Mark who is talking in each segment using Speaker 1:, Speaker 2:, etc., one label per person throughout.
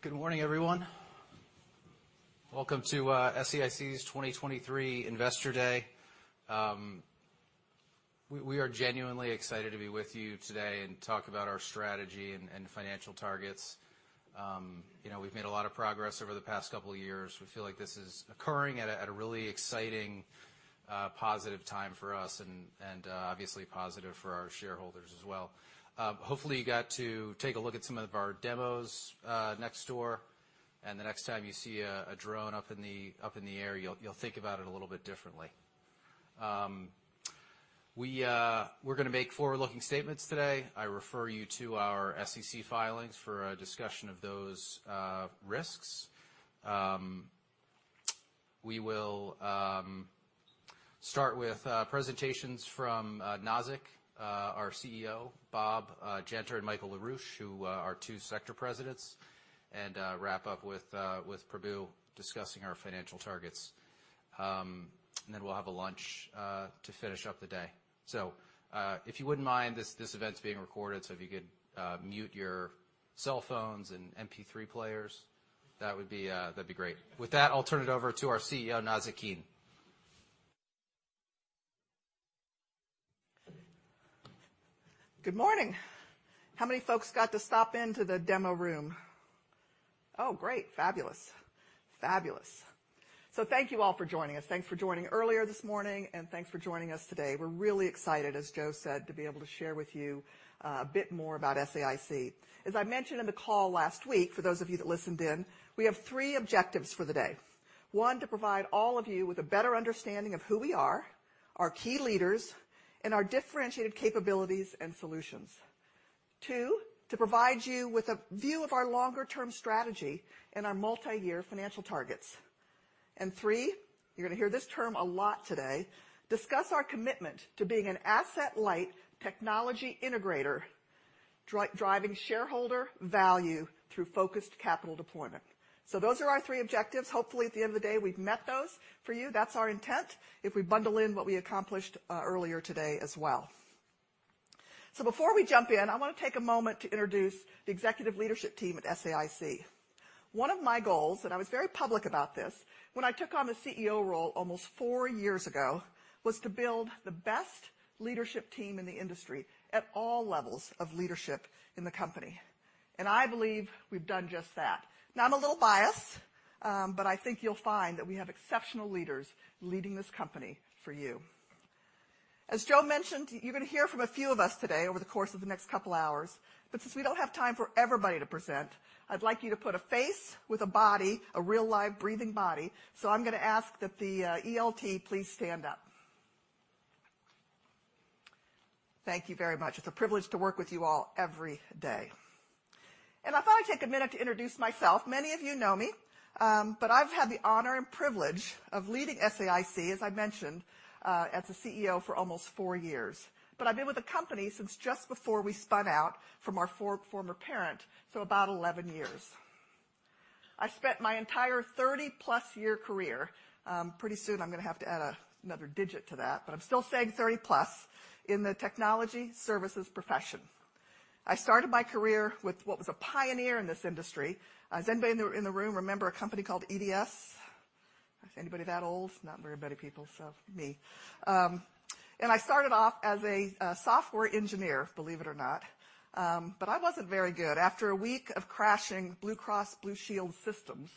Speaker 1: Good morning, everyone. Welcome to SAIC's 2023 Investor Day. We are genuinely excited to be with you today and talk about our strategy and financial targets. You know, we've made a lot of progress over the past couple of years. We feel like this is occurring at a really exciting, positive time for us and obviously positive for our shareholders as well. Hopefully you got to take a look at some of our demos next door, and the next time you see a drone up in the air, you'll think about it a little bit differently. We're gonna make forward-looking statements today. I refer you to our SEC filings for a discussion of those risks. We will start with presentations from Nazzic, our CEO, Bob Genter, and Michael LaRouche, who are two sector presidents, and wrap up with Prabu discussing our financial targets. We'll have a lunch to finish up the day. If you wouldn't mind, this event's being recorded, so if you could mute your cell phones and MP3 players, that would be that'd be great. With that, I'll turn it over to our CEO, Nazzic Keene.
Speaker 2: Good morning. How many folks got to stop in to the demo room? Great. Fabulous. Fabulous. Thank you all for joining us. Thanks for joining earlier this morning, and thanks for joining us today. We're really excited, as Joe said, to be able to share with you a bit more about SAIC. As I mentioned in the call last week, for those of you that listened in, we have three objectives for the day. One, to provide all of you with a better understanding of who we are, our key leaders, and our differentiated capabilities and solutions. Two, to provide you with a view of our longer term strategy and our multi-year financial targets. Three, you're going to hear this term a lot today, discuss our commitment to being an asset-light technology integrator driving shareholder value through focused capital deployment. Those are our three objectives. Hopefully, at the end of the day, we've met those for you. That's our intent, if we bundle in what we accomplished, earlier today as well. Before we jump in, I want to take a moment to introduce the executive leadership team at SAIC. One of my goals, and I was very public about this, when I took on the CEO role almost four years ago, was to build the best leadership team in the industry at all levels of leadership in the company, and I believe we've done just that. I'm a little biased, but I think you'll find that we have exceptional leaders leading this company for you. As Joe mentioned, you're gonna hear from a few of us today over the course of the next couple hours, but since we don't have time for everybody to present, I'd like you to put a face with a body, a real, live breathing body. I'm gonna ask that the ELT please stand up. Thank you very much. It's a privilege to work with you all every day. I thought I'd take a minute to introduce myself. Many of you know me, but I've had the honor and privilege of leading SAIC, as I mentioned, as the CEO for almost four years. I've been with the company since just before we spun out from our former parent, so about 11 years. I spent my entire 30-plus year career, pretty soon I'm gonna have to add another digit to that, but I'm still saying 30-plus, in the technology services profession. I started my career with what was a pioneer in this industry. Does anybody in the, in the room remember a company called EDS? Anybody that old? Not very many people, so me. And I started off as a software engineer, believe it or not. But I wasn't very good. After a week of crashing Blue Cross Blue Shield systems,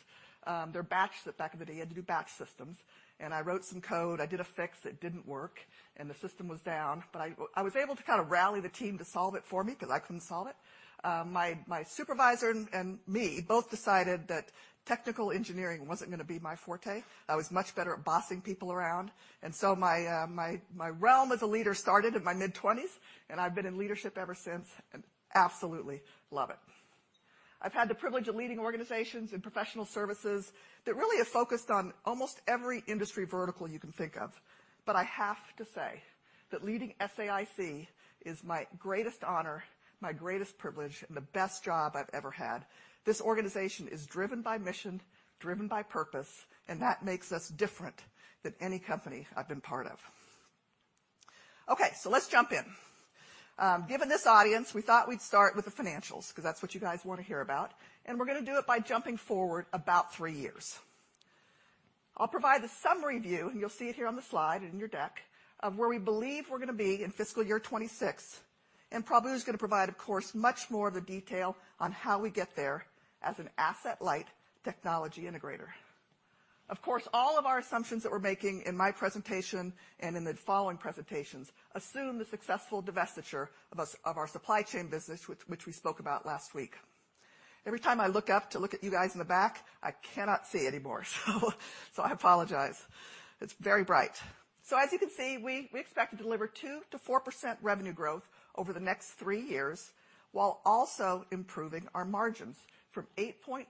Speaker 2: they're batched back in the day, you had to do batch systems, and I wrote some code. I did a fix that didn't work, and the system was down. But I was able to kinda rally the team to solve it for me 'cause I couldn't solve it. My supervisor and me both decided that technical engineering wasn't gonna be my forte. I was much better at bossing people around. My realm as a leader started in my mid-twenties, and I've been in leadership ever since, and absolutely love it. I've had the privilege of leading organizations in professional services that really have focused on almost every industry vertical you can think of. I have to say that leading SAIC is my greatest honor, my greatest privilege, and the best job I've ever had. This organization is driven by mission, driven by purpose, and that makes us different than any company I've been part of. Let's jump in. Given this audience, we thought we'd start with the financials 'cause that's what you guys wanna hear about, and we're gonna do it by jumping forward about 3 years. I'll provide the summary view, and you'll see it here on the slide in your deck, of where we believe we're gonna be in fiscal year 2026. Prabu is gonna provide, of course, much more of the detail on how we get there as an asset-light technology integrator. All of our assumptions that we're making in my presentation and in the following presentations assume the successful divestiture of our Supply Chain business, which we spoke about last week. Every time I look up to look at you guys in the back, I cannot see anymore, so I apologize. It's very bright. As you can see, we expect to deliver 2%-4% revenue growth over the next 3 years, while also improving our margins from 8.8%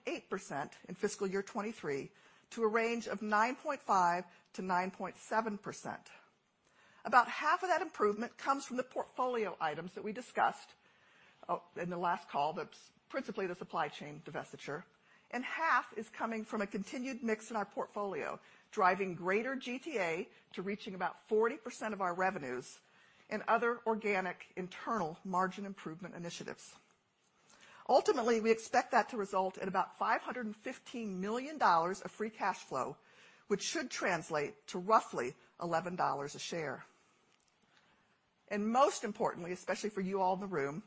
Speaker 2: in fiscal year 2023 to a range of 9.5%-9.7%. About half of that improvement comes from the portfolio items that we discussed in the last call, that's principally the Supply Chain divestiture. Half is coming from a continued mix in our portfolio, driving greater GTA to reaching about 40% of our revenues and other organic internal margin improvement initiatives. Ultimately, we expect that to result in about $515 million of free cash flow, which should translate to roughly $11 a share. Most importantly, especially for you all in the room,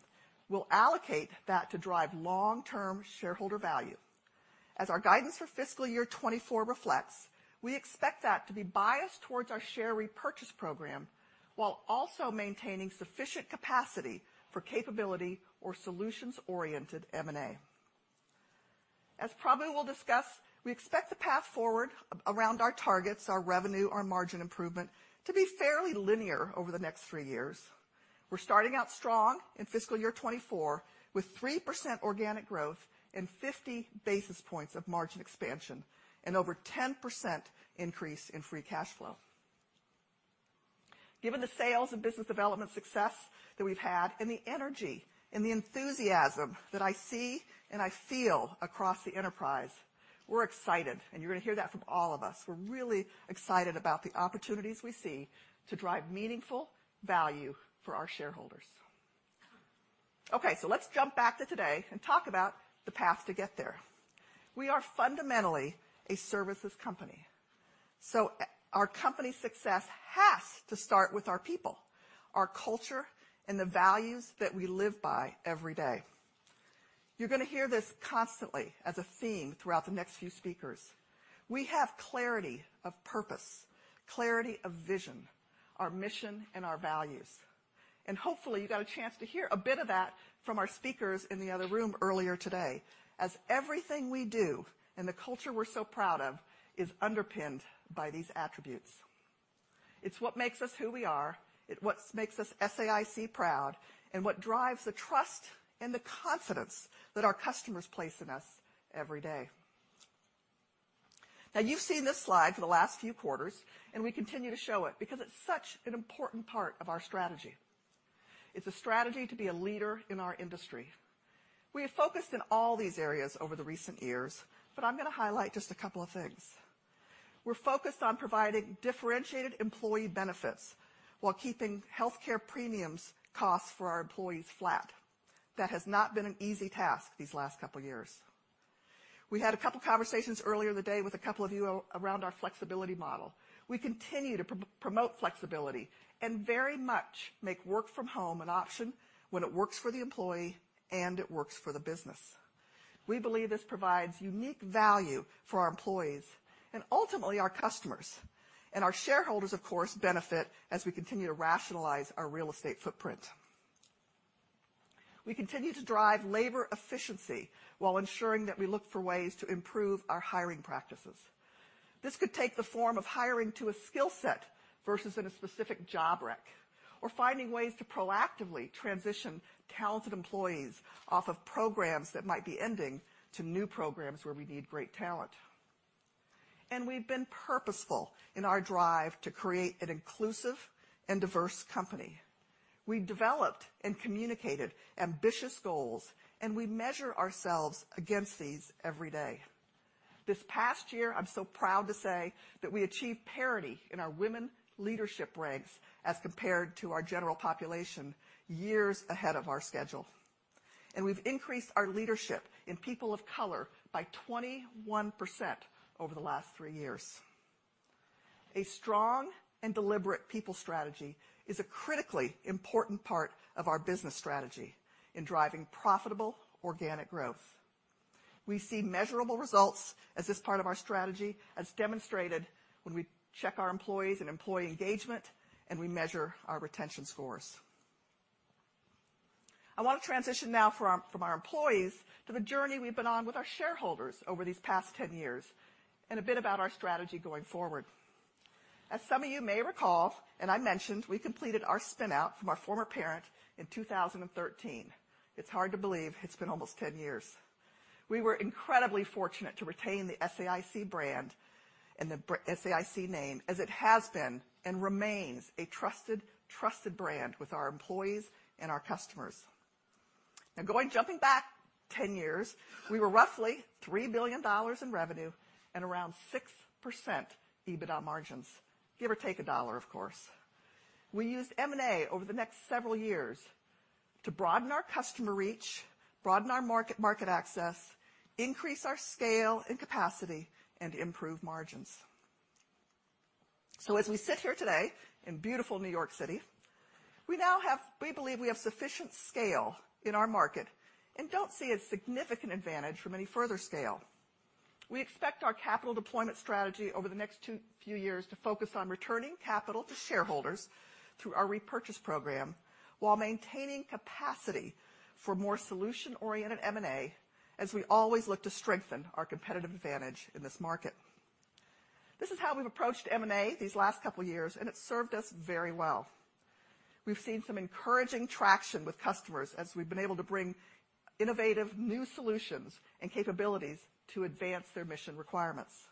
Speaker 2: we'll allocate that to drive long-term shareholder value. As our guidance for fiscal year 2024 reflects, we expect that to be biased towards our share repurchase program while also maintaining sufficient capacity for capability or solutions-oriented M&A. As Prabu we'll discuss, we expect the path forward around our targets, our revenue, our margin improvement to be fairly linear over the next three years. We're starting out strong in fiscal year 2024 with 3% organic growth and 50 basis points of margin expansion and over 10% increase in free cash flow. Given the sales and business development success that we've had and the energy and the enthusiasm that I see and I feel across the enterprise, we're excited, and you're going to hear that from all of us. We're really excited about the opportunities we see to drive meaningful value for our shareholders. Let's jump back to today and talk about the path to get there. We are fundamentally a services company, so our company success has to start with our people, our culture, and the values that we live by every day. You're going to hear this constantly as a theme throughout the next few speakers. We have clarity of purpose, clarity of vision, our mission, and our values. Hopefully, you got a chance to hear a bit of that from our speakers in the other room earlier today, as everything we do and the culture we're so proud of is underpinned by these attributes. It's what makes us who we are, it what makes us SAIC proud, and what drives the trust and the confidence that our customers place in us every day. You've seen this slide for the last few quarters. We continue to show it because it's such an important part of our strategy. It's a strategy to be a leader in our industry. We have focused in all these areas over the recent years. I'm going to highlight just a couple of things. We're focused on providing differentiated employee benefits while keeping healthcare premiums costs for our employees flat. That has not been an easy task these last couple of years. We had a couple of conversations earlier in the day with a couple of you around our flexibility model. We continue to pro-promote flexibility and very much make work from home an option when it works for the employee and it works for the business. We believe this provides unique value for our employees and ultimately our customers. Our shareholders, of course, benefit as we continue to rationalize our real estate footprint. We continue to drive labor efficiency while ensuring that we look for ways to improve our hiring practices. This could take the form of hiring to a skill set versus in a specific job rec or finding ways to proactively transition talented employees off of programs that might be ending to new programs where we need great talent. We've been purposeful in our drive to create an inclusive and diverse company. We developed and communicated ambitious goals, and we measure ourselves against these every day. This past year, I'm so proud to say that we achieved parity in our women leadership ranks as compared to our general population years ahead of our schedule. We've increased our leadership in people of color by 21% over the last three years. A strong and deliberate people strategy is a critically important part of our business strategy in driving profitable organic growth. We see measurable results as this part of our strategy, as demonstrated when we check our employees and employee engagement, and we measure our retention scores. I want to transition now from our employees to the journey we've been on with our shareholders over these past 10 years and a bit about our strategy going forward. As some of you may recall, and I mentioned, we completed our spin-out from our former parent in 2013. It's hard to believe it's been almost 10 years. We were incredibly fortunate to retain the SAIC brand and the SAIC name as it has been and remains a trusted brand with our employees and our customers. Jumping back 10 years, we were roughly $3 billion in revenue and around 6% EBITDA margins, give or take $1, of course. We used M&A over the next several years to broaden our customer reach, broaden our market access, increase our scale and capacity, and improve margins. As we sit here today in beautiful New York City, we believe we have sufficient scale in our market and don't see a significant advantage from any further scale. We expect our capital deployment strategy over the next few years to focus on returning capital to shareholders through our repurchase program while maintaining capacity for more solution-oriented M&A, as we always look to strengthen our competitive advantage in this market. This is how we've approached M&A these last couple of years, and it served us very well. We've seen some encouraging traction with customers as we've been able to bring innovative new solutions and capabilities to advance their mission requirements.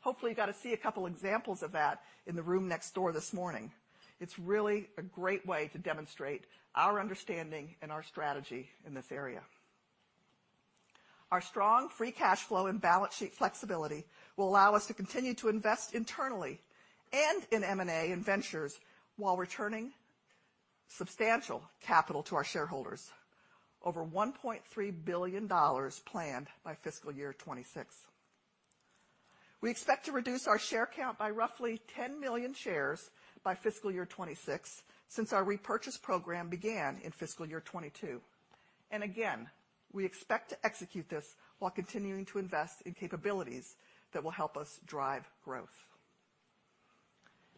Speaker 2: Hopefully, you got to see a couple examples of that in the room next door this morning. It's really a great way to demonstrate our understanding and our strategy in this area. Our strong free cash flow and balance sheet flexibility will allow us to continue to invest internally and in M&A and ventures while returning substantial capital to our shareholders. Over $1.3 billion planned by fiscal year 2026. We expect to reduce our share count by roughly 10 million shares by fiscal year 2026 since our repurchase program began in fiscal year 2022. Again, we expect to execute this while continuing to invest in capabilities that will help us drive growth.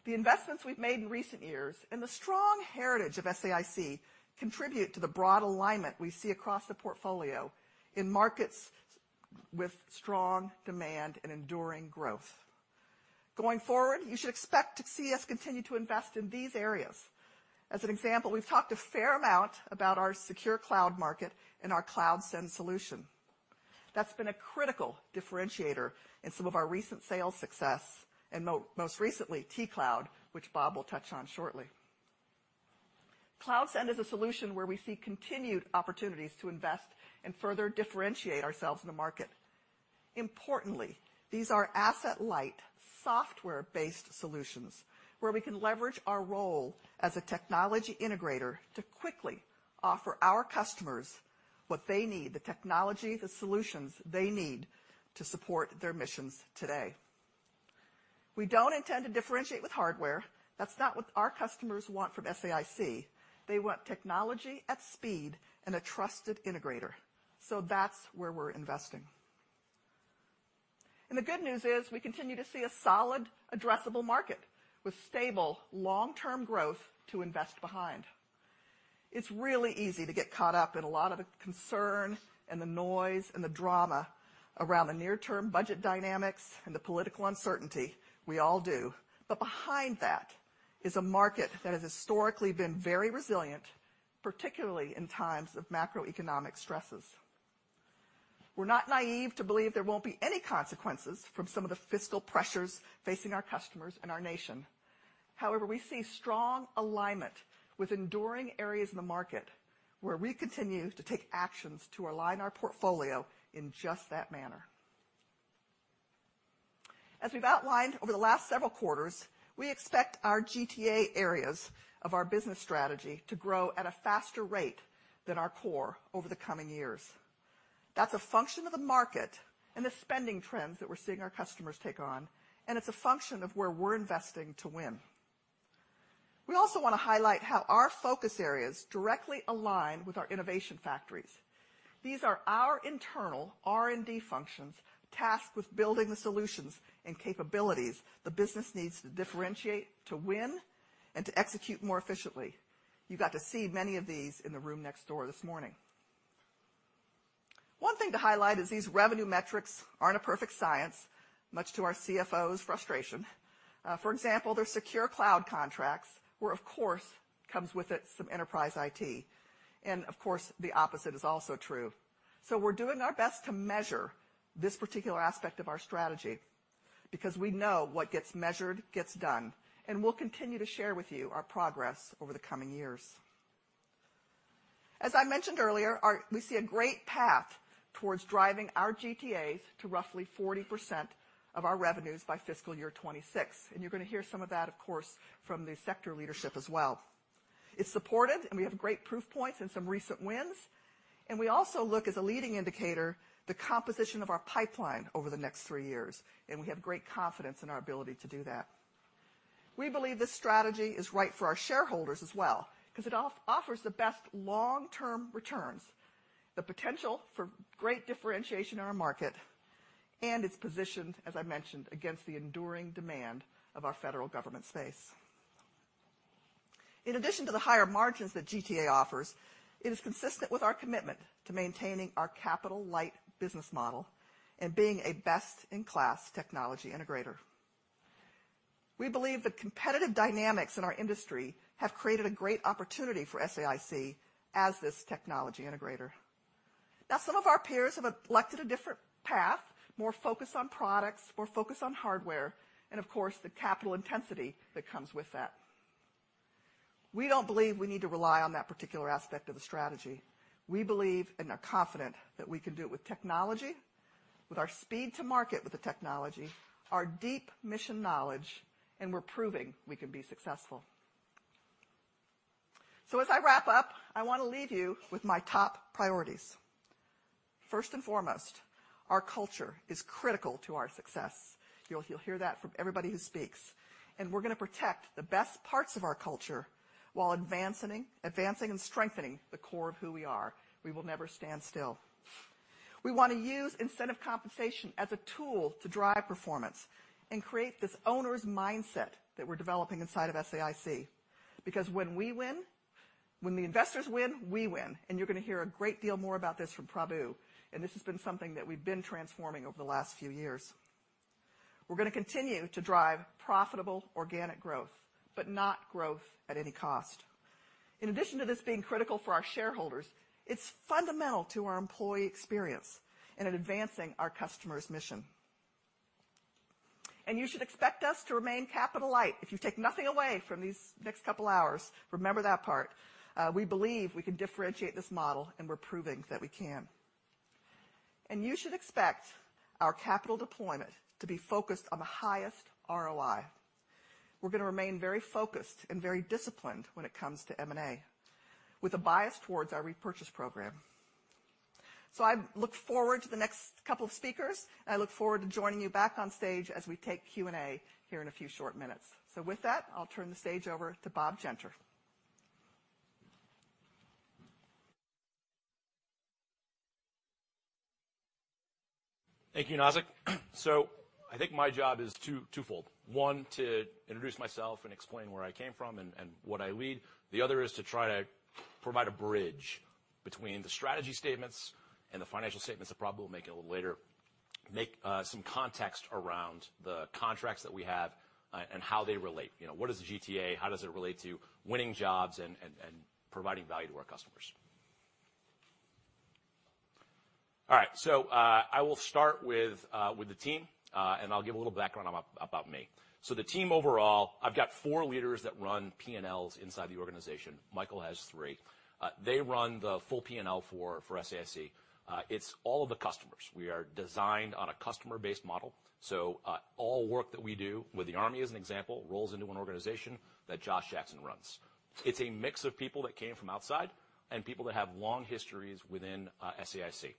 Speaker 2: The investments we've made in recent years and the strong heritage of SAIC contribute to the broad alignment we see across the portfolio in markets with strong demand and enduring growth. Going forward, you should expect to see us continue to invest in these areas. As an example, we've talked a fair amount about our secure cloud market and our CloudSend solution. That's been a critical differentiator in some of our recent sales success and most recently TCloud, which Bob will touch on shortly. CloudSend is a solution where we see continued opportunities to invest and further differentiate ourselves in the market. Importantly, these are asset-light, software-based solutions where we can leverage our role as a technology integrator to quickly offer our customers what they need, the technology, the solutions they need to support their missions today. We don't intend to differentiate with hardware. That's not what our customers want from SAIC. They want technology at speed and a trusted integrator, so that's where we're investing. The good news is we continue to see a solid addressable market with stable long-term growth to invest behind. It's really easy to get caught up in a lot of the concern and the noise and the drama around the near-term budget dynamics and the political uncertainty. We all do. Behind that is a market that has historically been very resilient, particularly in times of macroeconomic stresses. We're not naive to believe there won't be any consequences from some of the fiscal pressures facing our customers and our nation. However, we see strong alignment with enduring areas in the market where we continue to take actions to align our portfolio in just that manner. As we've outlined over the last several quarters, we expect our GTA areas of our business strategy to grow at a faster rate than our core over the coming years. That's a function of the market and the spending trends that we're seeing our customers take on, and it's a function of where we're investing to win. We also want to highlight how our focus areas directly align with our innovation factories. These are our internal R&D functions tasked with building the solutions and capabilities the business needs to differentiate to win and to execute more efficiently. You got to see many of these in the room next door this morning. One thing to highlight is these revenue metrics aren't a perfect science, much to our CFO's frustration. For example, there's secure cloud contracts where, of course, comes with it some enterprise IT. Of course, the opposite is also true. We're doing our best to measure this particular aspect of our strategy because we know what gets measured gets done. We'll continue to share with you our progress over the coming years. As I mentioned earlier, we see a great path towards driving our GTAs to roughly 40% of our revenues by fiscal year 2026. You're gonna hear some of that, of course, from the sector leadership as well. It's supported. We have great proof points and some recent wins. We also look as a leading indicator, the composition of our pipeline over the next three years. We have great confidence in our ability to do that. We believe this strategy is right for our shareholders as well because it offers the best long-term returns, the potential for great differentiation in our market, it's positioned, as I mentioned, against the enduring demand of our federal government space. In addition to the higher margins that GTA offers, it is consistent with our commitment to maintaining our capital light business model and being a best-in-class technology integrator. We believe the competitive dynamics in our industry have created a great opportunity for SAIC as this technology integrator. Now, some of our peers have elected a different path, more focused on products, more focused on hardware, of course, the capital intensity that comes with that. We don't believe we need to rely on that particular aspect of the strategy. We believe and are confident that we can do it with technology, with our speed to market with the technology, our deep mission knowledge, and we're proving we can be successful. As I wrap up, I want to leave you with my top priorities. First and foremost, our culture is critical to our success. You'll hear that from everybody who speaks, and we're gonna protect the best parts of our culture while advancing and strengthening the core of who we are. We will never stand still. We want to use incentive compensation as a tool to drive performance and create this owner's mindset that we're developing inside of SAIC. Because when we win, when the investors win, we win. You're gonna hear a great deal more about this from Prabu, and this has been something that we've been transforming over the last few years. We're gonna continue to drive profitable organic growth, but not growth at any cost. In addition to this being critical for our shareholders, it's fundamental to our employee experience and in advancing our customers' mission. You should expect us to remain capital light. If you take nothing away from these next couple hours, remember that part. We believe we can differentiate this model, and we're proving that we can. You should expect our capital deployment to be focused on the highest ROI. We're gonna remain very focused and very disciplined when it comes to M&A, with a bias towards our repurchase program. I look forward to the next couple of speakers. I look forward to joining you back on stage as we take Q&A here in a few short minutes. With that, I'll turn the stage over to Bob Genter.
Speaker 3: Thank you, Nazzic. I think my job is twofold. One, to introduce myself and explain where I came from and what I lead. The other is to try to provide a bridge between the strategy statements and the financial statements that Prabu will make a little later, make some context around the contracts that we have and how they relate. You know, what is the GTA? How does it relate to winning jobs and providing value to our customers? All right, I will start with the team and I'll give a little background about me. The team overall, I've got 4 leaders that run P&Ls inside the organization. Michael has 3. They run the full P&L for SAIC. It's all of the customers. We are designed on a customer-based model, all work that we do with the Army as an example, rolls into an organization that Josh Jackson runs. It's a mix of people that came from outside and people that have long histories within SAIC.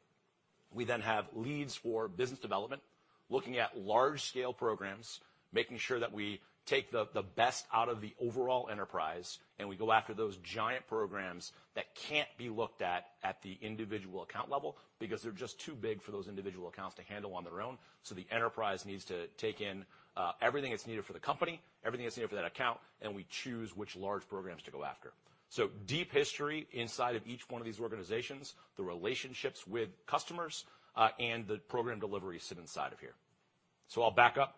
Speaker 3: We have leads for business development, looking at large scale programs, making sure that we take the best out of the overall enterprise, and we go after those giant programs that can't be looked at at the individual account level because they're just too big for those individual accounts to handle on their own. The enterprise needs to take in everything that's needed for the company, everything that's needed for that account, and we choose which large programs to go after. Deep history inside of each one of these organizations, the relationships with customers, and the program delivery sit inside of here. I'll back up.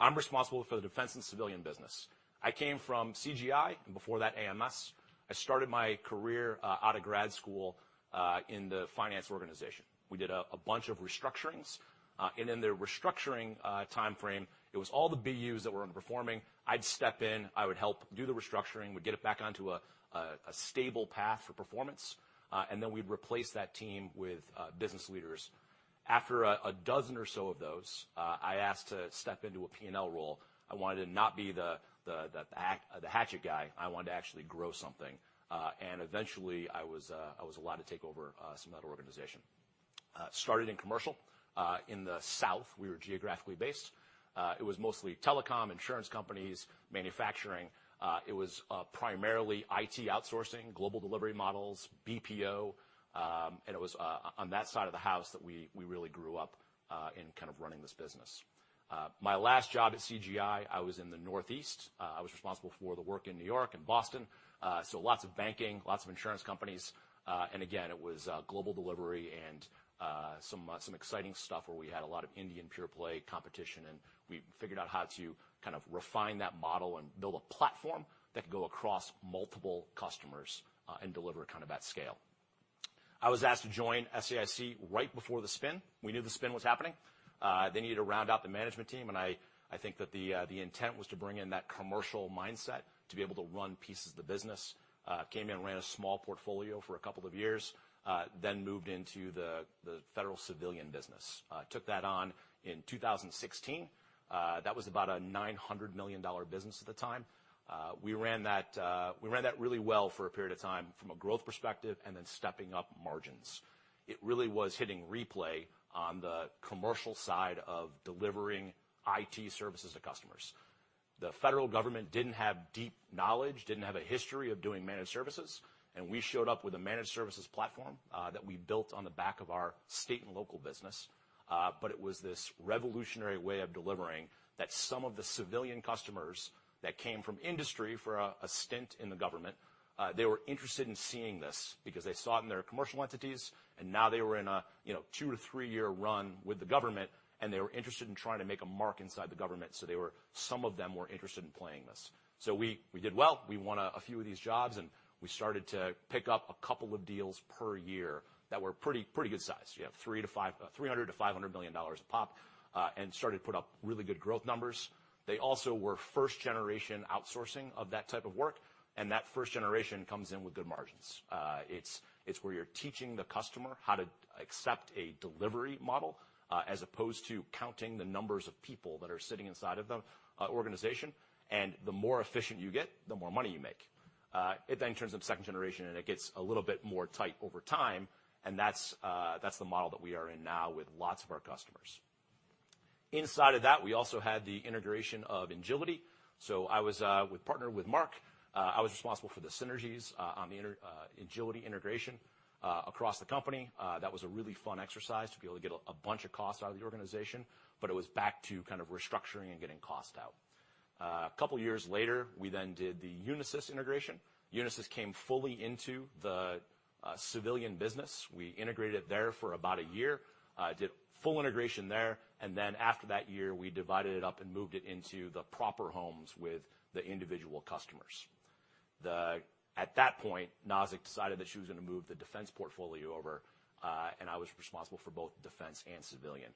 Speaker 3: I'm responsible for the Defense and Civilian business. I came from CGI, and before that AMS. I started my career out of grad school in the finance organization. We did a bunch of restructurings, and in the restructuring timeframe, it was all the BUs that were underperforming. I'd step in, I would help do the restructuring. We'd get it back onto a stable path for performance, and then we'd replace that team with business leaders. After 12 or so of those, I asked to step into a P&L role. I wanted to not be the hatchet guy. I wanted to actually grow something. Eventually I was allowed to take over some of that organization. Started in commercial, in the South. We were geographically based. It was mostly telecom, insurance companies, manufacturing. It was primarily IT outsourcing, global delivery models, BPO, and it was on that side of the house that we really grew up in kind of running this business. My last job at CGI, I was in the Northeast. I was responsible for the work in New York and Boston. Lots of banking, lots of insurance companies. Again, it was global delivery and some exciting stuff where we had a lot of Indian pure play competition, and we figured out how to kind of refine that model and build a platform that could go across multiple customers and deliver kind of at scale. I was asked to join SAIC right before the spin. We knew the spin was happening. They needed to round out the management team, and I think that the intent was to bring in that commercial mindset to be able to run pieces of the business. Came in, ran a small portfolio for a couple of years, then moved into the Federal Civilian business. Took that on in 2016. That was about a $900 million business at the time. We ran that really well for a period of time from a growth perspective and then stepping up margins. It really was hitting replay on the commercial side of delivering IT services to customers. The federal government didn't have deep knowledge, didn't have a history of doing managed services. We showed up with a managed services platform that we built on the back of our State and Local business. It was this revolutionary way of delivering that some of the civilian customers that came from industry for a stint in the government, they were interested in seeing this because they saw it in their commercial entities and now they were in a, you know, 2-3 year run with the government, and they were interested in trying to make a mark inside the government. Some of them were interested in playing this. We did well. We won a few of these jobs, and we started to pick up a couple of deals per year that were good size. You have $300 million-$500 million a pop and started to put up really good growth numbers. They also were first-generation outsourcing of that type of work, and that first generation comes in with good margins. It's where you're teaching the customer how to accept a delivery model as opposed to counting the numbers of people that are sitting inside of the organization. The more efficient you get, the more money you make. It then turns into second generation, it gets a little bit more tight over time, and that's the model that we are in now with lots of our customers. Inside of that, we also had the integration of Engility. I was with partner, with Mark, I was responsible for the synergies on the Engility integration across the company. That was a really fun exercise to be able to get a bunch of costs out of the organization, but it was back to kind of restructuring and getting cost out. A couple of years later, we did the Unisys integration. Unisys came fully into the civilian business. We integrated there for about a year. Did full integration there, after that year, we divided it up and moved it into the proper homes with the individual customers. At that point, Nazzic decided that she was going to move the defense portfolio over, and I was responsible for both defense and civilian.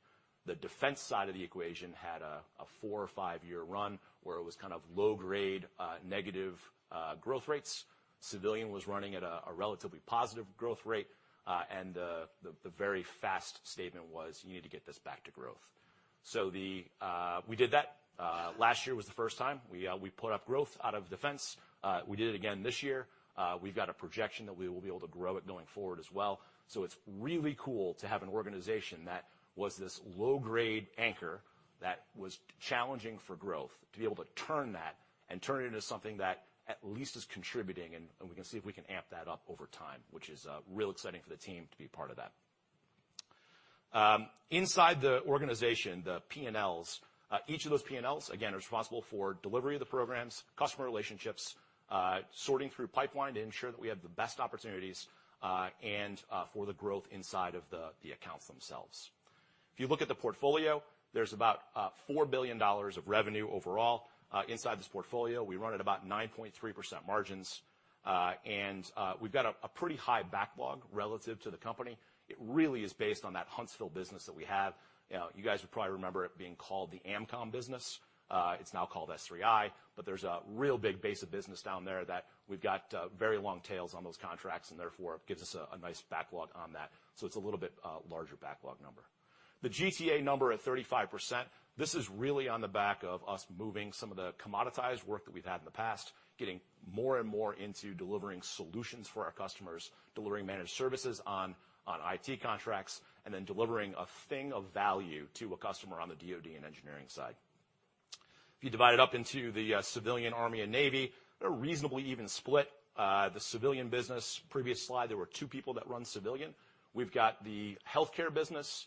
Speaker 3: The defense side of the equation had a 4 or 5-year run where it was kind of low grade, negative growth rates. Civilian was running at a relatively positive growth rate. The very fast statement was, "You need to get this back to growth." We did that. Last year was the first time we put up growth out of defense. We did it again this year. We've got a projection that we will be able to grow it going forward as well. It's really cool to have an organization that was this low-grade anchor that was challenging for growth, to be able to turn that and turn it into something that at least is contributing, and we can see if we can amp that up over time, which is real exciting for the team to be part of that. Inside the organization, the P&Ls, each of those P&Ls, again, are responsible for delivery of the programs, customer relationships, sorting through pipeline to ensure that we have the best opportunities, and for the growth inside of the accounts themselves. If you look at the portfolio, there's about $4 billion of revenue overall inside this portfolio. We run at about 9.3% margins. And we've got a pretty high backlog relative to the company. It really is based on that Huntsville business that we have. You know, you guys would probably remember it being called the AMCOM business. It's now called S3I. There's a real big base of business down there that we've got, very long tails on those contracts, and therefore it gives us a nice backlog on that. It's a little bit larger backlog number. The GTA number at 35%, this is really on the back of us moving some of the commoditized work that we've had in the past, getting more and more into delivering solutions for our customers, delivering managed services on IT contracts, and then delivering a thing of value to a customer on the DoD and engineering side. If you divide it up into the civilian, Army, and Navy, they're reasonably even split. The civilian business, previous slide, there were two people that run civilian. We've got the Healthcare business,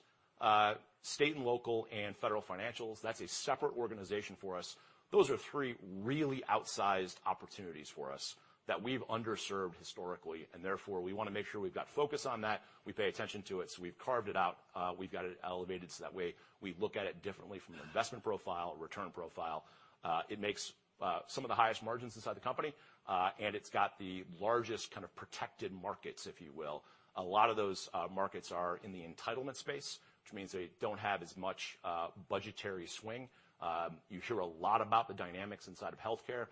Speaker 3: state and local, and federal financials. That's a separate organization for us. Those are three really outsized opportunities for us that we've underserved historically, therefore we wanna make sure we've got focus on that. We pay attention to it, we've carved it out. We've got it elevated, so that way we look at it differently from an investment profile, a return profile. It makes some of the highest margins inside the company, it's got the largest kind of protected markets, if you will. A lot of those markets are in the entitlement space, which means they don't have as much budgetary swing. You hear a lot about the dynamics inside of healthcare.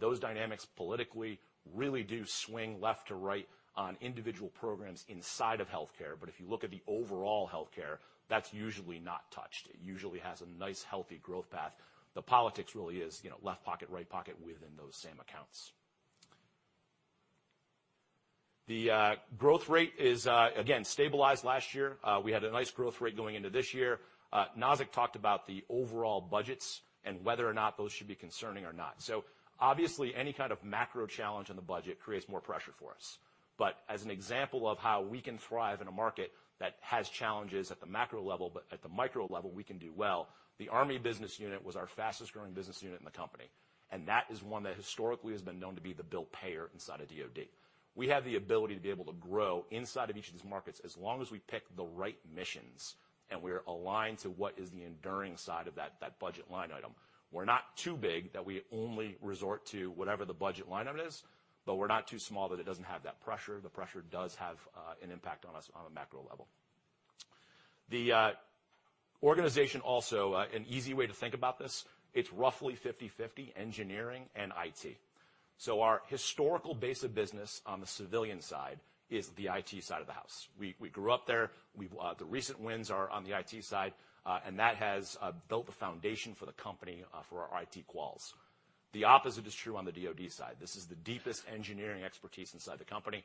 Speaker 3: Those dynamics politically really do swing left to right on individual programs inside of healthcare. If you look at the overall healthcare, that's usually not touched. It usually has a nice healthy growth path. The politics really is, you know, left pocket, right pocket within those same accounts. The growth rate is, again, stabilized last year. Nazzic talked about the overall budgets and whether or not those should be concerning or not. Obviously, any kind of macro challenge in the budget creates more pressure for us. As an example of how we can thrive in a market that has challenges at the macro level, but at the micro level, we can do well, the Army business unit was our fastest-growing business unit in the company, and that is one that historically has been known to be the bill payer inside of DoD. We have the ability to be able to grow inside of each of these markets as long as we pick the right missions and we're aligned to what is the enduring side of that budget line item. We're not too big that we only resort to whatever the budget line item is, but we're not too small that it doesn't have that pressure. The pressure does have an impact on us on a macro level. The organization also, an easy way to think about this, it's roughly 50/50 engineering and IT. Our historical base of business on the civilian side is the IT side of the house. We grew up there. The recent wins are on the IT side. And that has built the foundation for the company, for our IT quals. The opposite is true on the DoD side. This is the deepest engineering expertise inside the company.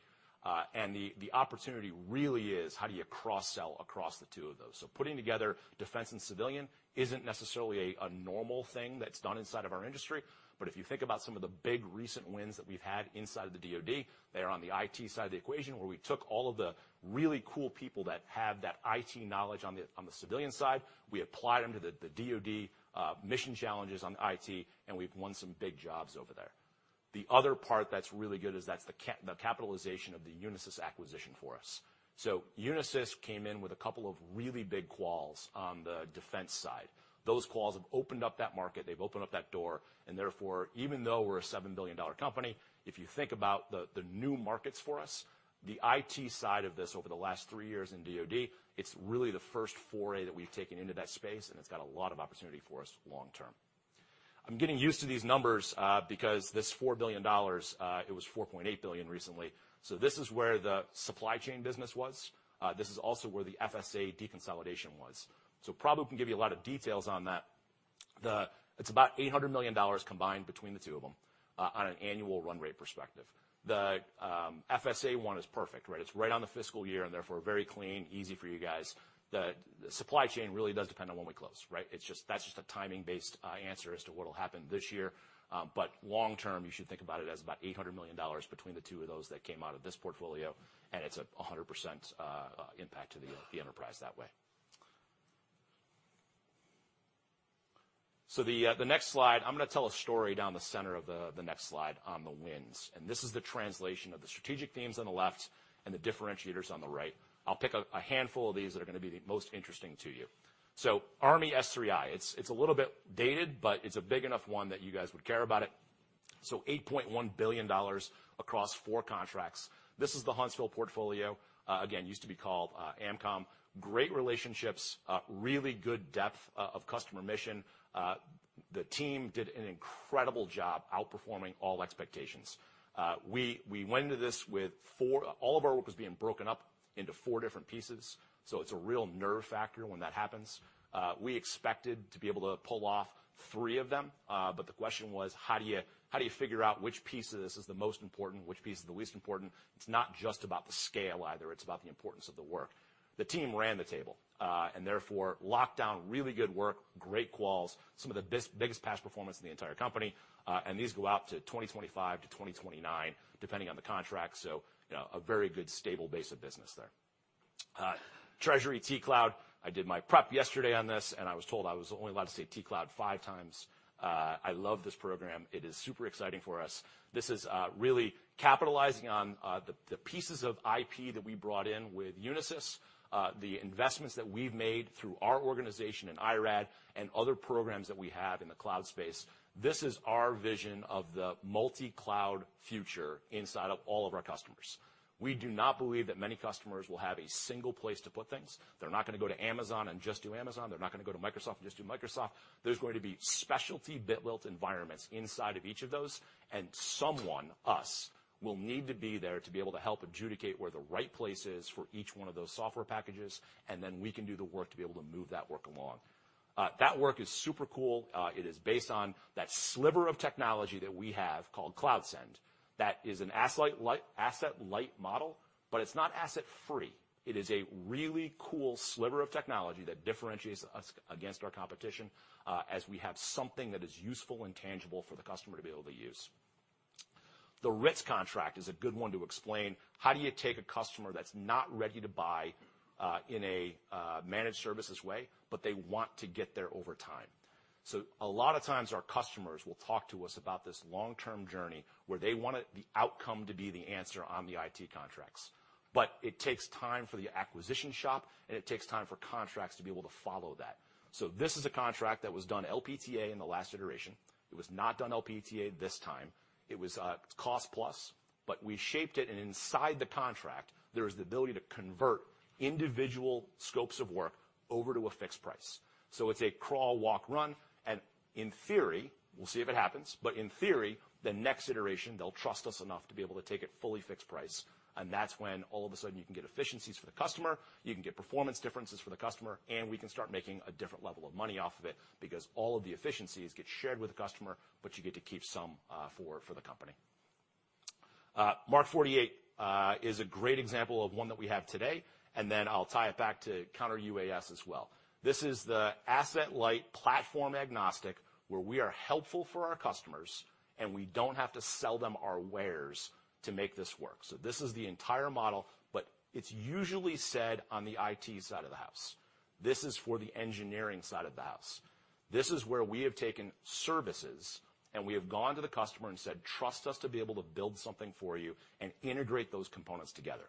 Speaker 3: And the opportunity really is how do you cross-sell across the two of those? Putting together defense and civilian isn't necessarily a normal thing that's done inside of our industry. If you think about some of the big recent wins that we've had inside of the DoD, they are on the IT side of the equation, where we took all of the really cool people that have that IT knowledge on the civilian side. We applied them to the DoD mission challenges on the IT, we've won some big jobs over there. The other part that's really good is that's the capitalization of the Unisys acquisition for us. Unisys came in with a couple of really big quals on the defense side. Those quals have opened up that market. They've opened up that door, and therefore, even though we're a $7 billion company, if you think about the new markets for us, the IT side of this over the last three years in DoD, it's really the first foray that we've taken into that space, and it's got a lot of opportunity for us long term. I'm getting used to these numbers, because this $4 billion, it was $4.8 billion recently. This is where the Supply Chain business was. This is also where the FSA deconsolidation was. Probably we can give you a lot of details on that. It's about $800 million combined between the two of them on an annual run rate perspective. The FSA one is perfect, right? It's right on the fiscal year and therefore very clean, easy for you guys. The Supply Chain really does depend on when we close, right? That's just a timing-based answer as to what'll happen this year. Long term, you should think about it as about $800 million between the two of those that came out of this portfolio, and it's a 100% impact to the enterprise that way. The next slide, I'm gonna tell a story down the center of the next slide on the wins, and this is the translation of the strategic themes on the left and the differentiators on the right. I'll pick a handful of these that are gonna be the most interesting to you. Army S3I, it's a little bit dated, but it's a big enough one that you guys would care about it. So $8.1 billion across 4 contracts. This is the Huntsville portfolio, again, used to be called AMCOM. Great relationships, really good depth of customer mission. The team did an incredible job outperforming all expectations. All of our work was being broken up into 4 different pieces, so it's a real nerve factor when that happens. We expected to be able to pull off 3 of them, the question was: how do you, how do you figure out which piece of this is the most important, which piece is the least important? It's not just about the scale either, it's about the importance of the work. The team ran the table, therefore locked down really good work, great quals, some of the biggest past performance in the entire company, and these go out to 2025 to 2029, depending on the contract, you know, a very good stable base of business there. Treasury T-Cloud. I did my prep yesterday on this, I was told I was only allowed to say T-Cloud 5 times. I love this program. It is super exciting for us. This is really capitalizing on the pieces of IP that we brought in with Unisys, the investments that we've made through our organization and IRAD and other programs that we have in the cloud space. This is our vision of the multi-cloud future inside of all of our customers. We do not believe that many customers will have a single place to put things. They're not gonna go to Amazon and just do Amazon. They're not gonna go to Microsoft and just do Microsoft. There's going to be specialty built environments inside of each of those, and someone, us, will need to be there to be able to help adjudicate where the right place is for each one of those software packages, and then we can do the work to be able to move that work along. That work is super cool. It is based on that sliver of technology that we have called CloudSend. That is an asset light model, but it's not asset free. It is a really cool sliver of technology that differentiates us against our competition, as we have something that is useful and tangible for the customer to be able to use. The RITS contract is a good one to explain. How do you take a customer that's not ready to buy, in a managed services way, but they want to get there over time? A lot of times our customers will talk to us about this long-term journey where they want the outcome to be the answer on the IT contracts. It takes time for the acquisition shop, and it takes time for contracts to be able to follow that. This is a contract that was done LPTA in the last iteration. It was not done LPTA this time. It was cost plus. We shaped it. Inside the contract, there is the ability to convert individual scopes of work over to a fixed price. It's a crawl, walk, run. In theory, we'll see if it happens. In theory, the next iteration, they'll trust us enough to be able to take it fully fixed price. That's when all of a sudden you can get efficiencies for the customer, you can get performance differences for the customer. We can start making a different level of money off of it because all of the efficiencies get shared with the customer. You get to keep some for the company. Mark 48 is a great example of one that we have today. Then I'll tie it back to counter-UAS as well. This is the asset-light, platform-agnostic, where we are helpful for our customers, and we don't have to sell them our wares to make this work. This is the entire model, but it's usually said on the IT side of the house. This is for the engineering side of the house. This is where we have taken services, and we have gone to the customer and said, "Trust us to be able to build something for you and integrate those components together."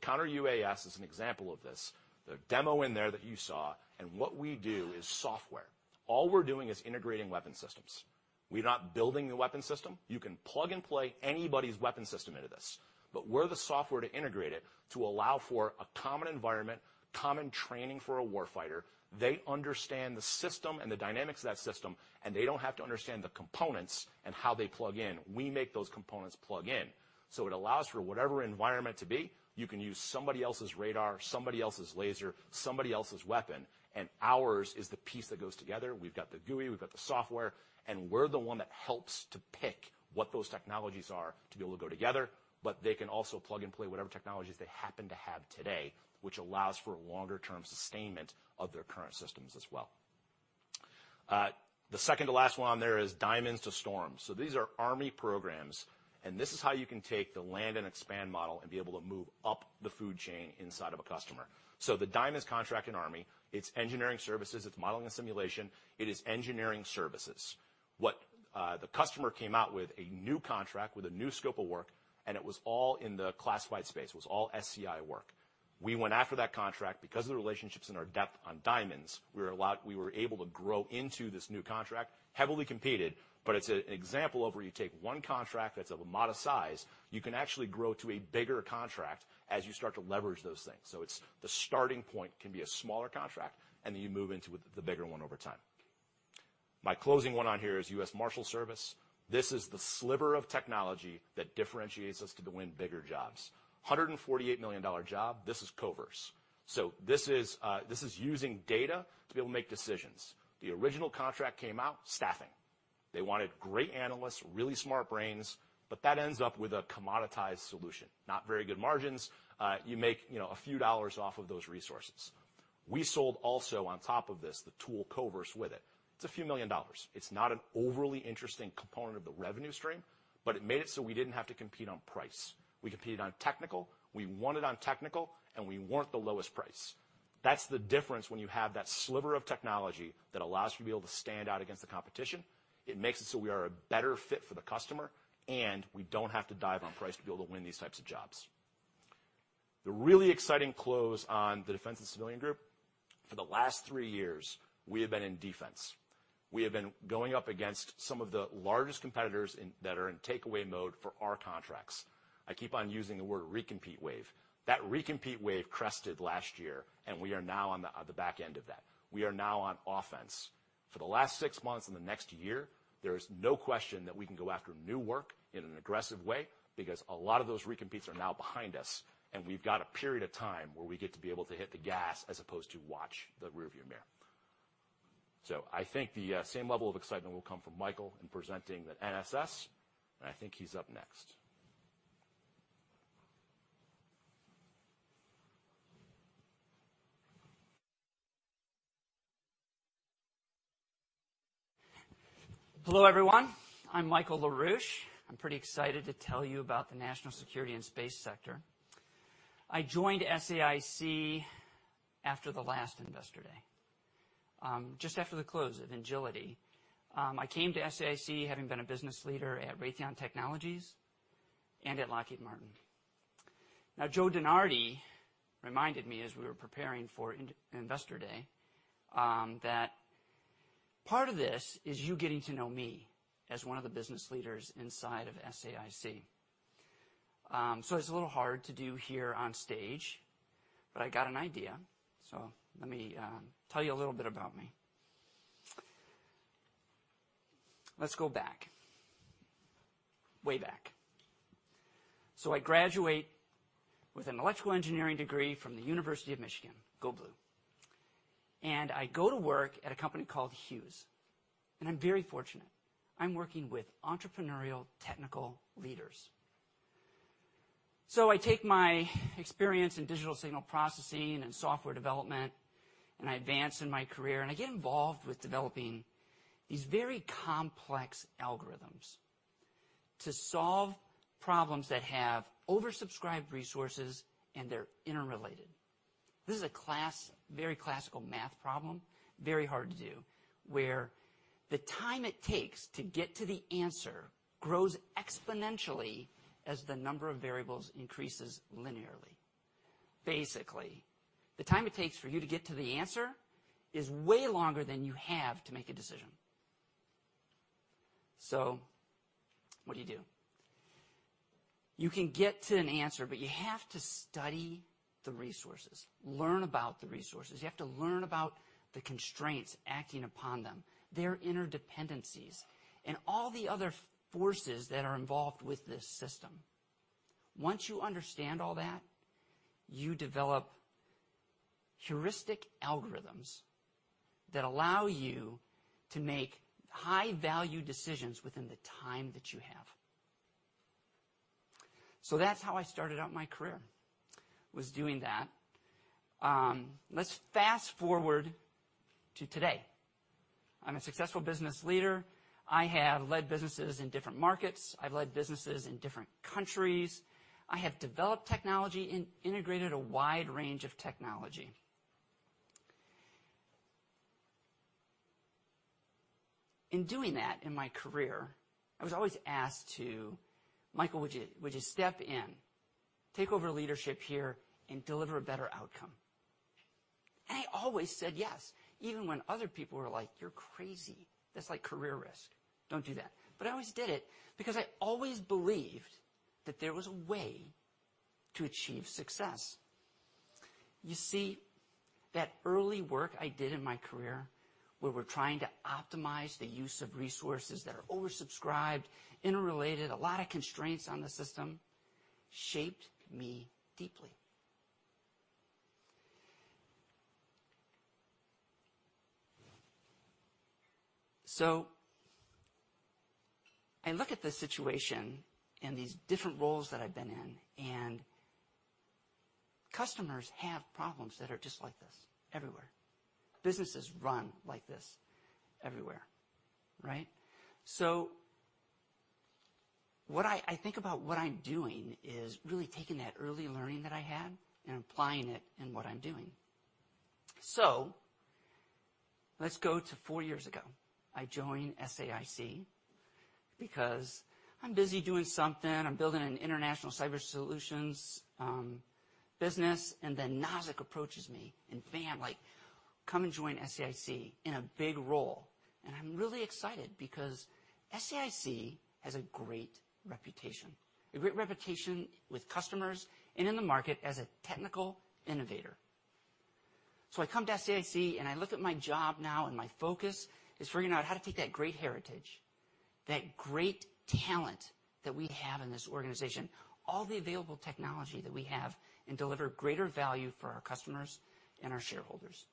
Speaker 3: Counter-UAS is an example of this, the demo in there that you saw, and what we do is software. All we're doing is integrating weapon systems. We're not building the weapon system. You can plug and play anybody's weapon system into this, but we're the software to integrate it to allow for a common environment, common training for a war fighter. They understand the system and the dynamics of that system, and they don't have to understand the components and how they plug in. We make those components plug in. It allows for whatever environment to be, you can use somebody else's radar, somebody else's laser, somebody else's weapon, and ours is the piece that goes together. We've got the GUI, we've got the software, and we're the one that helps to pick what those technologies are to be able to go together. They can also plug and play whatever technologies they happen to have today, which allows for longer term sustainment of their current systems as well. The second to last one on there is Diamonds to Storm. These are Army programs, and this is how you can take the land and expand model and be able to move up the food chain inside of a customer. The Diamonds contract in Army, it's engineering services, it's modeling and simulation, it is engineering services. The customer came out with a new contract with a new scope of work, and it was all in the classified space. It was all SCI work. We went after that contract because of the relationships and our depth on Diamonds. We were able to grow into this new contract, heavily competed, but it's an example of where you take one contract that's of a modest size, you can actually grow to a bigger contract as you start to leverage those things. It's the starting point can be a smaller contract, and then you move into the bigger one over time. My closing one on here is U.S. Marshals Service. This is the sliver of technology that differentiates us to win bigger jobs. $148 million job. This is Koverse. This is using data to be able to make decisions. The original contract came out, staffing. They wanted great analysts, really smart brains, but that ends up with a commoditized solution. Not very good margins. You make, you know, a few dollars off of those resources. We sold also on top of this, the tool Koverse with it. It's a few million dollars. It's not an overly interesting component of the revenue stream, but it made it so we didn't have to compete on price. We competed on technical, we won it on technical, and we weren't the lowest price. That's the difference when you have that sliver of technology that allows you to be able to stand out against the competition. It makes it so we are a better fit for the customer, and we don't have to dive on price to be able to win these types of jobs. The really exciting close on the Defense and Civilian Sector. For the last three years, we have been in defense. We have been going up against some of the largest competitors that are in takeaway mode for our contracts. I keep on using the word recompete wave. That recompete wave crested last year, and we are now on the back end of that. We are now on offense. For the last six months and the next year, there is no question that we can go after new work in an aggressive way because a lot of those recompetes are now behind us, and we've got a period of time where we get to be able to hit the gas as opposed to watch the rearview mirror. I think the same level of excitement will come from Michael in presenting the NSS, and I think he's up next.
Speaker 4: Hello, everyone. I'm Michael LaRouche. I'm pretty excited to tell you about the National Security and Space Sector. I joined SAIC after the last Investor Day, just after the close of Engility. I came to SAIC having been a Business Leader at Raytheon Technologies and at Lockheed Martin. Joe DeNardi reminded me as we were preparing for Investor Day, that part of this is you getting to know me as one of the business leaders inside of SAIC. It's a little hard to do here on stage, but I got an idea. Let me tell you a little bit about me. Let's go back. Way back. I graduate with an electrical engineering degree from the University of Michigan. Go Blue. I go to work at a company called Hughes, and I'm very fortunate. I'm working with entrepreneurial technical leaders. I take my experience in digital signal processing and software development, and I advance in my career, and I get involved with developing these very complex algorithms to solve problems that have oversubscribed resources and they're interrelated. This is a very classical math problem, very hard to do, where the time it takes to get to the answer grows exponentially as the number of variables increases linearly. Basically, the time it takes for you to get to the answer is way longer than you have to make a decision. What do you do? You can get to an answer, you have to study the resources, learn about the resources. You have to learn about the constraints acting upon them, their interdependencies, and all the other forces that are involved with this system. Once you understand all that, you develop heuristic algorithms that allow you to make high-value decisions within the time that you have. That's how I started out my career, was doing that. Let's fast-forward to today. I'm a successful business leader. I have led businesses in different markets. I've led businesses in different countries. I have developed technology and integrated a wide range of technology. In doing that in my career, I was always asked to, "Michael, would you step in, take over leadership here and deliver a better outcome?" I always said yes, even when other people were like, "You're crazy. That's like career risk. Don't do that." I always did it because I always believed that there was a way to achieve success. You see, that early work I did in my career where we're trying to optimize the use of resources that are oversubscribed, interrelated, a lot of constraints on the system shaped me deeply. I look at the situation and these different roles that I've been in, customers have problems that are just like this everywhere. Businesses run like this everywhere, right? What I think about what I'm doing is really taking that early learning that I had and applying it in what I'm doing. Let's go to 4 years ago. I join SAIC because I'm busy doing something. I'm building an international cyber solutions business, Nazzic approaches me and bam, like, "Come and join SAIC in a big role." I'm really excited because SAIC has a great reputation, a great reputation with customers and in the market as a technical innovator. I come to SAIC, and I look at my job now, and my focus is figuring out how to take that great heritage, that great talent that we have in this organization, all the available technology that we have, and deliver greater value for our customers and our shareholders.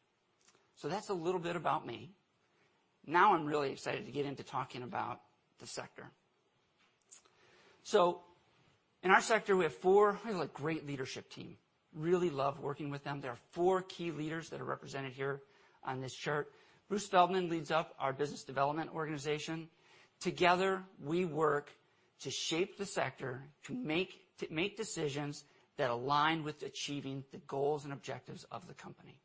Speaker 4: That's a little bit about me. I'm really excited to get into talking about the sector. In our sector, we have a great leadership team. Really love working with them. There are four key leaders that are represented here on this chart. Bruce Feldman leads up our business development organization. Together, we work to shape the sector to make decisions that align with achieving the goals and objectives of the company.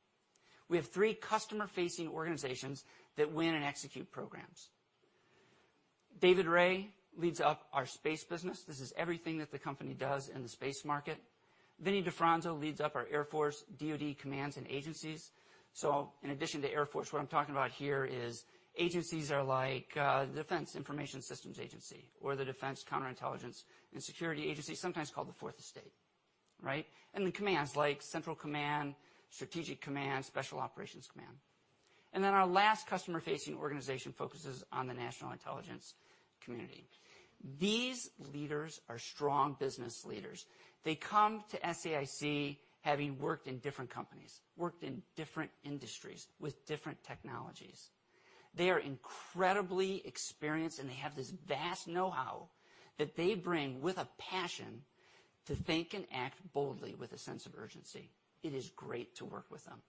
Speaker 4: We have three customer-facing organizations that win and execute programs. David Ray leads up our Space business. This is everything that the company does in the space market. Vinnie DeFronzo leads up our Air Force, DoD commands and agencies. In addition to Air Force, what I'm talking about here is agencies are like Defense Information Systems Agency or the Defense Counterintelligence and Security Agency, sometimes called the Fourth Estate, right? The commands like Central Command, Strategic Command, Special Operations Command. Our last customer-facing organization focuses on the national intelligence community. These leaders are strong business leaders. They come to SAIC having worked in different companies, worked in different industries with different technologies. They are incredibly experienced, and they have this vast know-how that they bring with a passion to think and act boldly with a sense of urgency. It is great to work with them.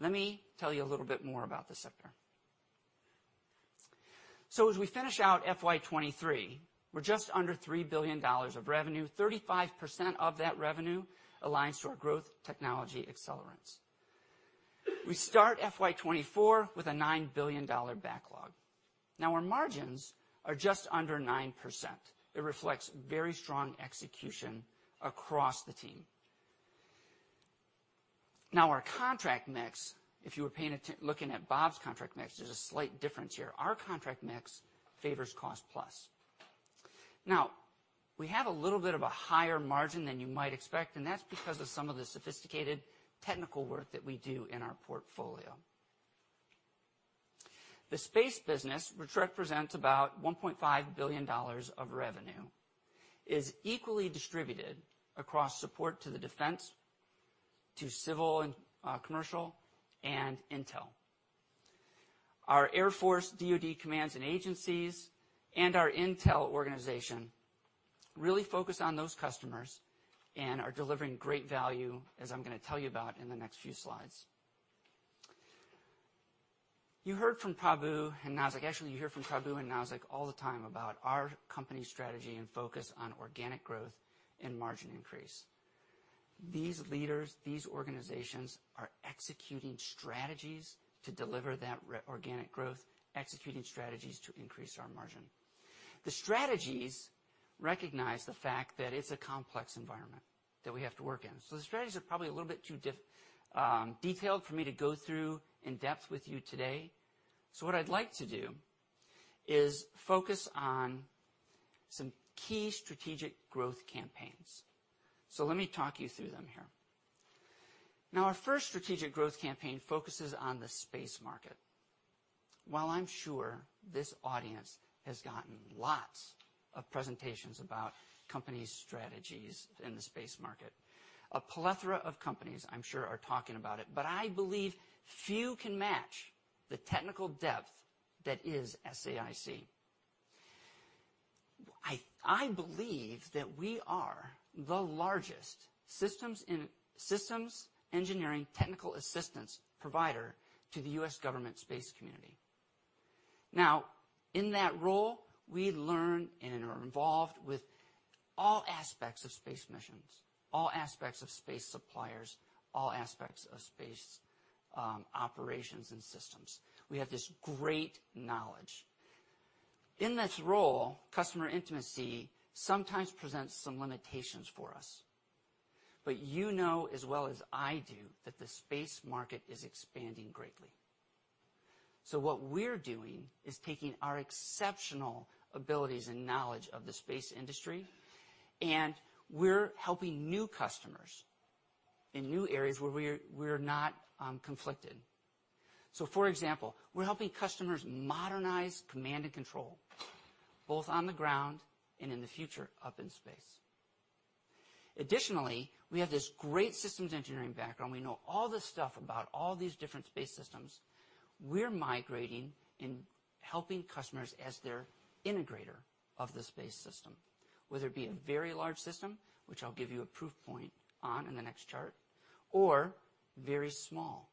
Speaker 4: Let me tell you a little bit more about the sector. As we finish out FY 2023, we're just under $3 billion of revenue. 35% of that revenue aligns to our growth technology accelerants. We start FY 2024 with a $9 billion backlog. Our margins are just under 9%. It reflects very strong execution across the team. Our contract mix, if you were paying looking at Bob's contract mix, there's a slight difference here. Our contract mix favors cost plus. We have a little bit of a higher margin than you might expect, and that's because of some of the sophisticated technical work that we do in our portfolio. The Space business, which represents about $1.5 billion of revenue, is equally distributed across support to the Defense to Civil and commercial and intel. Our Air Force, DoD commands and agencies, and our intel organization really focus on those customers and are delivering great value, as I'm gonna tell you about in the next few slides. You heard from Prabu. Actually, you hear from Prabu, now I was like all the time about our company strategy and focus on organic growth and margin increase. These leaders, these organizations are executing strategies to deliver that organic growth, executing strategies to increase our margin. The strategies recognize the fact that it's a complex environment that we have to work in. The strategies are probably a little bit too detailed for me to go through in depth with you today. What I'd like to do is focus on some key strategic growth campaigns. Let me talk you through them here. Our first strategic growth campaign focuses on the space market. While I'm sure this audience has gotten lots of presentations about companies' strategies in the space market, a plethora of companies, I'm sure are talking about it, I believe few can match the technical depth that is SAIC. I believe that we are the largest systems engineering technical assistance provider to the U.S. government space community. In that role, we learn and are involved with all aspects of space missions, all aspects of space suppliers, all aspects of space operations and systems. We have this great knowledge. In this role, customer intimacy sometimes presents some limitations for us, you know as well as I do that the space market is expanding greatly. What we're doing is taking our exceptional abilities and knowledge of the space industry, and we're helping new customers in new areas where we're not conflicted. For example, we're helping customers modernize command and control, both on the ground and in the future up in space. Additionally, we have this great systems engineering background. We know all this stuff about all these different space systems. We're migrating and helping customers as their integrator of the space system, whether it be a very large system, which I'll give you a proof point on in the next chart, or very small,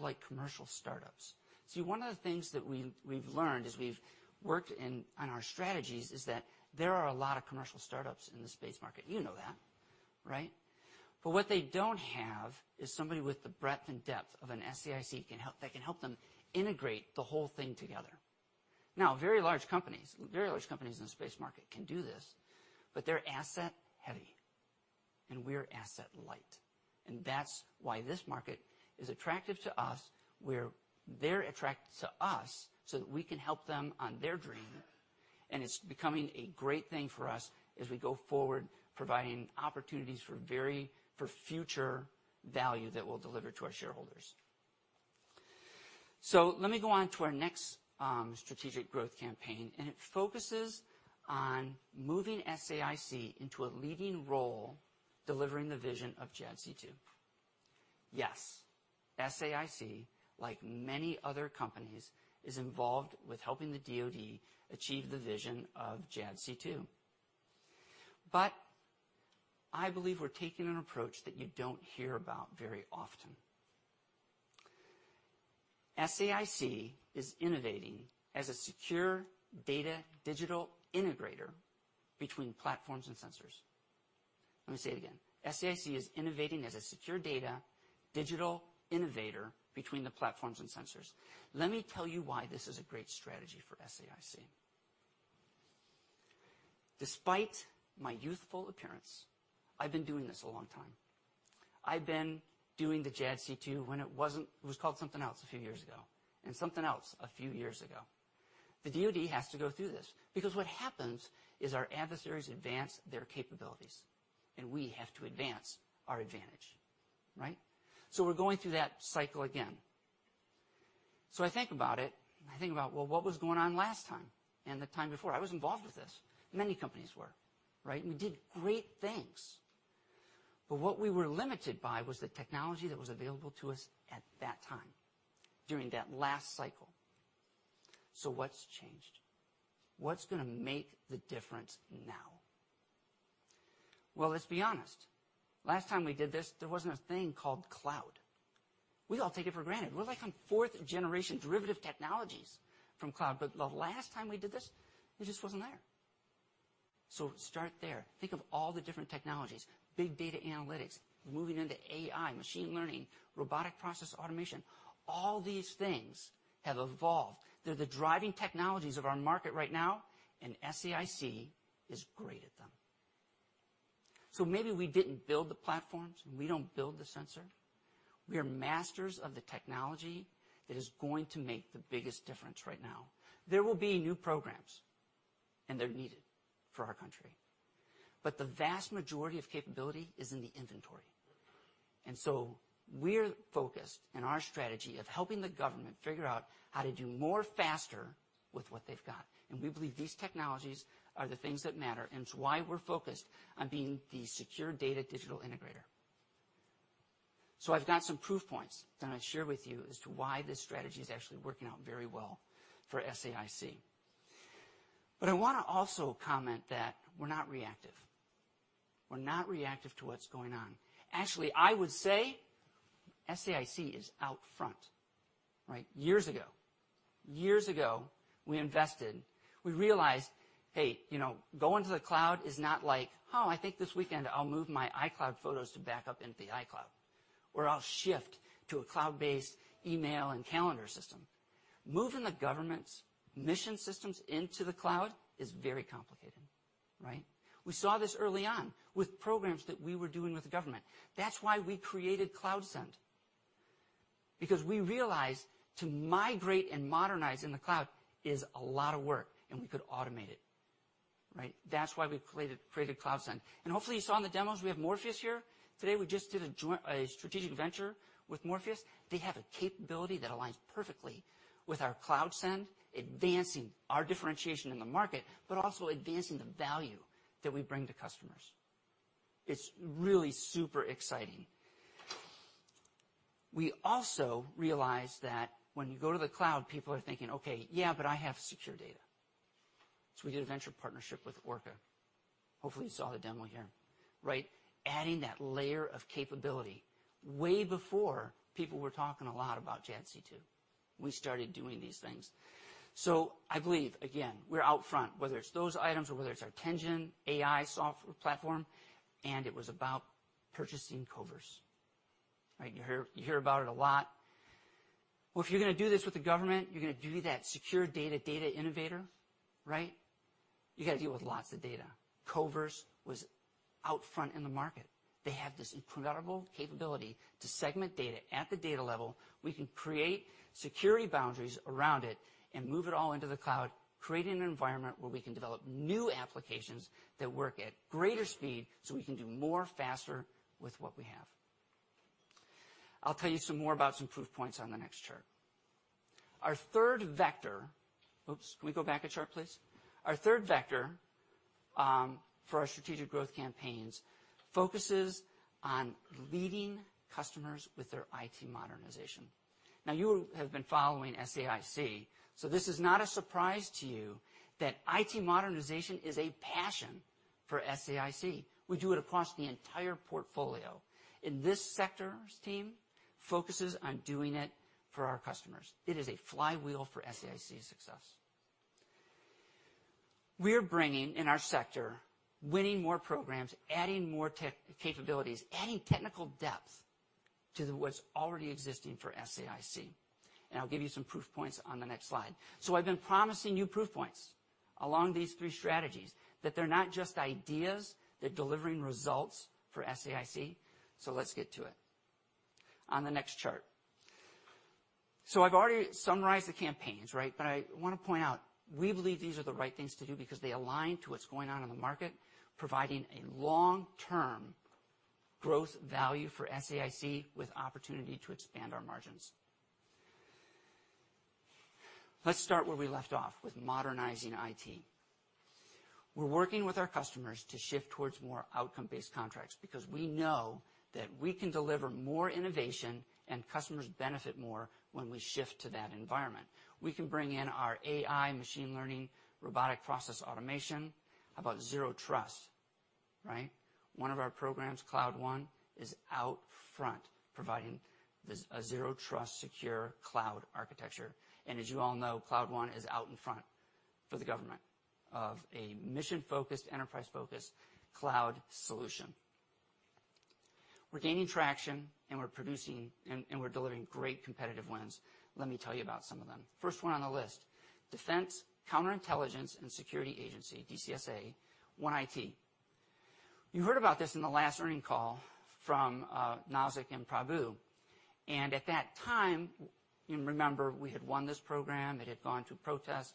Speaker 4: like commercial startups. One of the things that we've learned as we've worked in, on our strategies is that there are a lot of commercial startups in the space market. You know that, right? What they don't have is somebody with the breadth and depth of an SAIC that can help them integrate the whole thing together. Now, very large companies, very large companies in the space market can do this, but they're asset heavy, and we're asset light, and that's why this market is attractive to us. They're attracted to us so that we can help them on their dream, and it's becoming a great thing for us as we go forward, providing opportunities for future value that we'll deliver to our shareholders. Let me go on to our next strategic growth campaign, and it focuses on moving SAIC into a leading role, delivering the vision of JADC2. Yes, SAIC, like many other companies, is involved with helping the DoD achieve the vision of JADC2. I believe we're taking an approach that you don't hear about very often. SAIC is innovating as a secure data digital integrator between platforms and sensors. Let me say it again. SAIC is innovating as a secure data digital innovator between the platforms and sensors. Let me tell you why this is a great strategy for SAIC. Despite my youthful appearance, I've been doing this a long time. I've been doing the JADC2 when it was called something else a few years ago, and something else a few years ago. The DoD has to go through this because what happens is our adversaries advance their capabilities, and we have to advance our advantage, right? We're going through that cycle again. I think about it, and I think about, well, what was going on last time and the time before. I was involved with this. Many companies were, right? We did great things, but what we were limited by was the technology that was available to us at that time during that last cycle. What's changed? What's going to make the difference now? Let's be honest. Last time we did this, there wasn't a thing called cloud. We all take it for granted. We're like on fourth generation derivative technologies from cloud. The last time we did this, it just wasn't there. Start there. Think of all the different technologies, big data analytics, moving into AI, machine learning, robotic process automation. All these things have evolved. They're the driving technologies of our market right now, and SAIC is great at them. Maybe we didn't build the platforms, and we don't build the sensor. We are masters of the technology that is going to make the biggest difference right now. There will be new programs, they're needed for our country, the vast majority of capability is in the inventory. We're focused in our strategy of helping the government figure out how to do more faster with what they've got. We believe these technologies are the things that matter, and it's why we're focused on being the secure data digital integrator. I've got some proof points that I'm gonna share with you as to why this strategy is actually working out very well for SAIC. I wanna also comment that we're not reactive. We're not reactive to what's going on. I would say SAIC is out front, right? Years ago, we invested. We realized, hey, you know, going to the cloud is not like, oh, I think this weekend I'll move my iCloud photos to back up into the iCloud, or I'll shift to a cloud-based email and calendar system. Moving the government's mission systems into the cloud is very complicated, right? We saw this early on with programs that we were doing with the government. That's why we created CloudSend, because we realized to migrate and modernize in the cloud is a lot of work, and we could automate it, right? That's why we created CloudSend. Hopefully, you saw in the demos we have Morpheus here. Today, we just did a strategic venture with Morpheus. They have a capability that aligns perfectly with our CloudSend, advancing our differentiation in the market, but also advancing the value that we bring to customers. It's really super exciting. We also realized that when you go to the cloud, people are thinking, "Okay, yeah, but I have secure data." We did a venture partnership with Orca. Hopefully, you saw the demo here, right? Adding that layer of capability way before people were talking a lot about JADC2, we started doing these things. I believe, again, we're out front, whether it's those items or whether it's our Tenjin AI platform, and it was about purchasing Koverse. Right. You hear about it a lot. If you're gonna do this with the government, you're gonna do that secure data innovator, right? You gotta deal with lots of data. Koverse was out front in the market. They have this incredible capability to segment data at the data level. We can create security boundaries around it and move it all into the cloud, creating an environment where we can develop new applications that work at greater speed so we can do more faster with what we have. I'll tell you some more about some proof points on the next chart. Our third vector... Oops. Can we go back a chart, please? Our third vector for our strategic growth campaigns focuses on leading customers with their IT modernization. You have been following SAIC, so this is not a surprise to you that IT modernization is a passion for SAIC. We do it across the entire portfolio. This sector's team focuses on doing it for our customers. It is a flywheel for SAIC's success. We're bringing in our sector, winning more programs, adding more tech capabilities, adding technical depth to what's already existing for SAIC. I'll give you some proof points on the next slide. I've been promising you proof points along these three strategies, that they're not just ideas, they're delivering results for SAIC. Let's get to it. On the next chart. I've already summarized the campaigns, right? I wanna point out, we believe these are the right things to do because they align to what's going on in the market, providing a long-term growth value for SAIC with opportunity to expand our margins. Let's start where we left off with modernizing IT. We're working with our customers to shift towards more outcome-based contracts because we know that we can deliver more innovation and customers benefit more when we shift to that environment. We can bring in our AI, machine learning, robotic process automation. How about zero trust, right? One of our programs, Cloud One, is out front providing this a zero trust secure cloud architecture. As you all know, Cloud One is out in front for the government of a mission-focused, enterprise-focused cloud solution. We're gaining traction, we're producing, and we're delivering great competitive wins. Let me tell you about some of them. First one on the list, Defense Counterintelligence and Security Agency, DCSA, One IT. You heard about this in the last earning call from Nazzic and Prabu. At that time, you remember we had won this program. It had gone through protest,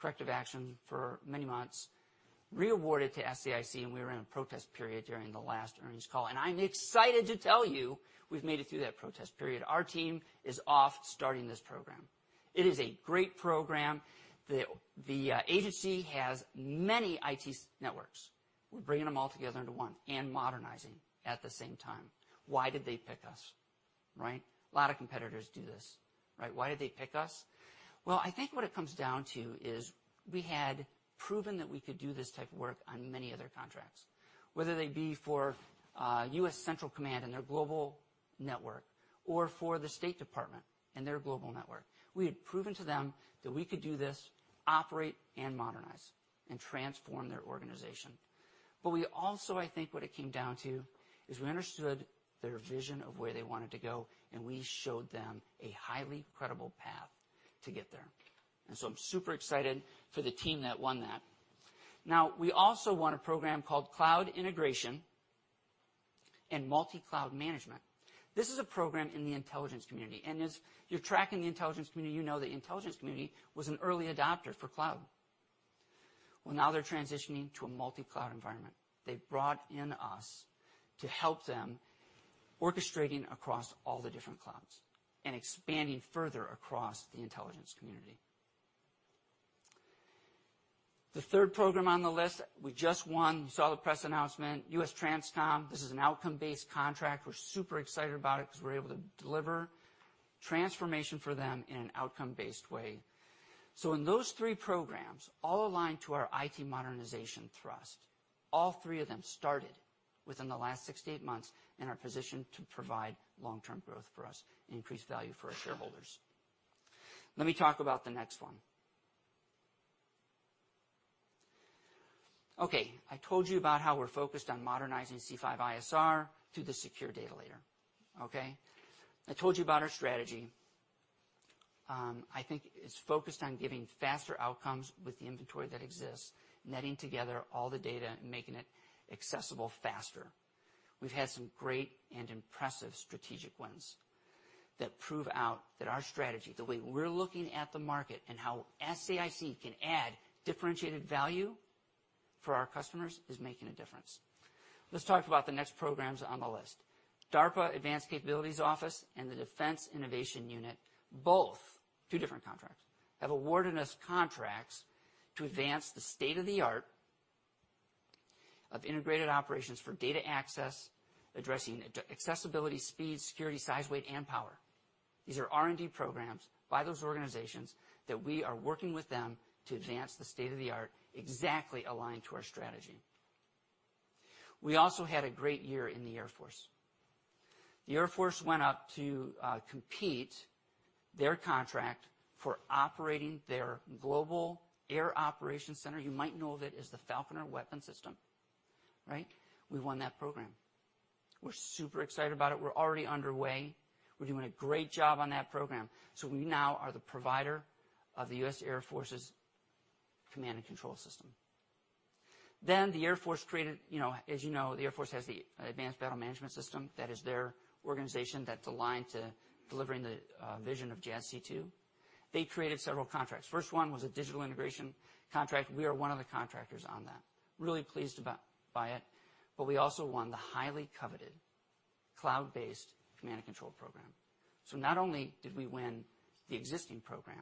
Speaker 4: corrective action for many months, re-awarded to SAIC, and we were in a protest period during the last earnings call. I'm excited to tell you we've made it through that protest period. Our team is off starting this program. It is a great program. The agency has many IT networks. We're bringing them all together into one and modernizing at the same time. Why did they pick us, right? A lot of competitors do this, right? Why did they pick us? Well, I think what it comes down to is we had proven that we could do this type of work on many other contracts, whether they be for U.S. Central Command and their global network or for the State Department and their global network. We had proven to them that we could do this, operate and modernize and transform their organization. We also, I think what it came down to is we understood their vision of where they wanted to go, and we showed them a highly credible path to get there. I'm super excited for the team that won that. We also won a program called Cloud Integration and Multi-Cloud Management. This is a program in the intelligence community, and as you're tracking the intelligence community, you know the intelligence community was an early adopter for cloud. Now they're transitioning to a multi-cloud environment. They've brought in us to help them orchestrating across all the different clouds and expanding further across the intelligence community. The third program on the list, we just won. You saw the press announcement, USTRANSCOM. This is an outcome-based contract. We're super excited about it because we're able to deliver transformation for them in an outcome-based way. In those three programs, all aligned to our IT modernization thrust, all three of them started within the last 68 months and are positioned to provide long-term growth for us and increase value for our shareholders. Let me talk about the next one. Okay, I told you about how we're focused on modernizing C5ISR through the secure data layer, okay? I told you about our strategy. I think it's focused on giving faster outcomes with the inventory that exists, netting together all the data and making it accessible faster. We've had some great and impressive strategic wins that prove out that our strategy, the way we're looking at the market and how SAIC can add differentiated value for our customers, is making a difference. Let's talk about the next programs on the list. DARPA Advanced Capabilities Office and the Defense Innovation Unit, both two different contracts, have awarded us contracts to advance the state-of-the-art of integrated operations for data access, addressing accessibility, speed, security, size, weight, and power. These are R&D programs by those organizations that we are working with them to advance the state of the art exactly aligned to our strategy. We also had a great year in the Air Force. The Air Force went out to compete their contract for operating their Global Air Operations Center. You might know of it as the Falconer Weapon System, right? We won that program. We're super excited about it. We're already underway. We're doing a great job on that program. We now are the provider of the U.S. Air Force's command and control system. The Air Force created... You know, as you know, the Air Force has the Advanced Battle Management System. That is their organization that's aligned to delivering the vision of JADC2. They created several contracts. First one was a digital integration contract. We are one of the contractors on that. Really pleased by it, but we also won the highly coveted Cloud-based Command and Control program. Not only did we win the existing program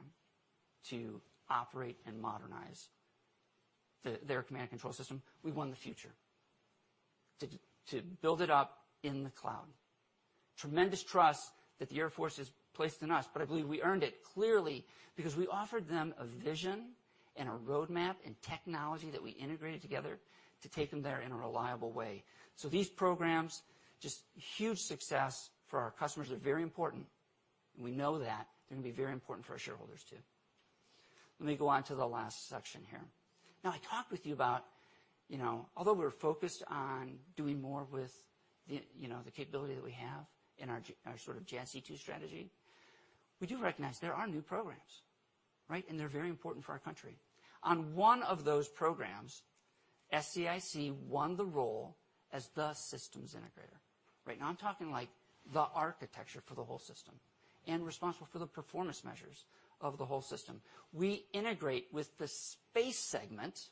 Speaker 4: to operate and modernize their command and control system, we won the future to build it up in the cloud. Tremendous trust that the Air Force has placed in us, but I believe we earned it clearly because we offered them a vision and a roadmap and technology that we integrated together to take them there in a reliable way. These programs, just huge success for our customers, are very important, and we know that they're gonna be very important for our shareholders too. Let me go on to the last section here. I talked with you about, you know, although we're focused on doing more with the, you know, the capability that we have in our sort of JADC2 strategy, we do recognize there are new programs, right, and they're very important for our country. On one of those programs, SAIC won the role as the systems integrator. Right now, I'm talking like the architecture for the whole system and responsible for the performance measures of the whole system. We integrate with the Space segment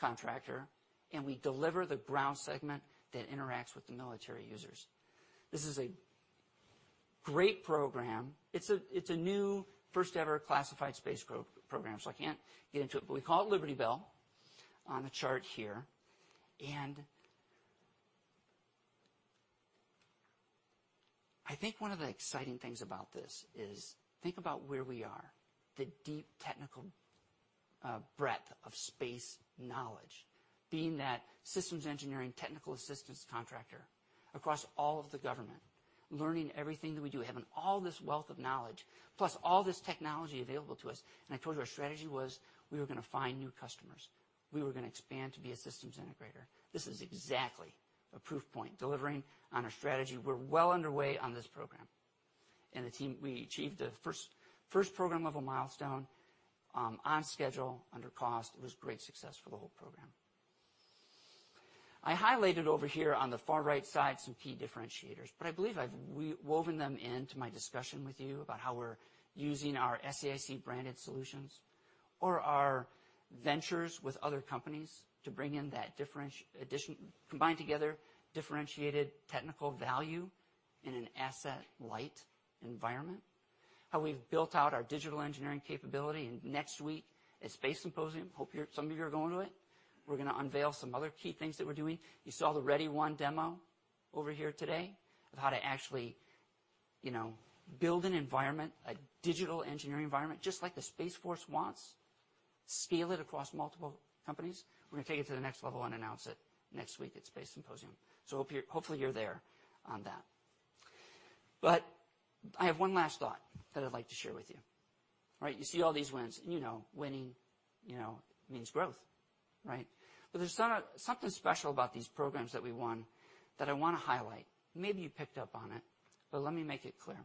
Speaker 4: contractor, and we deliver the ground segment that interacts with the military users. This is a great program. It's a new first-ever classified space program, so I can't get into it, but we call it Liberty Bell on the chart here. I think one of the exciting things about this is think about where we are, the deep technical breadth of space knowledge, being that systems engineering technical assistance contractor across all of the government. Learning everything that we do, having all this wealth of knowledge, plus all this technology available to us. I told you our strategy was we were gonna find new customers. We were gonna expand to be a systems integrator. This is exactly a proof point, delivering on our strategy. We're well underway on this program. The team, we achieved the first program level milestone on schedule, under cost. It was great success for the whole program. I highlighted over here on the far right side some key differentiators, but I believe I've woven them into my discussion with you about how we're using our SAIC branded solutions or our ventures with other companies to bring in that combined together differentiated technical value in an asset light environment, how we've built out our digital engineering capability. Next week at Space Symposium, some of you are going to it, we're gonna unveil some other key things that we're doing. You saw the ReadyOne demo over here today of how to actually, you know, build an environment, a digital engineering environment, just like the Space Force wants, scale it across multiple companies. We're gonna take it to the next level and announce it next week at Space Symposium. Hopefully you're there on that. I have one last thought that I'd like to share with you, right? You see all these wins, and you know, winning, you know, means growth, right? There's something special about these programs that we won that I wanna highlight. Maybe you picked up on it, but let me make it clear.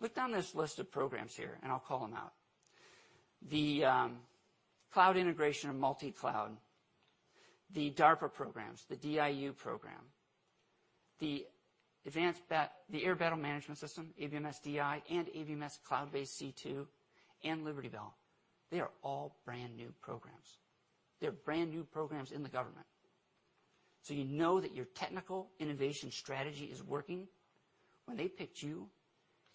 Speaker 4: Look down this list of programs here, and I'll call them out. The Cloud Integration of Multi-Cloud, the DARPA programs, the DIU program, the Air Battle Management System, ABMS-DI and ABMS cloud-based C2, and Liberty Bell, they are all brand new programs. They're brand new programs in the government. You know that your technical innovation strategy is working when they picked you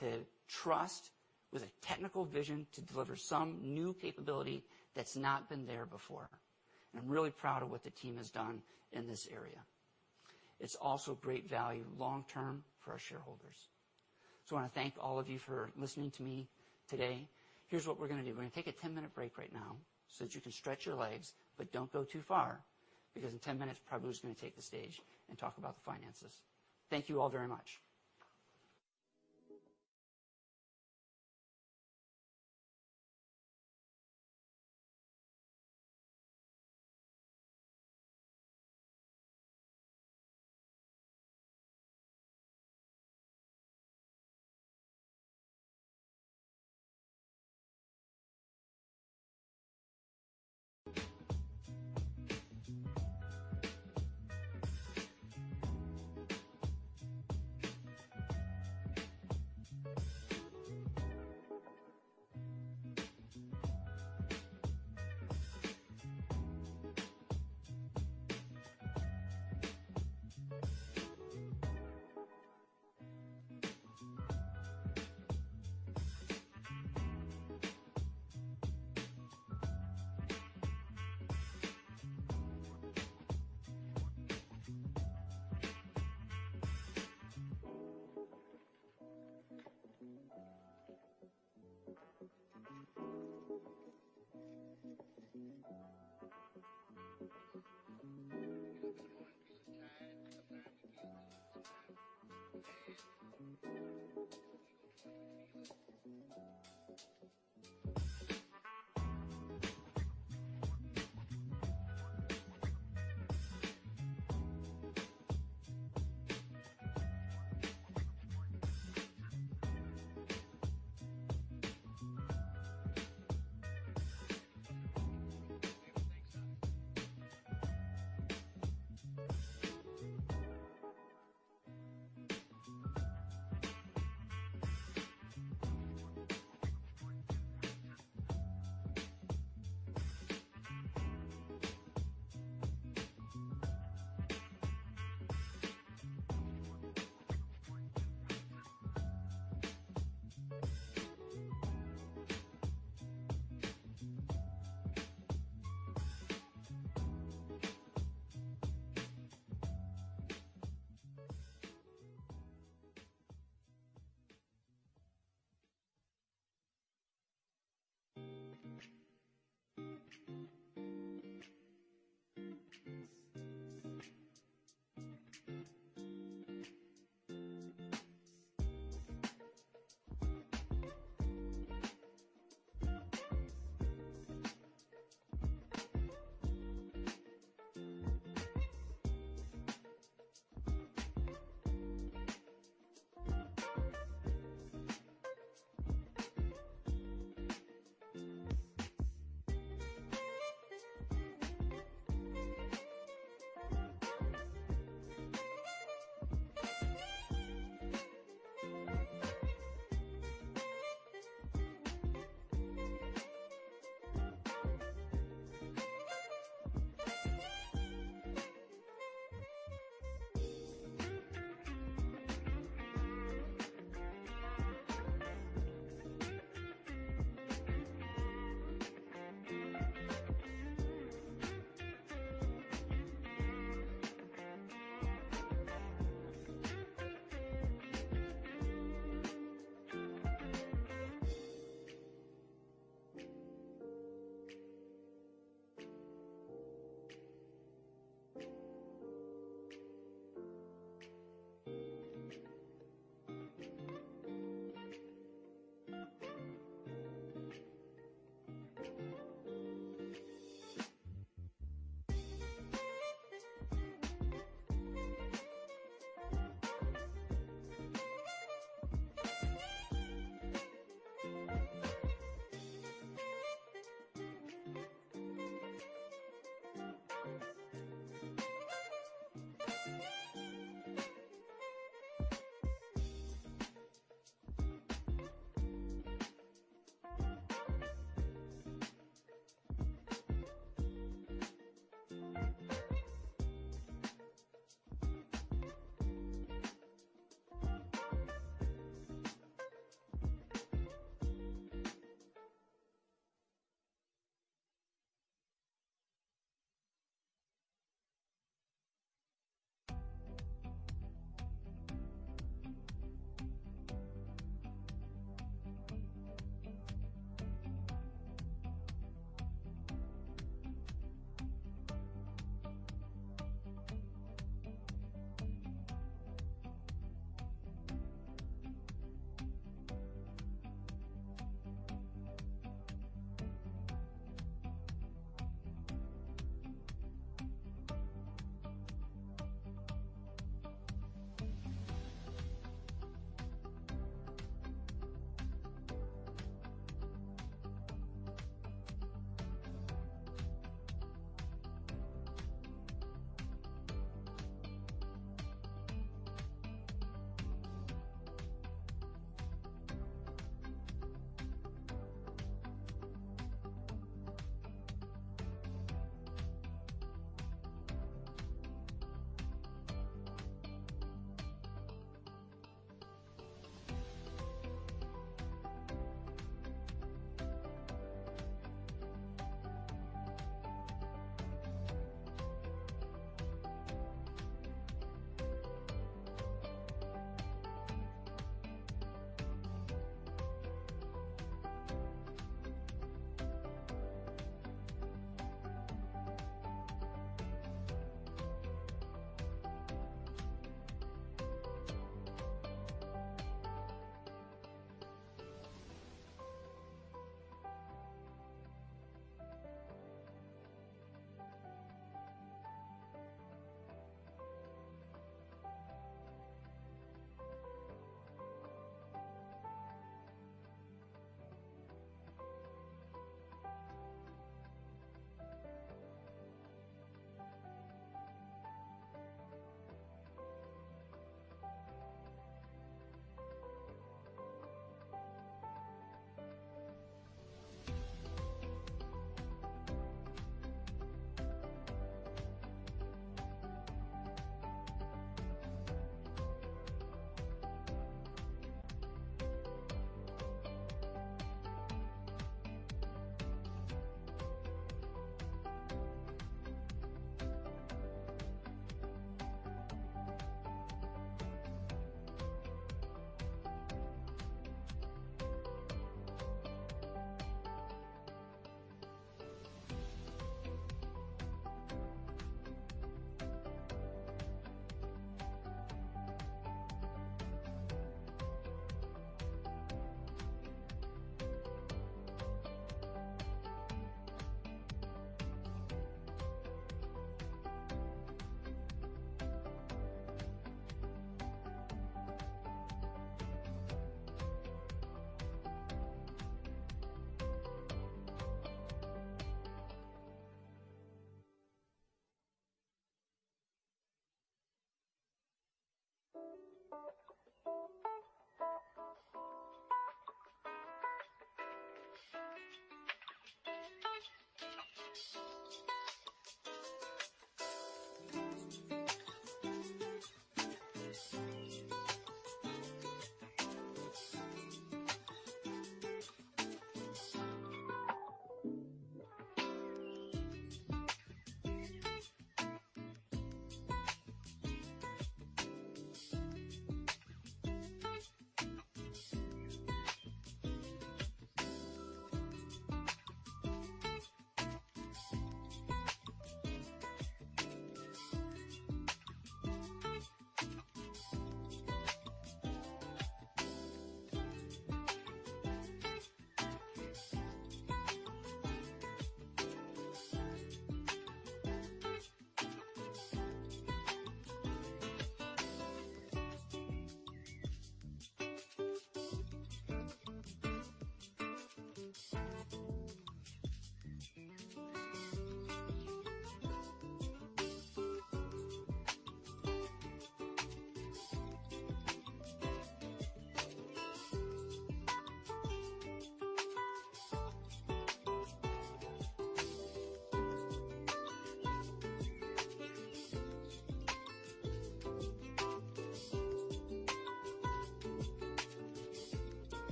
Speaker 4: to trust with a technical vision to deliver some new capability that's not been there before. I'm really proud of what the team has done in this area. It's also great value long term for our shareholders. I wanna thank all of you for listening to me today. Here's what we're gonna do. We're gonna take a 10-minute break right now so that you can stretch your legs, but don't go too far, because in 10 minutes, Prabu's gonna take the stage and talk about the finances. Thank you all very much.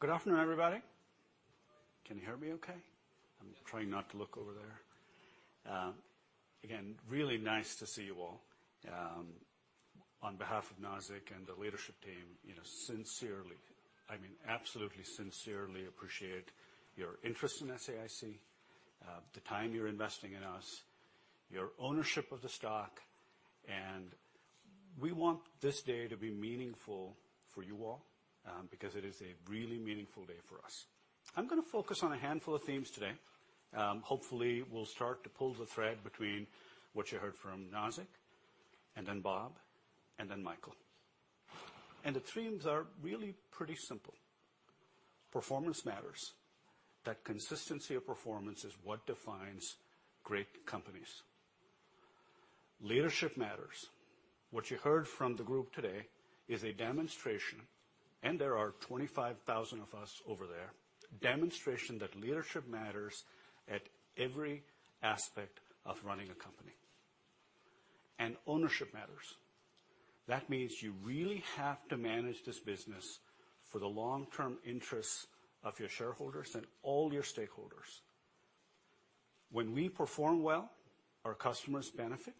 Speaker 5: Good afternoon, everybody. Can you hear me okay? I'm trying not to look over there. again, really nice to see you all. on behalf of Nazzic and the leadership team, you know, sincerely, I mean, absolutely sincerely appreciate your interest in SAIC, the time you're investing in us, your ownership of the stock, and we want this day to be meaningful for you all, because it is a really meaningful day for us. I'm gonna focus on a handful of themes today. hopefully, we'll start to pull the thread between what you heard from Nazzic, and then Bob, and then Michael. The themes are really pretty simple. Performance matters. That consistency of performance is what defines great companies. Leadership matters. What you heard from the group today is a demonstration, there are 25,000 of us over there, demonstration that leadership matters at every aspect of running a company. Ownership matters. That means you really have to manage this business for the long-term interests of your shareholders and all your stakeholders. When we perform well, our customers benefit.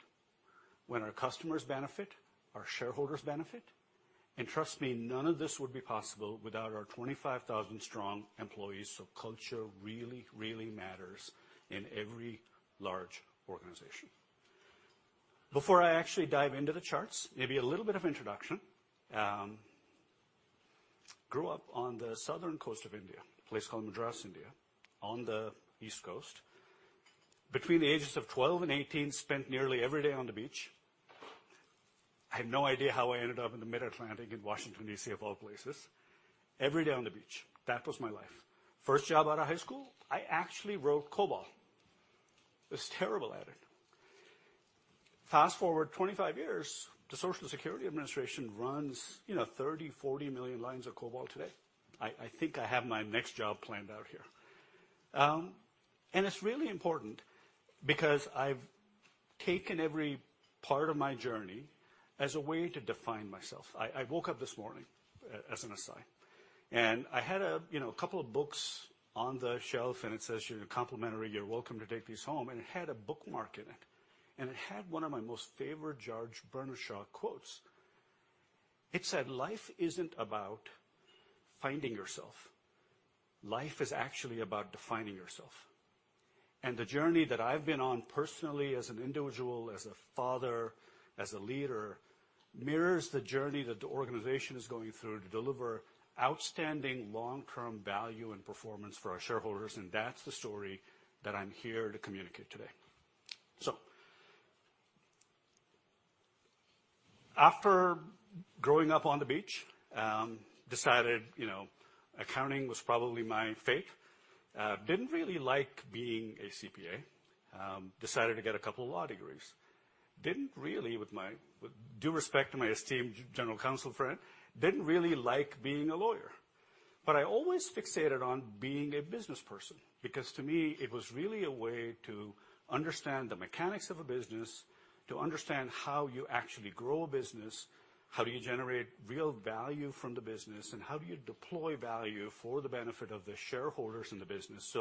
Speaker 5: When our customers benefit, our shareholders benefit. Trust me, none of this would be possible without our 25,000 strong employees, so culture really, really matters in every large organization. Before I actually dive into the charts, maybe a little bit of introduction. Grew up on the southern coast of India, a place called Madras, India, on the east coast. Between the ages of 12 and 18, spent nearly every day on the beach. I have no idea how I ended up in the Mid-Atlantic in Washington, D.C., of all places. Every day on the beach, that was my life. First job out of high school, I actually wrote COBOL. Was terrible at it. Fast-forward 25 years, the Social Security Administration runs, you know, 30, 40 million lines of COBOL today. I think I have my next job planned out here. It's really important because I've taken every part of my journey as a way to define myself. I woke up this morning as an SI, I had a, you know, couple of books on the shelf, it says here, "Complimentary. You're welcome to take these home." It had a bookmark in it had one of my most favorite George Bernard Shaw quotes. It said, "Life isn't about finding yourself. Life is actually about defining yourself." The journey that I've been on personally as an individual, as a father, as a leader, mirrors the journey that the organization is going through to deliver outstanding long-term value and performance for our shareholders, and that's the story that I'm here to communicate today. After growing up on the beach, decided, you know, accounting was probably my fate. Didn't really like being a CPA. Decided to get a couple law degrees. With due respect to my esteemed general counsel friend, didn't really like being a lawyer. I always fixated on being a business person because to me it was really a way to understand the mechanics of a business, to understand how you actually grow a business, how do you generate real value from the business, and how do you deploy value for the benefit of the shareholders in the business.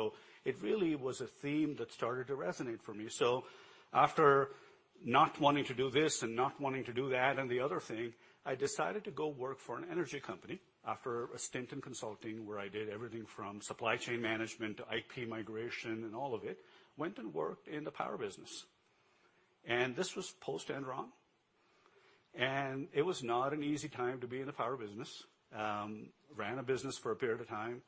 Speaker 5: It really was a theme that started to resonate for me. After not wanting to do this and not wanting to do that and the other thing, I decided to go work for an energy company after a stint in consulting where I did everything from Supply Chain management to IT migration and all of it, went and worked in the Power business. And this was post Enron, and it was not an easy time to be in the Power business. Ran a business for a period of time.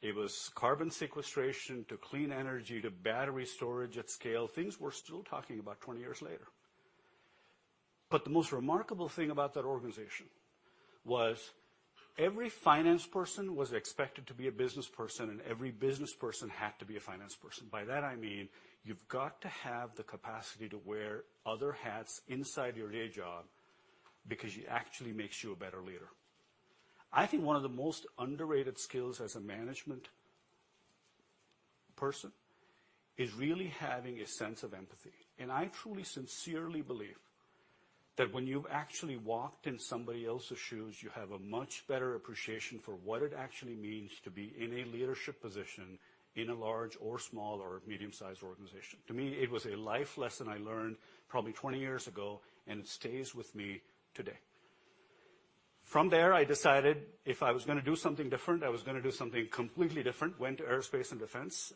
Speaker 5: it was carbon sequestration to clean energy to battery storage at scale. Things we're still talking about 20 years later. But the most remarkable thing about that organization was every finance person was expected to be a business person, and every business person had to be a finance person. By that I mean, you've got to have the capacity to wear other hats inside your day job because it actually makes you a better leader. I think one of the most underrated skills as a management person is really having a sense of empathy. And I truly, sincerely believe that when you've actually walked in somebody else's shoes, you have a much better appreciation for what it actually means to be in a leadership position in a large or small or medium-sized organization. To me, it was a life lesson I learned probably 20 years ago, and it stays with me today. From there, I decided if I was gonna do something different, I was gonna do something completely different. Went to aerospace and defense.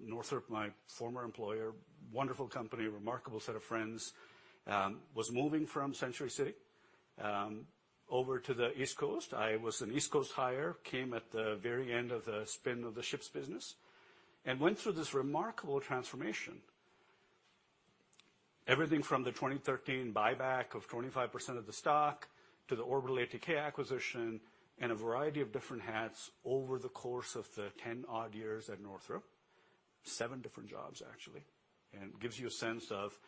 Speaker 5: Northrop, my former employer, wonderful company, remarkable set of friends, was moving from Century City over to the East Coast. I was an East Coast hire. Came at the very end of the spin of the ships business and went through this remarkable transformation. Everything from the 2013 buyback of 25% of the stock to the Orbital ATK acquisition and a variety of different hats over the course of the 10-odd years at Northrop. 7 different jobs, actually. Gives you a sense of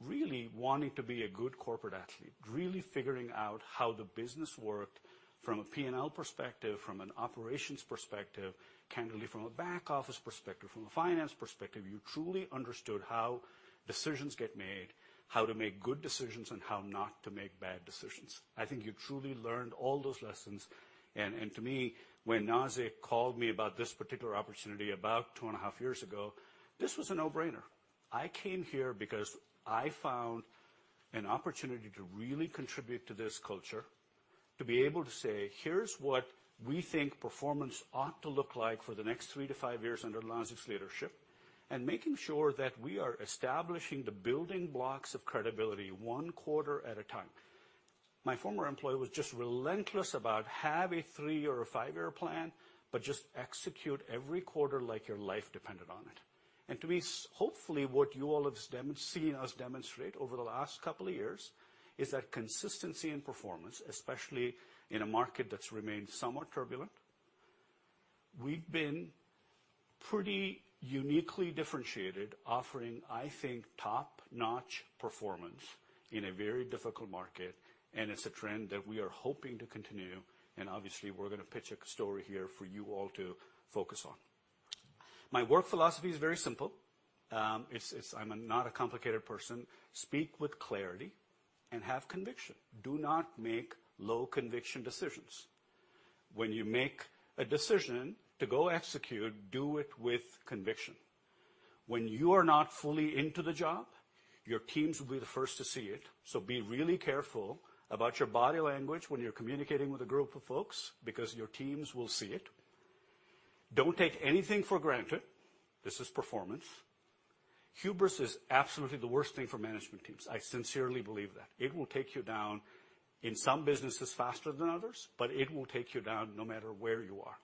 Speaker 5: really wanting to be a good corporate athlete, really figuring out how the business worked from a P&L perspective, from an operations perspective, candidly from a back office perspective, from a finance perspective. You truly understood how decisions get made, how to make good decisions, and how not to make bad decisions. I think you truly learned all those lessons. And to me, when Nazzic called me about this particular opportunity about 2.5 years ago, this was a no-brainer. I came here because I found an opportunity to really contribute to this culture, to be able to say, "Here's what we think performance ought to look like for the next 3-5 years under Nazzic's leadership," and making sure that we are establishing the building blocks of credibility 1 quarter at a time. My former employer was just relentless about have a three- or a five-year plan, but just execute every quarter like your life depended on it. To me, hopefully what you all have seen us demonstrate over the last couple of years is that consistency in performance, especially in a market that's remained somewhat turbulent. We've been pretty uniquely differentiated, offering, I think, top-notch performance in a very difficult market. It's a trend that we are hoping to continue and obviously we're gonna pitch a story here for you all to focus on. My work philosophy is very simple. It's I'm not a complicated person. Speak with clarity and have conviction. Do not make low-conviction decisions. When you make a decision to go execute, do it with conviction. When you are not fully into the job, your teams will be the first to see it, be really careful about your body language when you're communicating with a group of folks because your teams will see it. Don't take anything for granted. This is performance. Hubris is absolutely the worst thing for management teams. I sincerely believe that. It will take you down, in some businesses faster than others, but it will take you down no matter where you are.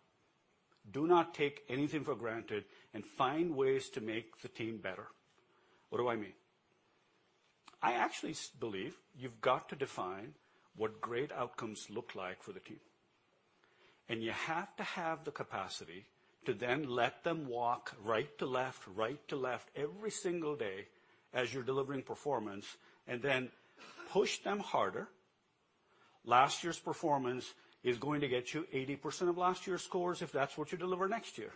Speaker 5: Do not take anything for granted and find ways to make the team better. What do I mean? I actually believe you've got to define what great outcomes look like for the team. You have to have the capacity to then let them walk right to left, right to left every single day as you're delivering performance and then push them harder. Last year's performance is going to get you 80% of last year's scores if that's what you deliver next year.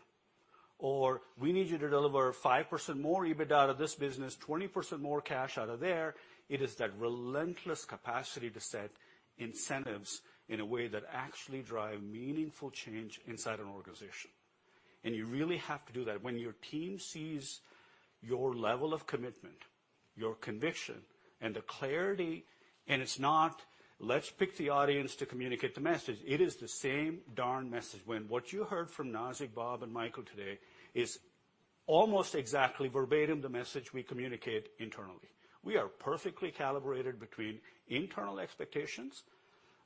Speaker 5: We need you to deliver 5% more EBITDA to this business, 20% more cash out of there. It is that relentless capacity to set incentives in a way that actually drive meaningful change inside an organization. You really have to do that. When your team sees your level of commitment, your conviction, and the clarity, and it's not, let's pick the audience to communicate the message. It is the same darn message. When what you heard from Nazzic, Bob, and Michael today is almost exactly verbatim the message we communicate internally. We are perfectly calibrated between internal expectations,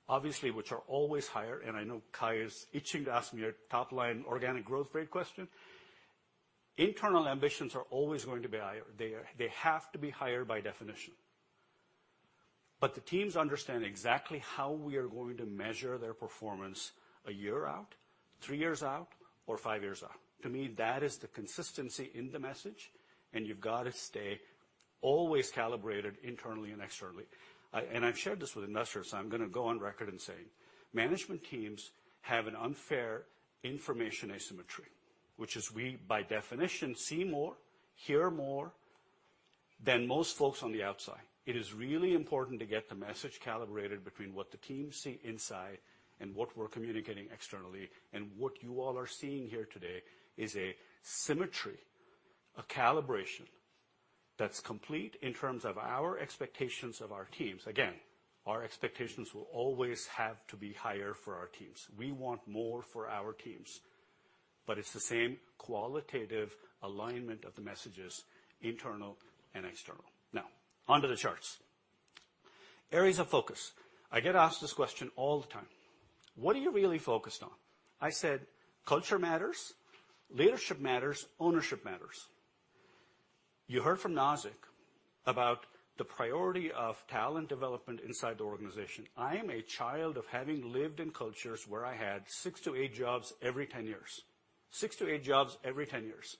Speaker 5: obviously, which are always higher, and I know Cai is itching to ask me a top-line organic growth rate question. Internal ambitions are always going to be higher. They have to be higher by definition. The teams understand exactly how we are going to measure their performance a year-out, three years out, or five years-out. To me, that is the consistency in the message, and you've got to stay always calibrated internally and externally. I've shared this with investors, so I'm gonna go on record in saying management teams have an unfair information asymmetry, which is we, by definition, see more, hear more than most folks on the outside. It is really important to get the message calibrated between what the teams see inside and what we're communicating externally. What you all are seeing here today is a symmetry, a calibration that's complete in terms of our expectations of our teams. Again, our expectations will always have to be higher for our teams. We want more for our teams. It's the same qualitative alignment of the messages, internal and external. Onto the charts. Areas of focus. I get asked this question all the time: What are you really focused on? I said, culture matters, leadership matters, ownership matters. You heard from Nazzic about the priority of talent development inside the organization. I am a child of having lived in cultures where I had 6 to 8 jobs every 10 years. 6 to 8 jobs every 10 years.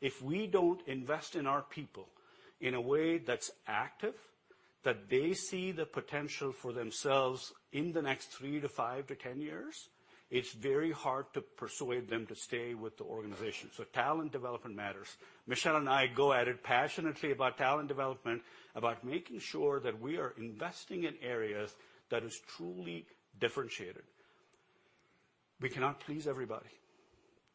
Speaker 5: If we don't invest in our people in a way that's active, that they see the potential for themselves in the next 3 to 5 to 10 years, it's very hard to persuade them to stay with the organization. Talent development matters. Michelle and I go at it passionately about talent development, about making sure that we are investing in areas that is truly differentiated. We cannot please everybody.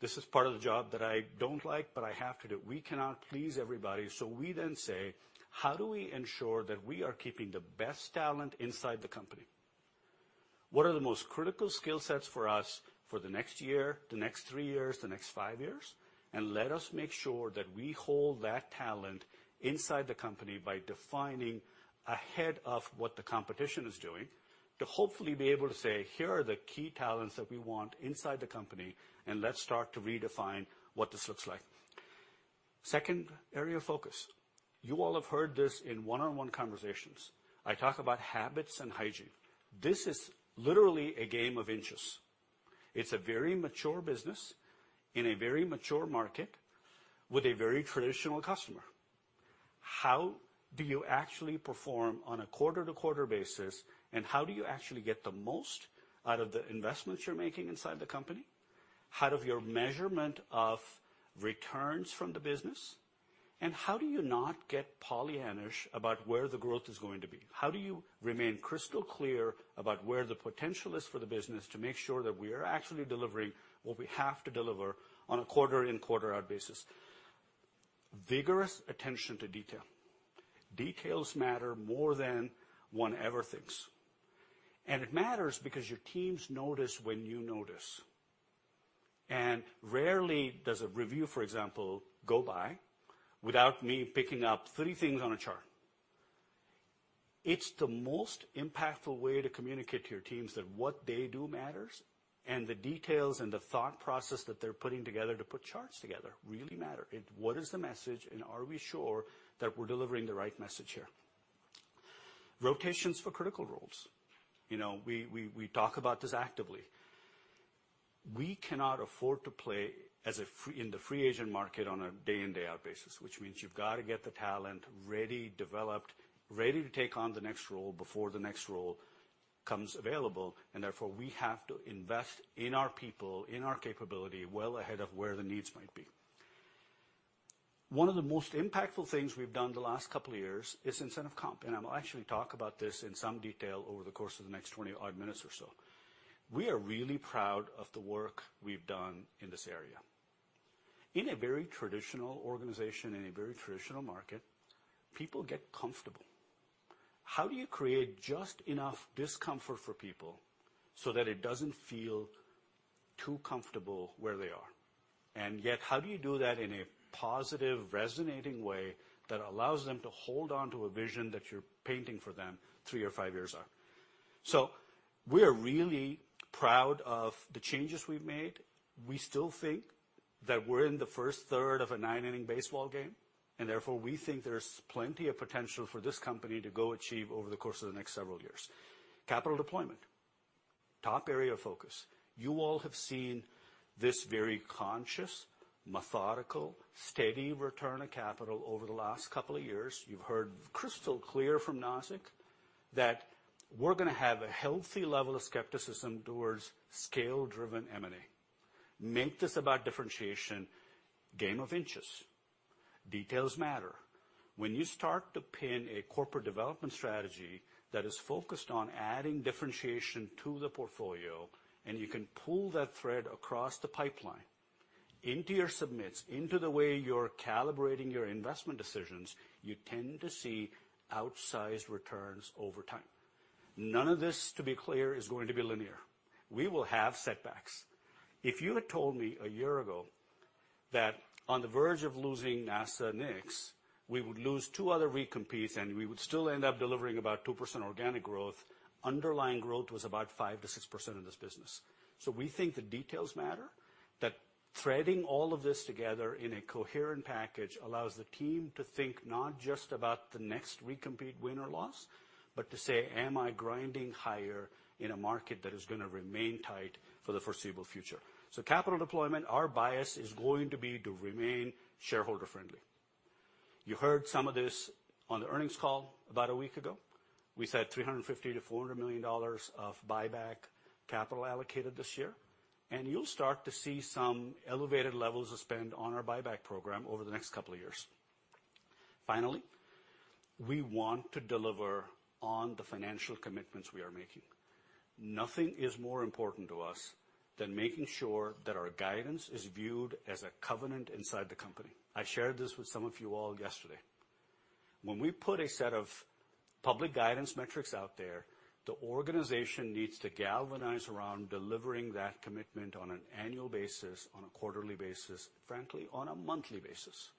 Speaker 5: This is part of the job that I don't like, but I have to do. We cannot please everybody. We then say, "How do we ensure that we are keeping the best talent inside the company? What are the most critical skill sets for us for the next year, the next three years, the next five years?" Let us make sure that we hold that talent inside the company by defining ahead of what the competition is doing to hopefully be able to say, "Here are the key talents that we want inside the company, and let's start to redefine what this looks like." Second area of focus. You all have heard this in one-on-one conversations. I talk about habits and hygiene. This is literally a game of inches. It's a very mature business in a very mature market with a very traditional customer. How do you actually perform on a quarter-to-quarter basis, and how do you actually get the most out of the investments you're making inside the company, out of your measurement of returns from the business? How do you not get Pollyannish about where the growth is going to be? How do you remain crystal clear about where the potential is for the business to make sure that we are actually delivering what we have to deliver on a quarter-in, quarter-out basis? Vigorous attention to detail. Details matter more than one ever thinks. It matters because your teams notice when you notice. Rarely does a review, for example, go by without me picking up 3 things on a chart. It's the most impactful way to communicate to your teams that what they do matters, and the details and the thought process that they're putting together to put charts together really matter. What is the message, and are we sure that we're delivering the right message here? Rotations for critical roles. You know, we talk about this actively. We cannot afford to play in the free agent market on a day in, day out basis, which means you've got to get the talent ready, developed, ready to take on the next role before the next role comes available. Therefore, we have to invest in our people, in our capability well ahead of where the needs might be. One of the most impactful things we've done the last couple of years is incentive comp. I'll actually talk about this in some detail over the course of the next 20 odd minutes or so. We are really proud of the work we've done in this area. In a very traditional organization, in a very traditional market, people get comfortable. How do you create just enough discomfort for people so that it doesn't feel too comfortable where they are? Yet, how do you do that in a positive, resonating way that allows them to hold on to a vision that you're painting for them 3 or 5 years out? We are really proud of the changes we've made. We still think that we're in the first third of a nine-inning baseball game. Therefore, we think there's plenty of potential for this company to go achieve over the course of the next several years. Capital deployment. Top area of focus. You all have seen this very conscious, methodical, steady return of capital over the last couple of years. You've heard crystal clear from Nazzic Keene that we're gonna have a healthy level of skepticism towards scale-driven M&A. Make this about differentiation. Game of inches. Details matter. When you start to pin a corporate development strategy that is focused on adding differentiation to the portfolio, and you can pull that thread across the pipeline into your submits, into the way you're calibrating your investment decisions, you tend to see outsized returns over time. None of this, to be clear, is going to be linear. We will have setbacks. If you had told me a year ago that on the verge of losing NASA NICS, we would lose two other recompetes, and we would still end up delivering about 2% organic growth, underlying growth was about 5%-6% of this business. We think the details matter. That threading all of this together in a coherent package allows the team to think not just about the next recompete win or loss, but to say, "Am I grinding higher in a market that is gonna remain tight for the foreseeable future?" Capital deployment, our bias is going to be to remain shareholder-friendly. You heard some of this on the earnings call about a week ago. We said $350 million-$400 million of buyback capital allocated this year. You'll start to see some elevated levels of spend on our buyback program over the next couple of years. Finally, we want to deliver on the financial commitments we are making. Nothing is more important to us than making sure that our guidance is viewed as a covenant inside the company. I shared this with some of you all yesterday. When we put a set of public guidance metrics out there, the organization needs to galvanize around delivering that commitment on an annual basis, on a quarterly basis, frankly, on a monthly basis.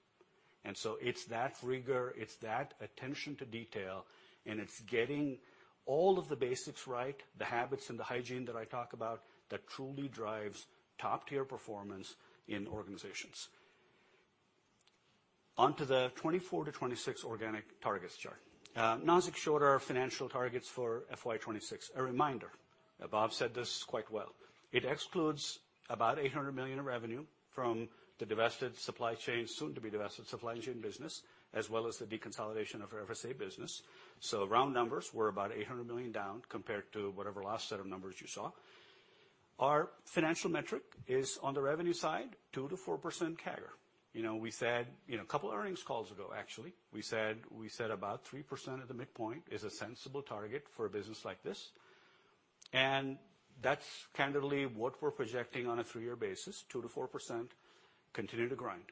Speaker 5: It's that rigor, it's that attention to detail, and it's getting all of the basics right, the habits and the hygiene that I talk about, that truly drives top-tier performance in organizations. Onto the 2024-2026 organic targets chart. Nazzic showed our financial targets for FY 2026. A reminder, Bob said this quite well. It excludes about $800 million in revenue from the divested Supply Chain, soon-to-be-divested Supply Chain business, as well as the deconsolidation of our FSA business. Round numbers, we're about $800 million down compared to whatever last set of numbers you saw. Our financial metric is, on the revenue side, 2%-4% CAGR. You know, we said, a couple of earnings calls ago, actually, we said about 3% at the midpoint is a sensible target for a business like this. That's candidly what we're projecting on a 3-year basis, 2%-4% continue to grind.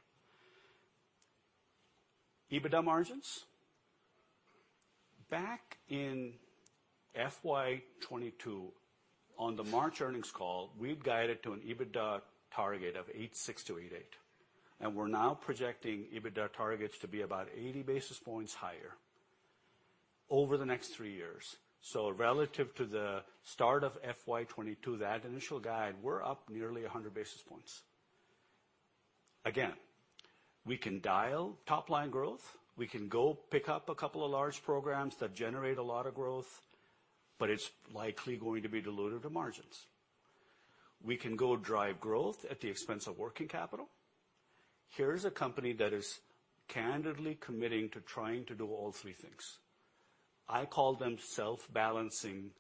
Speaker 5: EBITDA margins. Back in FY 2022, on the March earnings call, we had guided to an EBITDA target of 86%-88%, and we're now projecting EBITDA targets to be about 80 basis points higher over the next 3 years. Relative to the start of FY 2022, that initial guide, we're up nearly 100 basis points. We can dial top-line growth, we can go pick up a couple of large programs that generate a lot of growth, but it's likely going to be dilutive to margins. We can go drive growth at the expense of working capital. Here is a company that is candidly committing to trying to do all 3 things. I call them self-balancing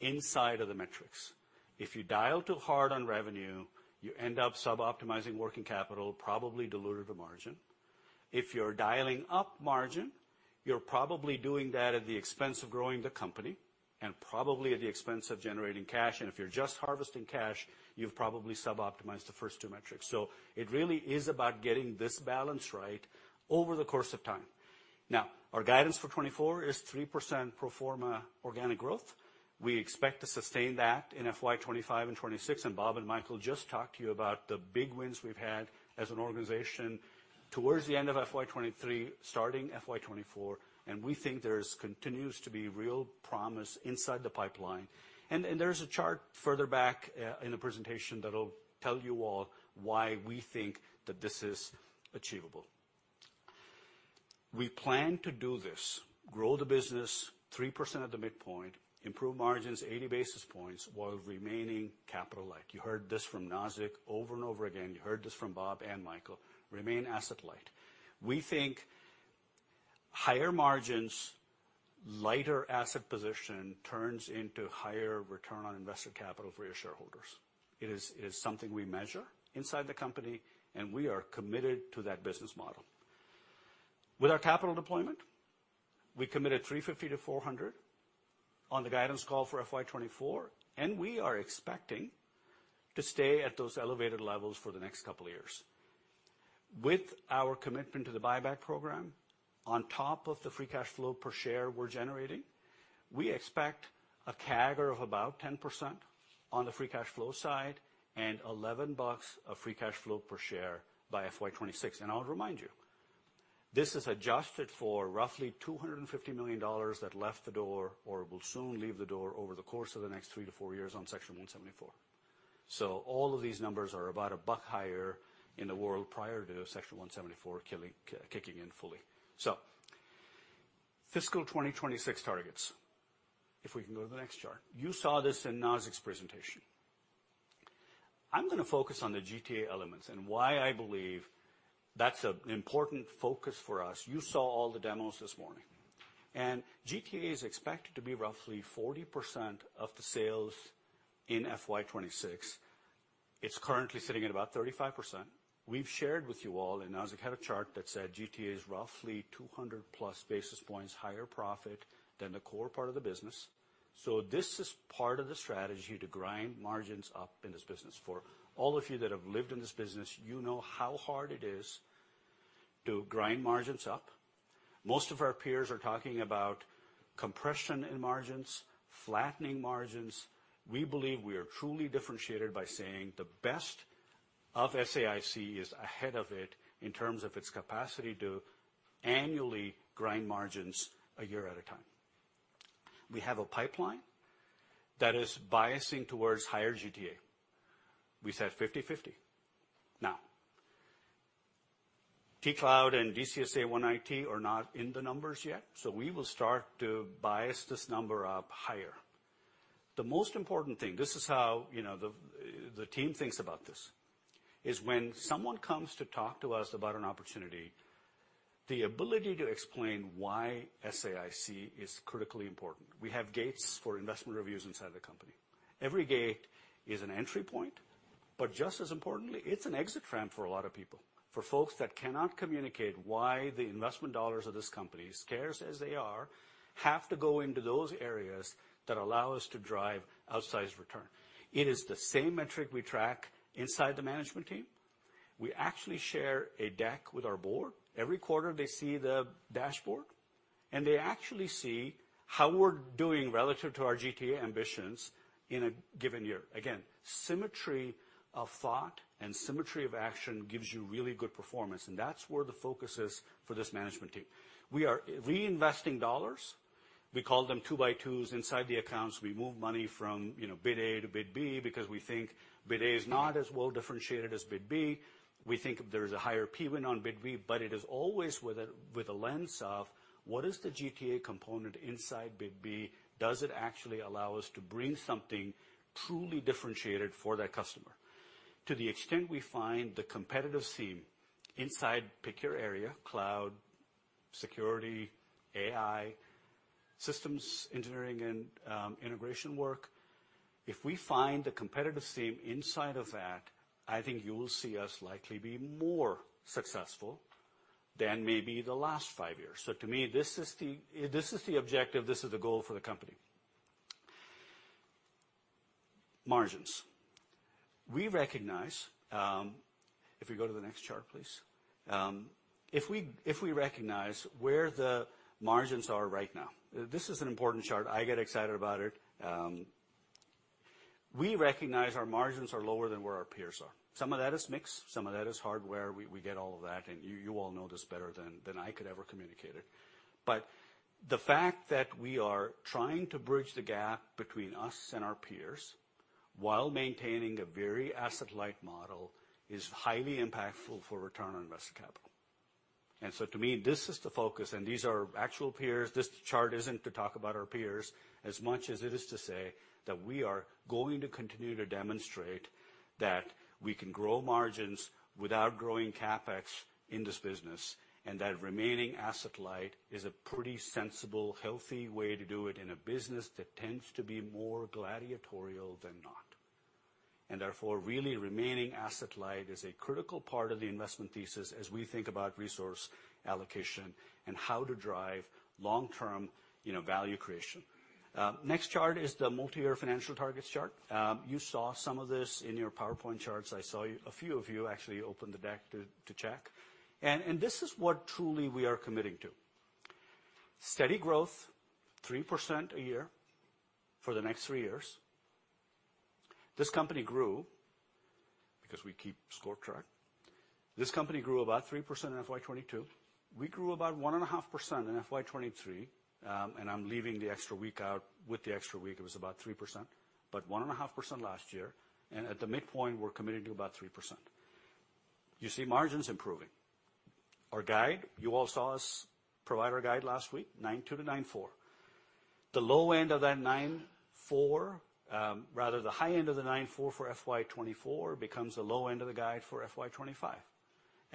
Speaker 5: inside of the metrics. If you dial too hard on revenue, you end up suboptimizing working capital, probably dilutive to margin. If you're dialing up margin, you're probably doing that at the expense of growing the company and probably at the expense of generating cash. If you're just harvesting cash, you've probably suboptimized the first two metrics. It really is about getting this balance right over the course of time. Now, our guidance for 2024 is 3% pro forma organic growth. We expect to sustain that in FY 2025 and 2026, Bob and Michael just talked to you about the big wins we've had as an organization towards the end of FY 2023, starting FY 2024, and we think there's continues to be real promise inside the pipeline. There's a chart further back in the presentation that'll tell you all why we think that this is achievable. We plan to do this, grow the business 3% at the midpoint, improve margins 80 basis points while remaining capital light. You heard this from Nazzic over and over again. You heard this from Bob and Michael. Remain asset light. We think higher margins, lighter asset position turns into higher return on invested capital for your shareholders. It is something we measure inside the company, and we are committed to that business model. With our capital deployment, we committed $350-$400 on the guidance call for FY 2024, and we are expecting to stay at those elevated levels for the next couple of years. With our commitment to the buyback program, on top of the free cash flow per share we're generating, we expect a CAGR of about 10% on the free cash flow side and $11 of free cash flow per share by FY 2026. I would remind you, this is adjusted for roughly $250 million that left the door or will soon leave the door over the course of the next 3-4 years on Section 174. All of these numbers are about $1 higher in the world prior to Section 174 kicking in fully. Fiscal 2026 targets, if we can go to the next chart. You saw this in Nazzic's presentation. I'm gonna focus on the GTA elements and why I believe that's an important focus for us. You saw all the demos this morning, GTA is expected to be roughly 40% of the sales in FY 2026. It's currently sitting at about 35%. We've shared with you all, Nazzic had a chart that said GTA is roughly 200+ basis points higher profit than the core part of the business. This is part of the strategy to grind margins up in this business. For all of you that have lived in this business, you know how hard it is to grind margins up. Most of our peers are talking about compression in margins, flattening margins. We believe we are truly differentiated by saying the best of SAIC is ahead of it in terms of its capacity to annually grind margins a year at a time. We have a pipeline that is biasing towards higher GTA. We said 50/50. T-Cloud and DCSA One IT are not in the numbers yet, so we will start to bias this number up higher. The most important thing, this is how, you know, the team thinks about this, is when someone comes to talk to us about an opportunity, the ability to explain why SAIC is critically important. We have gates for investment reviews inside the company. Every gate is an entry point, but just as importantly, it's an exit ramp for a lot of people. For folks that cannot communicate why the investment dollars of this company, scarce as they are, have to go into those areas that allow us to drive outsized return. It is the same metric we track inside the management team. We actually share a deck with our board. Every quarter, they see the dashboard, they actually see how we're doing relative to our GTA ambitions in a given year. Again, symmetry of thought and symmetry of action gives you really good performance, that's where the focus is for this management team. We are reinvesting dollars. We call them two-by-twos inside the accounts. We move money from, you know, bid A to bid B because we think bid A is not as well-differentiated as bid B. We think there's a higher P win on bid B, it is always with a lens of what is the GTA component inside bid B? Does it actually allow us to bring something truly differentiated for that customer? To the extent we find the competitive seam inside, pick your area, cloud, security, AI, systems engineering and integration work. If we find the competitive seam inside of that, I think you will see us likely be more successful than maybe the last five years. To me, this is the objective, this is the goal for the company. Margins. We recognize. If we go to the next chart, please. If we recognize where the margins are right now, this is an important chart. I get excited about it. We recognize our margins are lower than where our peers are. Some of that is mix, some of that is hardware. We get all of that, and you all know this better than I could ever communicate it. The fact that we are trying to bridge the gap between us and our peers while maintaining a very asset-light model is highly impactful for return on invested capital. To me, this is the focus, and these are actual peers. This chart isn't to talk about our peers as much as it is to say that we are going to continue to demonstrate that we can grow margins without growing CapEx in this business, and that remaining asset-light is a pretty sensible, healthy way to do it in a business that tends to be more gladiatorial than not. Therefore, really remaining asset-light is a critical part of the investment thesis as we think about resource allocation and how to drive long-term, you know, value creation. Next chart is the multiyear financial targets chart. You saw some of this in your PowerPoint charts. I saw a few of you actually open the deck to check. This is what truly we are committing to. Steady growth, 3% a year for the next 3 years. This company grew, because we keep score track, this company grew about 3% in FY 2022. We grew about 1.5% in FY 2023, and I'm leaving the extra week out. With the extra week, it was about 3%, but 1.5% last year. At the midpoint, we're committed to about 3%. You see margins improving. Our guide, you all saw us provide our guide last week, 9.2-9.4. The low end of that 9.4, rather the high end of the 9.4 for FY 2024 becomes the low end of the guide for FY 2025.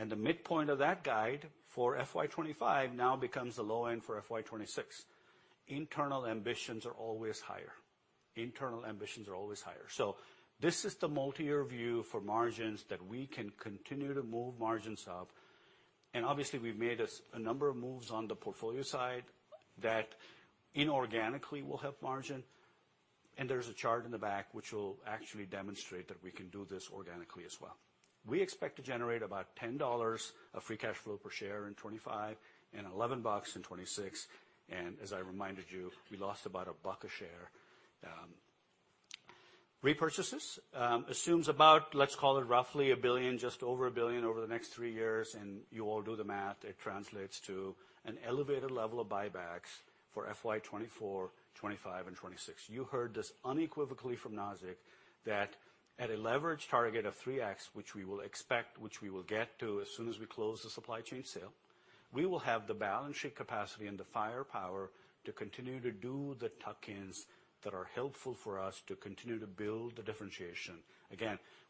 Speaker 5: The midpoint of that guide for FY 2025 now becomes the low end for FY 2026. Internal ambitions are always higher. Internal ambitions are always higher. This is the multi-year view for margins that we can continue to move margins up. Obviously, we've made a number of moves on the portfolio side that inorganically will help margin. There's a chart in the back which will actually demonstrate that we can do this organically as well. We expect to generate about $10 of free cash flow per share in 2025 and $11 in 2026. As I reminded you, we lost about $1 a share. Repurchases assumes about, let's call it roughly $1 billion, just over $1 billion over the next 3 years, and you all do the math. It translates to an elevated level of buybacks for FY 2024, 2025, and 2026. You heard this unequivocally from Nazzic that at a leverage target of 3x, which we will expect, which we will get to as soon as we close the Supply Chain sale, we will have the balance sheet capacity and the firepower to continue to do the tuck-ins that are helpful for us to continue to build the differentiation.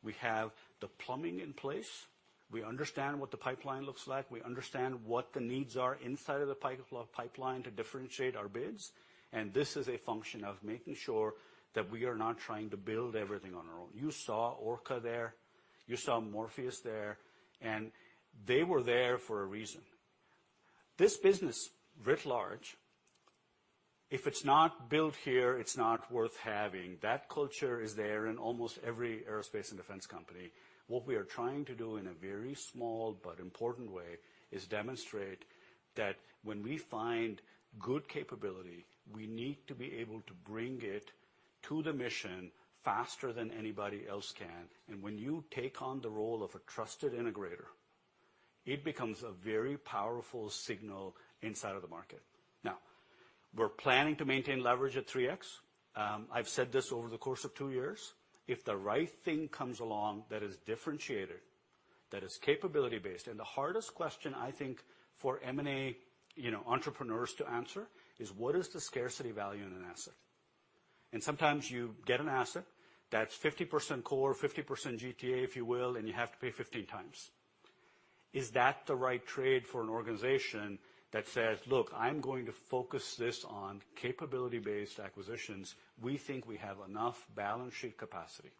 Speaker 5: We have the plumbing in place. We understand what the pipeline looks like. We understand what the needs are inside of the pipeline to differentiate our bids. This is a function of making sure that we are not trying to build everything on our own. You saw Orca there, you saw Morpheus there. They were there for a reason. This business, writ large, if it's not built here, it's not worth having. That culture is there in almost every aerospace and defense company. What we are trying to do in a very small but important way is demonstrate that when we find good capability, we need to be able to bring it to the mission faster than anybody else can. When you take on the role of a trusted integrator. It becomes a very powerful signal inside of the market. We're planning to maintain leverage at 3x. I've said this over the course of 2 years. If the right thing comes along that is differentiated, that is capability-based, and the hardest question, I think, for M&A, you know, entrepreneurs to answer is what is the scarcity value in an asset? Sometimes you get an asset that's 50% core, 50% GTA, if you will, and you have to pay 15 times. Is that the right trade for an organization that says, "Look, I'm going to focus this on capability-based acquisitions." We think we have enough balance sheet capacity.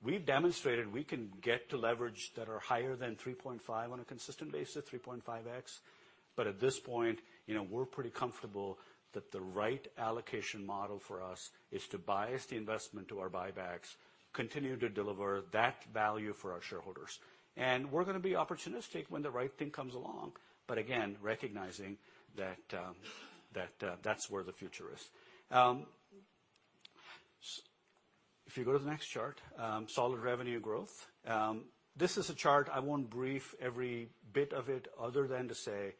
Speaker 5: We've demonstrated we can get to leverage that are higher than 3.5 on a consistent basis, 3.5x. At this point, you know, we're pretty comfortable that the right allocation model for us is to bias the investment to our buybacks, continue to deliver that value for our shareholders. We're gonna be opportunistic when the right thing comes along, but again, recognizing that that's where the future is. If you go to the next chart, solid revenue growth. This is a chart I won't brief every bit of it other than to say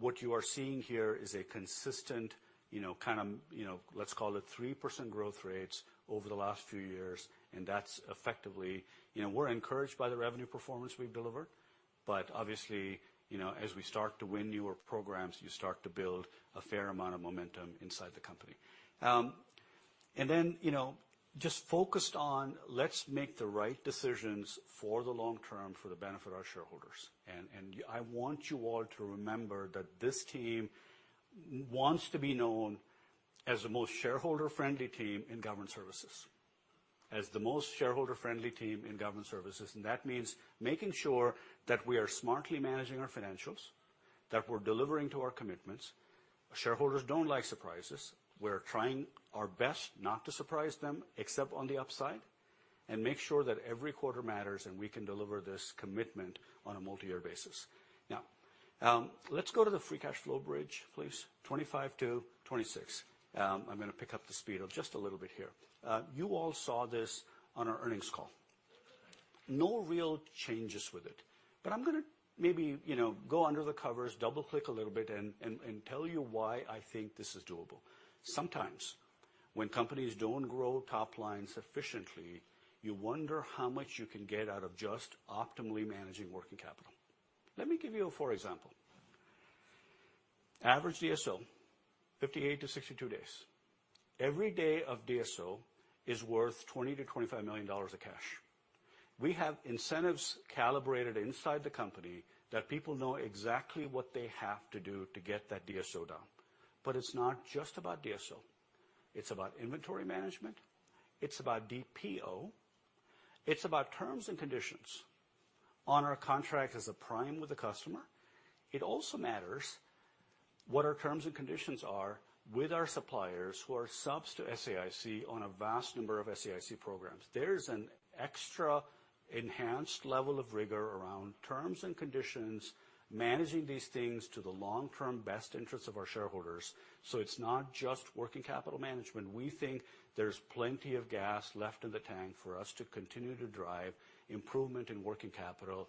Speaker 5: what you are seeing here is a consistent, you know, kind of, you know, let's call it 3% growth rates over the last few years, and that's effectively... You know, we're encouraged by the revenue performance we've delivered. Obviously, you know, as we start to win newer programs, you start to build a fair amount of momentum inside the company. You know, just focused on let's make the right decisions for the long term for the benefit of our shareholders. I want you all to remember that this team wants to be known as the most shareholder-friendly team in government services, as the most shareholder-friendly team in government services. That means making sure that we are smartly managing our financials, that we're delivering to our commitments. Shareholders don't like surprises. We're trying our best not to surprise them, except on the upside, and make sure that every quarter matters, and we can deliver this commitment on a multi-year basis. Let's go to the free cash flow bridge, please. 2025-2026. I'm gonna pick up the speed just a little bit here. You all saw this on our earnings call. No real changes with it, but I'm gonna maybe, you know, go under the covers, double-click a little bit, and tell you why I think this is doable. Sometimes when companies don't grow top line sufficiently, you wonder how much you can get out of just optimally managing working capital. Let me give you a for example. Average DSO, 58-62 days. Every day of DSO is worth $20 million-$25 million of cash. We have incentives calibrated inside the company that people know exactly what they have to do to get that DSO down. It's not just about DSO. It's about inventory management. It's about DPO. It's about terms and conditions on our contract as a prime with a customer. It also matters what our terms and conditions are with our suppliers who are subs to SAIC on a vast number of SAIC programs. There is an extra enhanced level of rigor around terms and conditions, managing these things to the long-term best interest of our shareholders. It's not just working capital management. We think there's plenty of gas left in the tank for us to continue to drive improvement in working capital.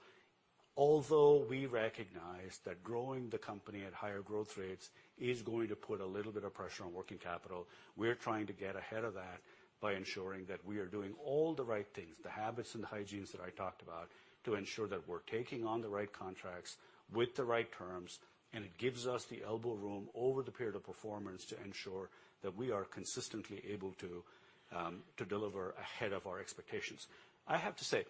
Speaker 5: Although we recognize that growing the company at higher growth rates is going to put a little bit of pressure on working capital, we're trying to get ahead of that by ensuring that we are doing all the right things, the habits and the hygienes that I talked about, to ensure that we're taking on the right contracts with the right terms, and it gives us the elbow room over the period of performance to ensure that we are consistently able to deliver ahead of our expectations. I have to say,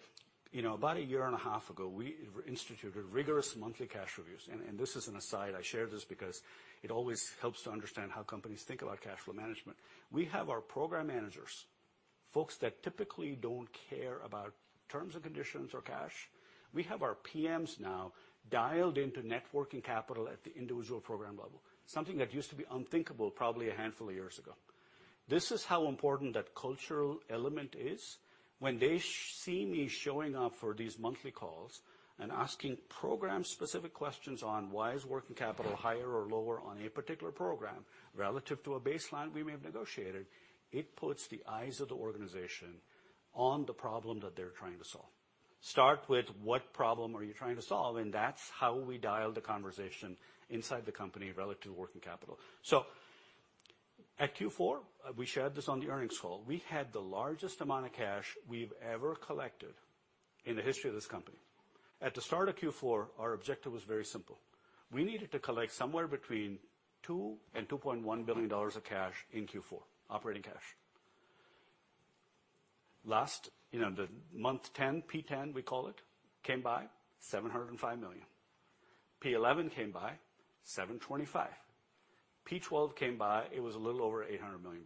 Speaker 5: you know, about a year and a half ago, we instituted rigorous monthly cash reviews. This is an aside, I share this because it always helps to understand how companies think about cash flow management. We have our program managers, folks that typically don't care about terms and conditions or cash. We have our PMs now dialed into net working capital at the individual program level, something that used to be unthinkable probably a handful of years ago. This is how important that cultural element is when they see me showing up for these monthly calls and asking program-specific questions on why is working capital higher or lower on a particular program relative to a baseline we may have negotiated, it puts the eyes of the organization on the problem that they're trying to solve. Start with what problem are you trying to solve, and that's how we dial the conversation inside the company relative to working capital. At Q4, we shared this on the earnings call, we had the largest amount of cash we've ever collected in the history of this company. At the start of Q4, our objective was very simple. We needed to collect somewhere between $2 billion-$2.1 billion of cash in Q4, operating cash. Last, you know, the month 10, P-10 we call it, came by, $705 million. P-11 came by, $725 million. P-12 came by, it was a little over $800 million.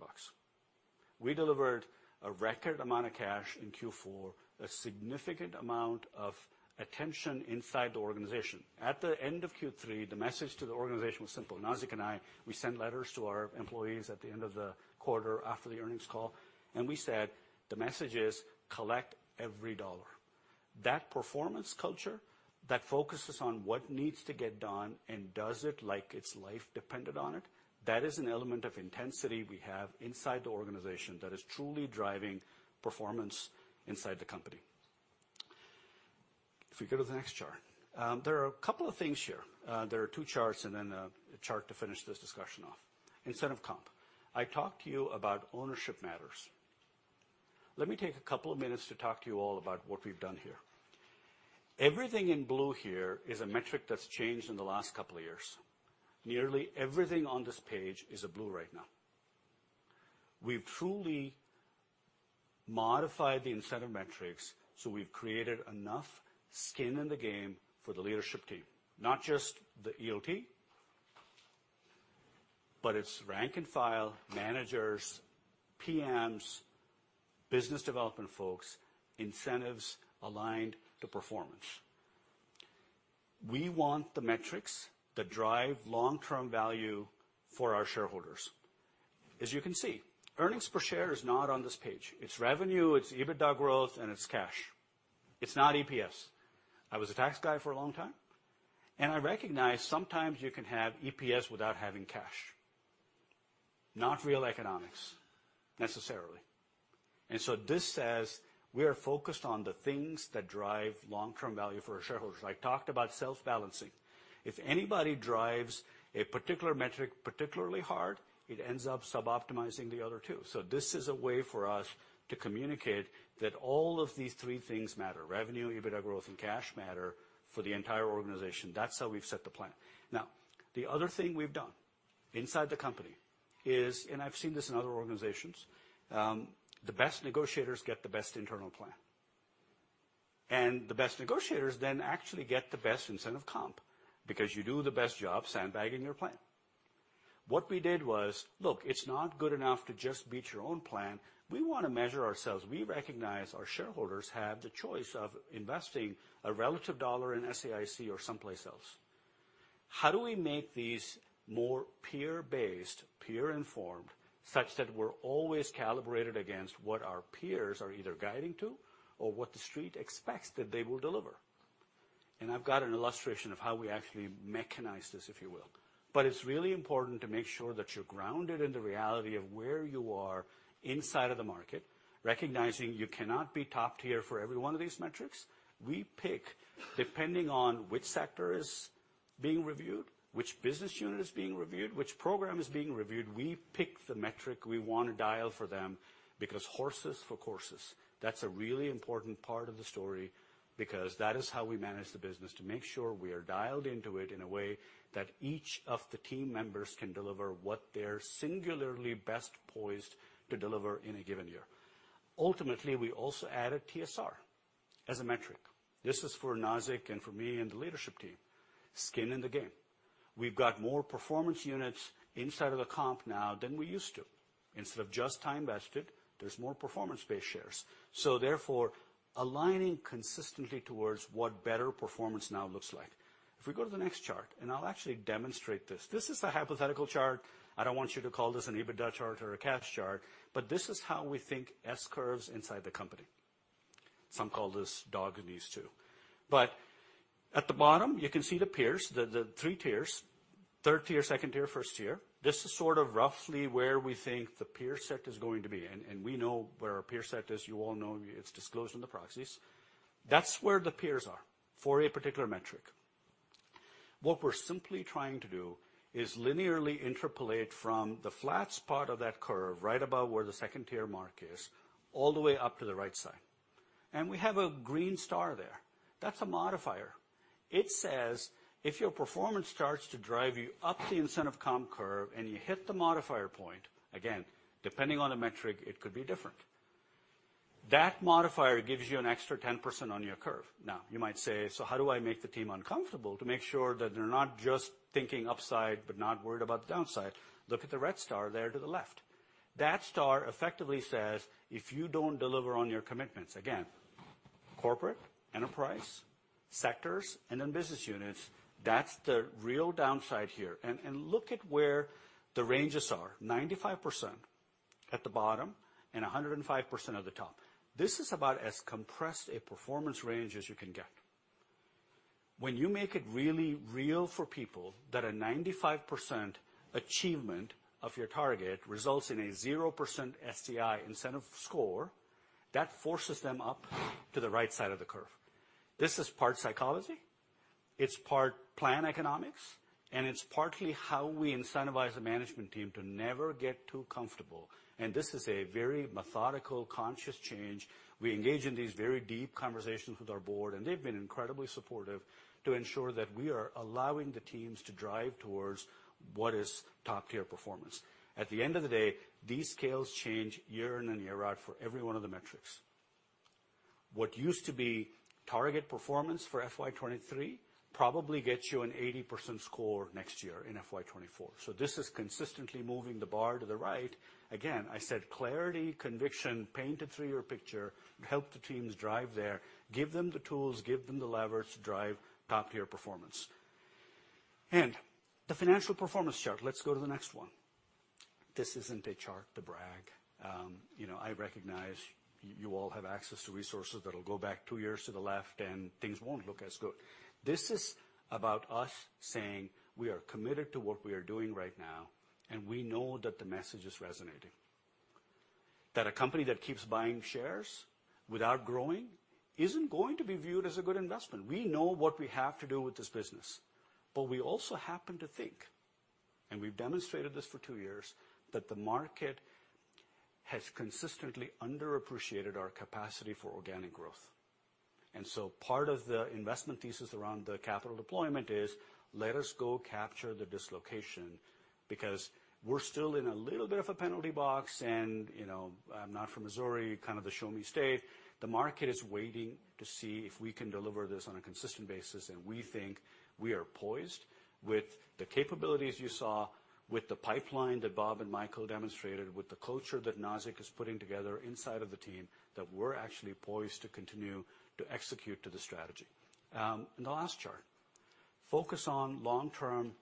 Speaker 5: We delivered a record amount of cash in Q4, a significant amount of attention inside the organization. At the end of Q3, the message to the organization was simple. Nazzic and I sent letters to our employees at the end of the quarter after the earnings call, we said, "The message is collect every dollar." That performance culture that focuses on what needs to get done and does it like its life depended on it, that is an element of intensity we have inside the organization that is truly driving performance inside the company. We go to the next chart, there are a couple of things here. There are 2 charts and then a chart to finish this discussion off. Incentive comp. I talked to you about ownership matters. Let me take a couple of minutes to talk to you all about what we've done here. Everything in blue here is a metric that's changed in the last couple of years. Nearly everything on this page is a blue right now. We've truly modified the incentive metrics, so we've created enough skin in the game for the leadership team, not just the ELT, but it's rank and file, managers, PMs, business development folks, incentives aligned to performance. We want the metrics that drive long-term value for our shareholders. As you can see, earnings per share is not on this page. It's revenue, it's EBITDA growth, and it's cash. It's not EPS. I was a tax guy for a long time, and I recognize sometimes you can have EPS without having cash. Not real economics necessarily. This says we are focused on the things that drive long-term value for our shareholders. I talked about self-balancing. If anybody drives a particular metric particularly hard, it ends up suboptimizing the other two. This is a way for us to communicate that all of these three things matter, revenue, EBITDA growth, and cash matter for the entire organization. That's how we've set the plan. The other thing we've done inside the company is, and I've seen this in other organizations, the best negotiators get the best internal plan. The best negotiators then actually get the best incentive comp because you do the best job sandbagging your plan. What we did was, look, it's not good enough to just beat your own plan. We wanna measure ourselves. We recognize our shareholders have the choice of investing a relative dollar in SAIC or someplace else. How do we make these more peer-based, peer-informed, such that we're always calibrated against what our peers are either guiding to or what The Street expects that they will deliver? I've got an illustration of how we actually mechanize this, if you will. It's really important to make sure that you're grounded in the reality of where you are inside of the market, recognizing you cannot be top tier for every one of these metrics. We pick depending on which sector is being reviewed, which business unit is being reviewed, which program is being reviewed. We pick the metric we wanna dial for them because horses for courses. That's a really important part of the story because that is how we manage the business to make sure we are dialed into it in a way that each of the team members can deliver what they're singularly best poised to deliver in a given year. Ultimately, we also added TSR as a metric. This is for Nazzic and for me and the leadership team. Skin in the game. We've got more performance units inside of the comp now than we used to. Instead of just time vested, there's more performance-based shares. Therefore, aligning consistently towards what better performance now looks like. If we go to the next chart, and I'll actually demonstrate this. This is a hypothetical chart. I don't want you to call this an EBITDA chart or a cash chart, this is how we think S-curves inside the company. Some call this dog ears too. At the bottom, you can see the peers, the three tiers, third tier, second tier, first tier. This is sort of roughly where we think the peer set is going to be, and we know where our peer set is. You all know it's disclosed in the proxies. That's where the peers are for a particular metric. What we're simply trying to do is linearly interpolate from the flat part of that curve, right above where the 2nd tier mark is, all the way up to the right side. We have a green star there. That's a modifier. It says, if your performance starts to drive you up the incentive comp curve and you hit the modifier point, again, depending on the metric, it could be different. That modifier gives you an extra 10% on your curve. You might say, "So how do I make the team uncomfortable to make sure that they're not just thinking upside but not worried about the downside?" Look at the red star there to the left. That star effectively says, if you don't deliver on your commitments, again, corporate, enterprise, sectors, and then business units, that's the real downside here. Look at where the ranges are, 95% at the bottom and 105% at the top. This is about as compressed a performance range as you can get. When you make it really real for people that a 95% achievement of your target results in a 0% SDI incentive score, that forces them up to the right side of the curve. This is part psychology, it's part plan economics, and it's partly how we incentivize the management team to never get too comfortable. This is a very methodical, conscious change. We engage in these very deep conversations with our board, and they've been incredibly supportive to ensure that we are allowing the teams to drive towards what is top-tier performance. At the end of the day, these scales change year- in and year-out for every one of the metrics. What used to be target performance for FY 2023 probably gets you an 80% score next year in FY 2024. This is consistently moving the bar to the right. Again, I said clarity, conviction, paint a three-year picture, help the teams drive there, give them the tools, give them the leverage to drive top-tier performance. The financial performance chart. Let's go to the next one. This isn't a chart to brag. You know, I recognize you all have access to resources that'll go back two years to the left, and things won't look as good. This is about us saying we are committed to what we are doing right now, and we know that the message is resonating. That a company that keeps buying shares without growing isn't going to be viewed as a good investment. We know what we have to do with this business, but we also happen to think, and we've demonstrated this for two years, that the market has consistently underappreciated our capacity for organic growth. Part of the investment thesis around the capital deployment is let us go capture the dislocation, because we're still in a little bit of a penalty box. You know, I'm not from Missouri, kind of the show me state. The market is waiting to see if we can deliver this on a consistent basis. We think we are poised with the capabilities you saw with the pipeline that Bob and Michael demonstrated, with the culture that Nazzic is putting together inside of the team, that we're actually poised to continue to execute to the strategy. The last chart, focus on long-term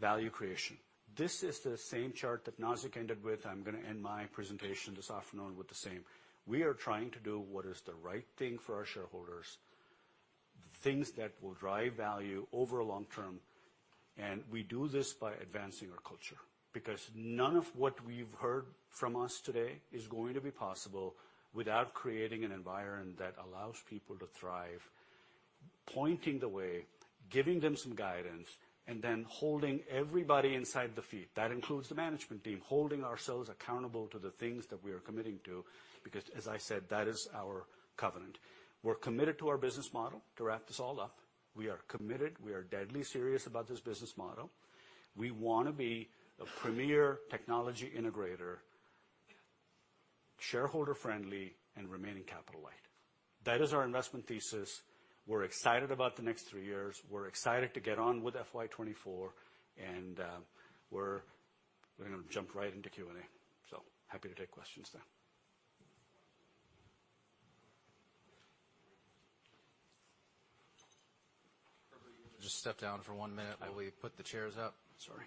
Speaker 5: value creation. This is the same chart that Nazzic ended with. I'm gonna end my presentation this afternoon with the same. We are trying to do what is the right thing for our shareholders, things that will drive value over long term. We do this by advancing our culture, because none of what we've heard from us today is going to be possible without creating an environment that allows people to thrive, pointing the way, giving them some guidance, and then holding everybody inside the feet. That includes the management team, holding ourselves accountable to the things that we are committing to, because as I said, that is our covenant. We're committed to our business model. To wrap this all up, we are committed. We are deadly serious about this business model. We wanna be a premier technology integrator, shareholder-friendly and remaining capital light. That is our investment thesis. We're excited about the next three years. We're excited to get on with FY 2024, and we're gonna jump right into Q&A. Happy to take questions then.
Speaker 1: Just step down for 1 minute while we put the chairs up. Sorry.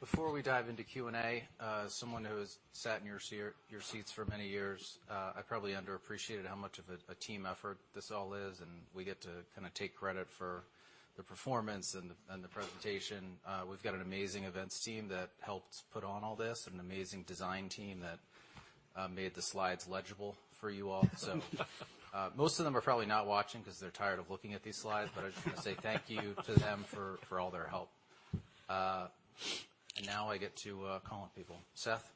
Speaker 1: Before we dive into Q&A, someone who has sat in your seat, your seats for many years, I probably underappreciated how much of a team effort this all is, and we get to kinda take credit for the performance and the presentation. We've got an amazing events team that helped put on all this, an amazing design team that made the slides legible for you all. Most of them are probably not watching 'cause they're tired of looking at these slides. I just wanna say thank you to them for all their help. Now I get to call on people. Seth.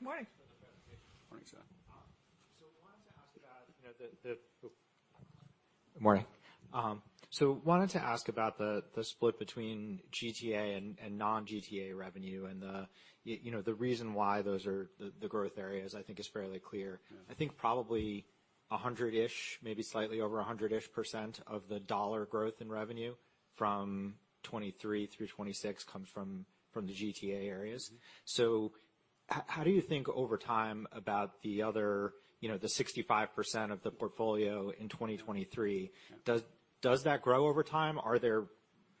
Speaker 2: Morning.
Speaker 1: Morning.
Speaker 6: Thanks for the presentation.
Speaker 5: Morning, Seth.
Speaker 6: Morning. Wanted to ask about the split between GTA and non-GTA revenue. You know, the reason why those are the growth areas, I think is fairly clear.
Speaker 5: Yeah.
Speaker 6: I think probably a hundred-ish, maybe slightly over a hundred-ish % of the dollar growth in revenue from 2023 through 2026 comes from the GTA areas.
Speaker 5: Mm-hmm.
Speaker 6: How do you think over time about the other, you know, the 65% of the portfolio in 2023?
Speaker 5: Yeah.
Speaker 6: Does that grow over time? Are there,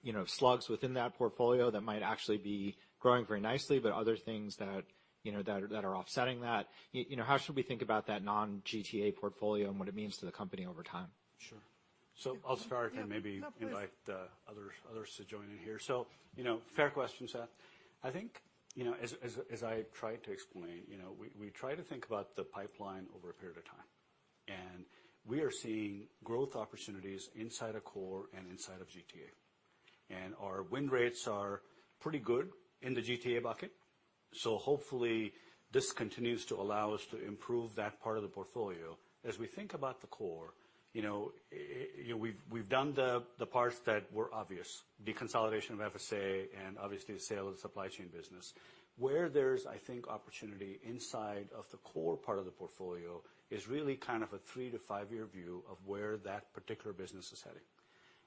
Speaker 6: you know, slugs within that portfolio that might actually be growing very nicely but other things that, you know, that are offsetting that? You know, how should we think about that non-GTA portfolio and what it means to the company over time?
Speaker 5: Sure. I'll start.
Speaker 3: Yeah.
Speaker 5: Maybe invite the others to join in here. You know, fair question, Seth. I think, you know, as I tried to explain, you know, we try to think about the pipeline over a period of time. We are seeing growth opportunities inside of core and inside of GTA. Our win rates are pretty good in the GTA bucket, so hopefully this continues to allow us to improve that part of the portfolio. As we think about the core, you know, we've done the parts that were obvious, the consolidation of FSA and obviously the sale of the Supply Chain business. Where there's, I think, opportunity inside of the core part of the portfolio is really kind of a 3-to-5-year view of where that particular business is heading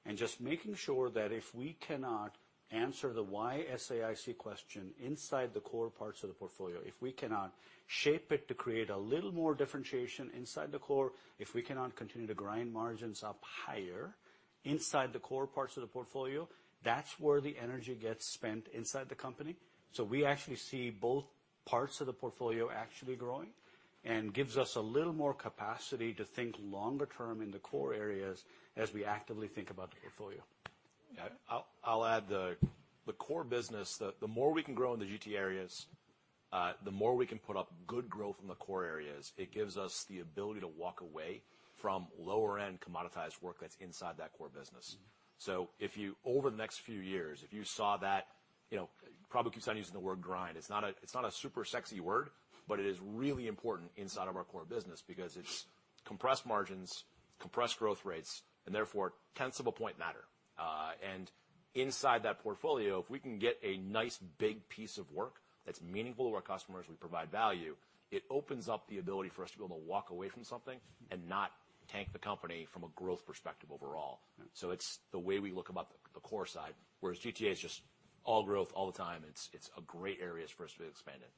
Speaker 5: and just making sure that if we cannot answer the why SAIC question inside the core parts of the portfolio, if we cannot shape it to create a little more differentiation inside the core, if we cannot continue to grind margins up higher inside the core parts of the portfolio, that's where the energy gets spent inside the company. We actually see both parts of the portfolio actually growing and gives us a little more capacity to think longer term in the core areas as we actively think about the portfolio.
Speaker 3: Yeah. I'll add the Core business, the more we can grow in the GT areas, the more we can put up good growth in the core areas, it gives us the ability to walk away from lower-end commoditized work that's inside that Core business. If you over the next few years, if you saw that, you know, probably keeps on using the word grind. It's not a super sexy word, but it is really important inside of our Core business because it's compressed margins, compressed growth rates, and therefore tenths of a point matter. Inside that portfolio, if we can get a nice big piece of work that's meaningful to our customers, we provide value, it opens up the ability for us to be able to walk away from something and not tank the company from a growth perspective overall. It's the way we look about the core side, whereas GTA is just all growth all the time. It's a great area for us to be expanded.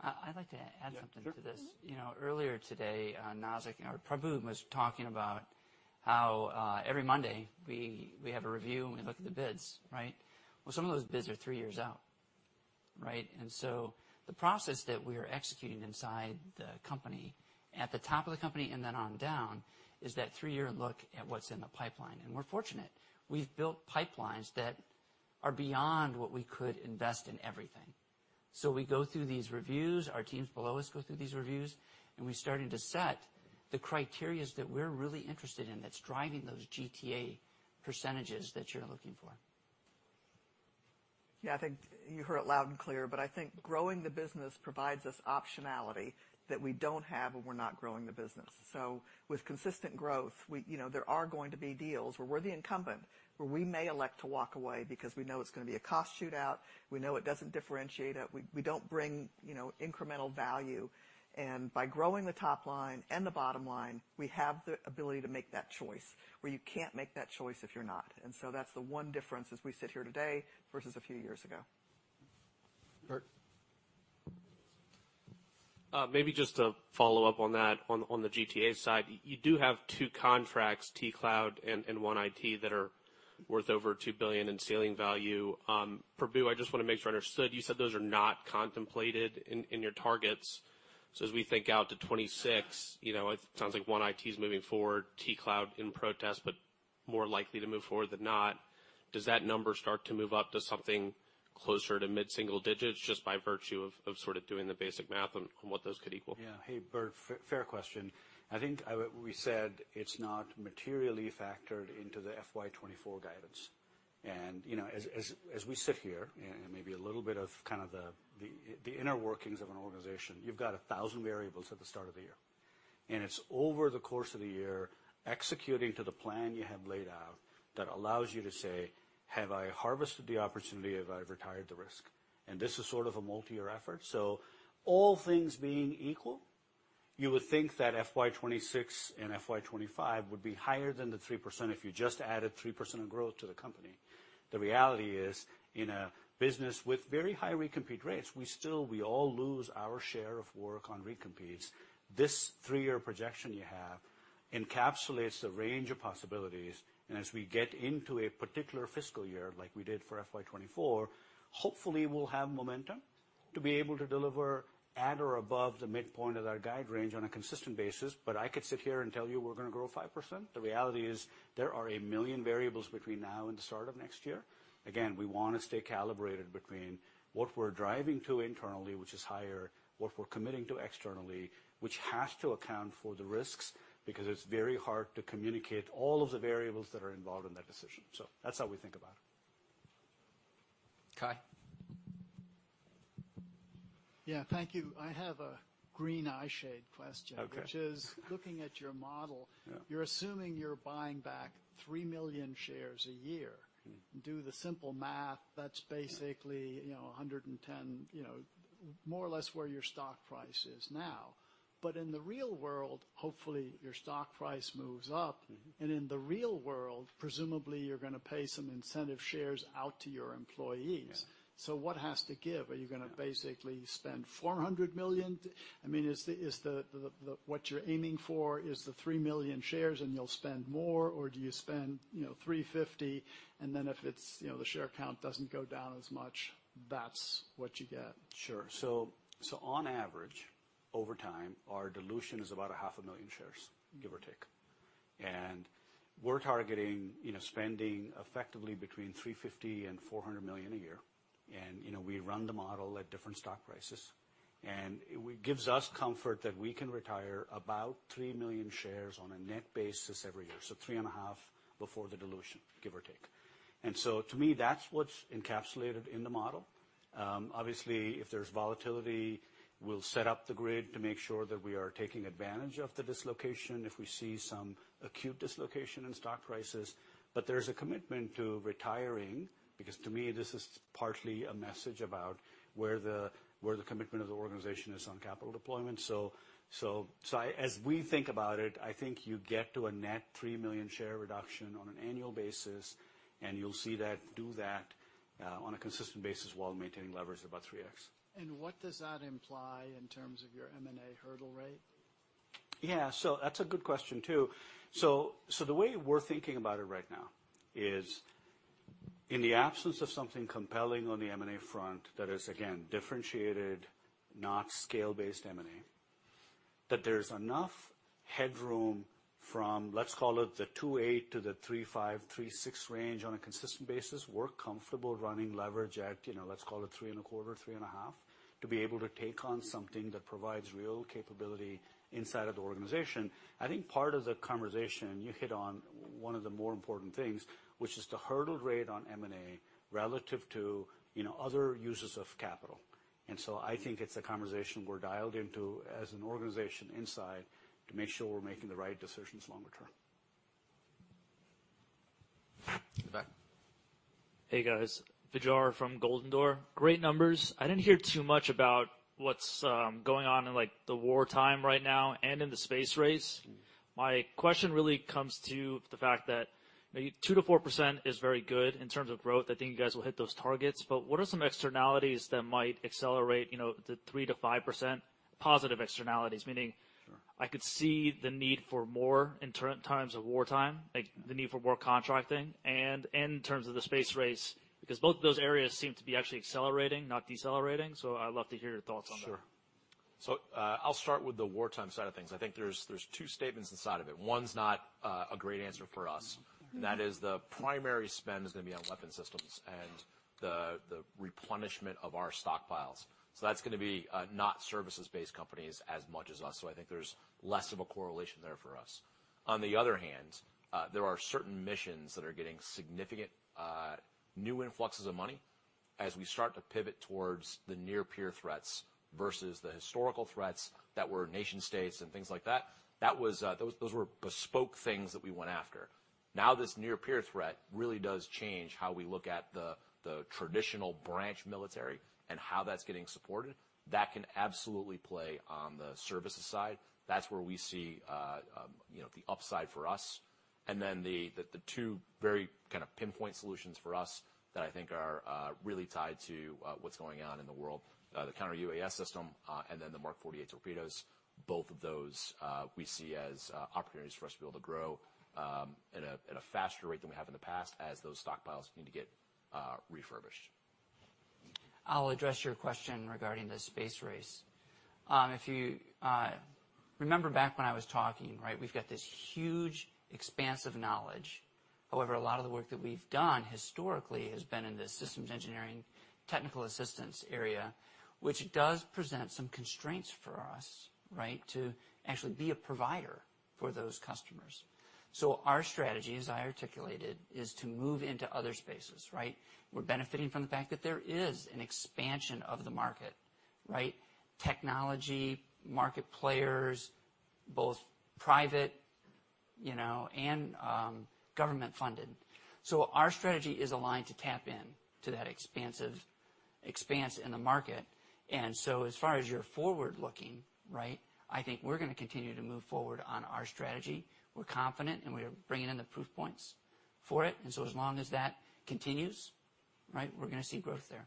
Speaker 4: I'd like to add something to this.
Speaker 3: Yeah, sure.
Speaker 4: You know, earlier today, Nazzic, our Prabu was talking about how every Monday we have a review and we look at the bids, right? Some of those bids are three years out, right? The process that we are executing inside the company, at the top of the company and then on down, is that three-year look at what's in the pipeline. We're fortunate. We've built pipelines that are beyond what we could invest in everything. We go through these reviews, our teams below us go through these reviews, and we're starting to set the criterias that we're really interested in that's driving those GTA percentages that you're looking for.
Speaker 2: Yeah, I think you heard it loud and clear, but I think growing the business provides us optionality that we don't have when we're not growing the business. With consistent growth, we, you know, there are going to be deals where we're the incumbent, where we may elect to walk away because we know it's gonna be a cost shootout, we know it doesn't differentiate it. We don't bring, you know, incremental value. By growing the top line and the bottom line, we have the ability to make that choice where you can't make that choice if you're not. That's the one difference as we sit here today versus a few years ago.
Speaker 3: Bert.
Speaker 6: Maybe just to follow up on that, on the GTA side, you do have two contracts, T-Cloud and One IT that are worth over $2 billion in ceiling value. Prabu, I just wanna make sure I understood. You said those are not contemplated in your targets. As we think out to 2026, you know, it sounds like One IT is moving forward, T-Cloud in protest, but more likely to move forward than not. Does that number start to move up to something closer to mid-single digits just by virtue of sort of doing the basic math on what those could equal?
Speaker 5: Yeah. Hey, Bert, fair question. I think we said it's not materially factored into the FY 2024 guidance. You know, as we sit here and maybe a little bit of kind of the inner workings of an organization, you've got 1,000 variables at the start of the year. It's over the course of the year executing to the plan you have laid out that allows you to say, "Have I harvested the opportunity? Have I retired the risk?" This is sort of a multi-year effort. All things being equal, you would think that FY 2026 and FY 2025 would be higher than the 3% if you just added 3% of growth to the company. The reality is, in a business with very high recompete rates, we all lose our share of work on recompetes. This three-year projection you have encapsulates the range of possibilities. As we get into a particular fiscal year, like we did for FY 2024, hopefully we'll have momentum to be able to deliver at or above the midpoint of our guide range on a consistent basis. I could sit here and tell you we're gonna grow 5%. The reality is there are a million variables between now and the start of next year. Again, we wanna stay calibrated between what we're driving to internally, which is higher, what we're committing to externally, which has to account for the risks because it's very hard to communicate all of the variables that are involved in that decision. That's how we think about it.
Speaker 3: Cai.
Speaker 7: Yeah. Thank you. I have a green eye shade question.
Speaker 5: Okay.
Speaker 7: Which is looking at your model-
Speaker 5: Yeah.
Speaker 7: you're assuming you're buying back 3 million shares a year.
Speaker 5: Mm-hmm.
Speaker 7: Do the simple math, that's basically, you know, $110, you know, more or less where your stock price is now. In the real world, hopefully, your stock price moves up.
Speaker 5: Mm-hmm.
Speaker 7: In the real world, presumably, you're gonna pay some incentive shares out to your employees.
Speaker 5: Yeah.
Speaker 7: What has to give? Are you gonna basically spend $400 million? I mean, is what you're aiming for is the 3 million shares, and you'll spend more, or do you spend, you know, $350, and then if it's, you know, the share count doesn't go down as much, that's what you get?
Speaker 5: Sure. On average, over time, our dilution is about 0.5 million shares, give or take. We're targeting, you know, spending effectively between $350 million-$400 million a year. We run the model at different stock prices, and it gives us comfort that we can retire about 3 million shares on a net basis every year. 3.5 before the dilution, give or take. To me, that's what's encapsulated in the model. Obviously, if there's volatility, we'll set up the grid to make sure that we are taking advantage of the dislocation if we see some acute dislocation in stock prices. There's a commitment to retiring because to me, this is partly a message about where the commitment of the organization is on capital deployment. As we think about it, I think you get to a net 3 million share reduction on an annual basis. You'll see that do that on a consistent basis while maintaining leverage about 3x.
Speaker 7: What does that imply in terms of your M&A hurdle rate?
Speaker 5: Yeah. That's a good question, too. The way we're thinking about it right now is in the absence of something compelling on the M&A front that is again, differentiated, not scale-based M&A. That there's enough headroom from, let's call it, the 2.8 to the 3.5, 3.6 range on a consistent basis. We're comfortable running leverage at, you know, let's call it 3.25, 3.5, to be able to take on something that provides real capability inside of the organization. I think part of the conversation, you hit on one of the more important things, which is the hurdle rate on M&A relative to, you know, other uses of capital. I think it's a conversation we're dialed into as an organization inside to make sure we're making the right decisions longer term.
Speaker 1: In the back.
Speaker 8: Hey, guys. Vijar from Golden Door. Great numbers. I didn't hear too much about what's going on in, like, the wartime right now and in the space race. My question really comes to the fact that maybe 2%-4% is very good in terms of growth. I think you guys will hit those targets. What are some externalities that might accelerate, you know, the 3%-5% positive externalities?
Speaker 4: Sure.
Speaker 8: I could see the need for more in ter-times of wartime, like the need for more contracting and in terms of the space race, because both of those areas seem to be actually accelerating, not decelerating. I'd love to hear your thoughts on that.
Speaker 4: Sure.
Speaker 3: I'll start with the wartime side of things. I think there's 2 statements inside of it. One's not, a great answer for us.
Speaker 4: Mm-hmm.
Speaker 3: That is the primary spend is gonna be on weapon systems and the replenishment of our stockpiles. That's gonna be not services-based companies as much as us. I think there's less of a correlation there for us. On the other hand, there are certain missions that are getting significant new influxes of money as we start to pivot towards the near peer threats versus the historical threats that were nation-states and things like that. That was those were bespoke things that we went after. Now, this near peer threat really does change how we look at the traditional branch military and how that's getting supported. That can absolutely play on the services side. That's where we see, you know, the upside for us. The two very kind of pinpoint solutions for us that I think are really tied to what's going on in the world, the counter-UAS system, and then the Mark 48 torpedoes, both of those we see as opportunities for us to be able to grow at a faster rate than we have in the past, as those stockpiles need to get refurbished.
Speaker 4: I'll address your question regarding the space race. If you remember back when I was talking, right, we've got this huge expanse of knowledge. However, a lot of the work that we've done historically has been in the systems engineering, technical assistance area, which does present some constraints for us, right, to actually be a provider for those customers. Our strategy, as I articulated, is to move into other spaces, right. We're benefiting from the fact that there is an expansion of the market, right. Technology, market players, both private, and government funded. Our strategy is aligned to tap in to that expansive expanse in the market. As far as you're forward-looking, right, I think we're gonna continue to move forward on our strategy. We're confident, and we're bringing in the proof points for it. As long as that continues, right, We're gonna see growth there.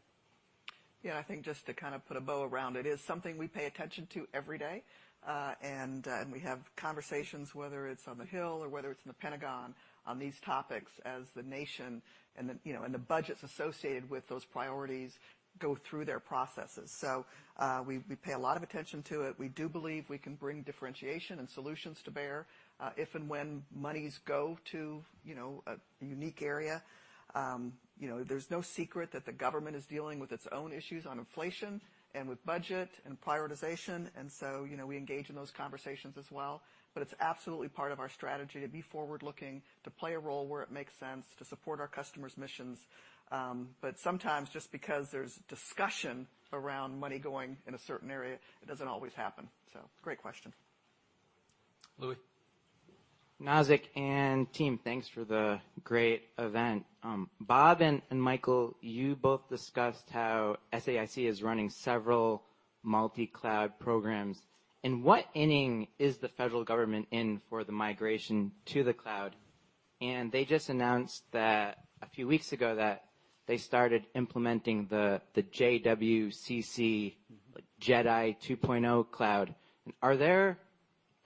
Speaker 2: Yeah. I think just to kind of put a bow around it's something we pay attention to every day. We have conversations, whether it's on the Hill or whether it's in the Pentagon, on these topics as the nation and the, you know, and the budgets associated with those priorities go through their processes. We pay a lot of attention to it. We do believe we can bring differentiation and solutions to bear if and when monies go to, you know, a unique area. You know, there's no secret that the government is dealing with its own issues on inflation and with budget and prioritization, and so, you know, we engage in those conversations as well. It's absolutely part of our strategy to be forward-looking, to play a role where it makes sense, to support our customers' missions. Sometimes just because there's discussion around money going in a certain area, it doesn't always happen. Great question.
Speaker 4: Louis.
Speaker 9: Nazzic and team, thanks for the great event. Bob and Michael, you both discussed how SAIC is running several multi-cloud programs. What inning is the federal government in for the migration to the cloud? They just announced that a few weeks ago that they started implementing the JWCC JEDI 2.0 cloud. Are there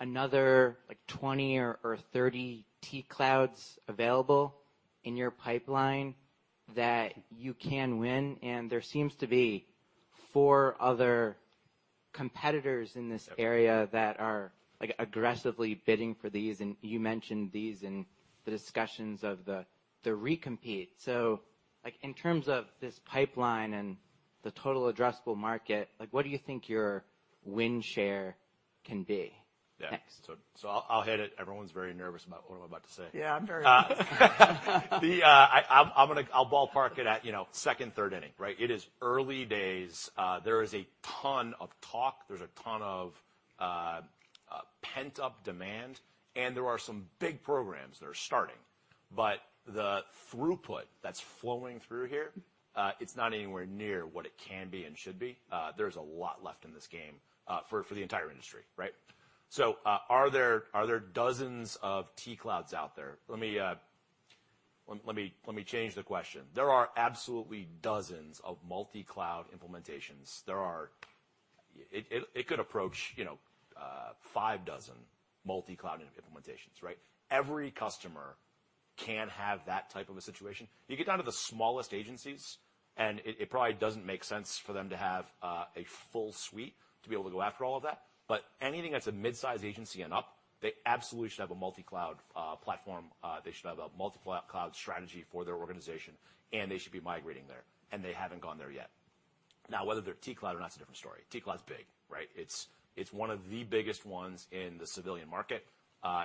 Speaker 9: another, like, 20 or 30 T-Clouds available in your pipeline that you can win? There seems to be four other competitors in this area that are, like, aggressively bidding for these, and you mentioned these in the discussions of the recompete. Like, in terms of this pipeline and the total addressable market, like, what do you think your win share can be next?
Speaker 3: Yeah. I'll hit it. Everyone's very nervous about what I'm about to say.
Speaker 2: Yeah, I'm very.
Speaker 3: I'll ballpark it at, you know, second, third inning, right? It is early days. There is a ton of talk, there's a ton of pent-up demand, and there are some big programs that are starting. The throughput that's flowing through here, it's not anywhere near what it can be and should be. There's a lot left in this game for the entire industry, right? Are there dozens of T-Clouds out there? Let me change the question. There are absolutely dozens of multi-cloud implementations. It could approach, you know, five dozen multi-cloud implementations, right? Every customer can have that type of a situation. You get down to the smallest agencies, and it probably doesn't make sense for them to have a full suite to be able to go after all of that. Anything that's a mid-size agency and up, they absolutely should have a multi-cloud platform. They should have a multi-cloud strategy for their organization, and they should be migrating there, and they haven't gone there yet. Whether they're T-Cloud or not, it's a different story. T-Cloud's big, right? It's one of the biggest ones in the civilian market,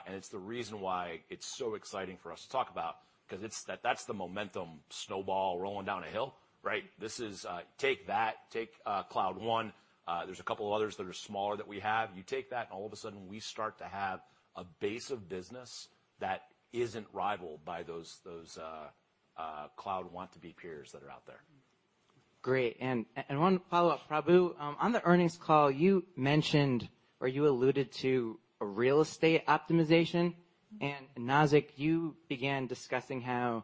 Speaker 3: and it's the reason why it's so exciting for us to talk about, 'cause that's the momentum snowball rolling down a hill, right? This is, take that, take Cloud One, there's a couple of others that are smaller that we have. You take that, and all of a sudden we start to have a base of business that isn't rivaled by those cloud want-to-be peers that are out there.
Speaker 9: Great. One follow-up. Prabu, on the earnings call, you mentioned or you alluded to a real estate optimization. Nazzic, you began discussing how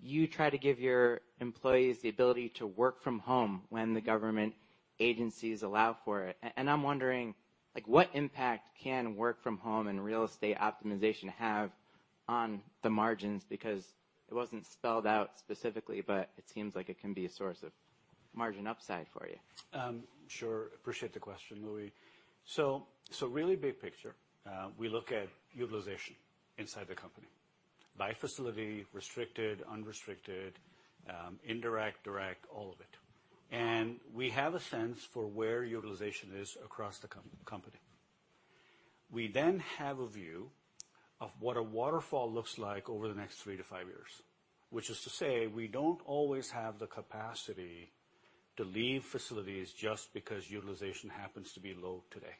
Speaker 9: you try to give your employees the ability to work from home when the government agencies allow for it. I'm wondering, like what impact can work from home and real estate optimization have on the margins? It wasn't spelled out specifically, but it seems like it can be a source of margin upside for you.
Speaker 5: Sure. Appreciate the question, Louie. Really big picture, we look at utilization inside the company by facility, restricted, unrestricted, indirect, direct, all of it. We have a sense for where utilization is across the company. We then have a view of what a waterfall looks like over the next 3 to 5 years, which is to say we don't always have the capacity to leave facilities just because utilization happens to be low today.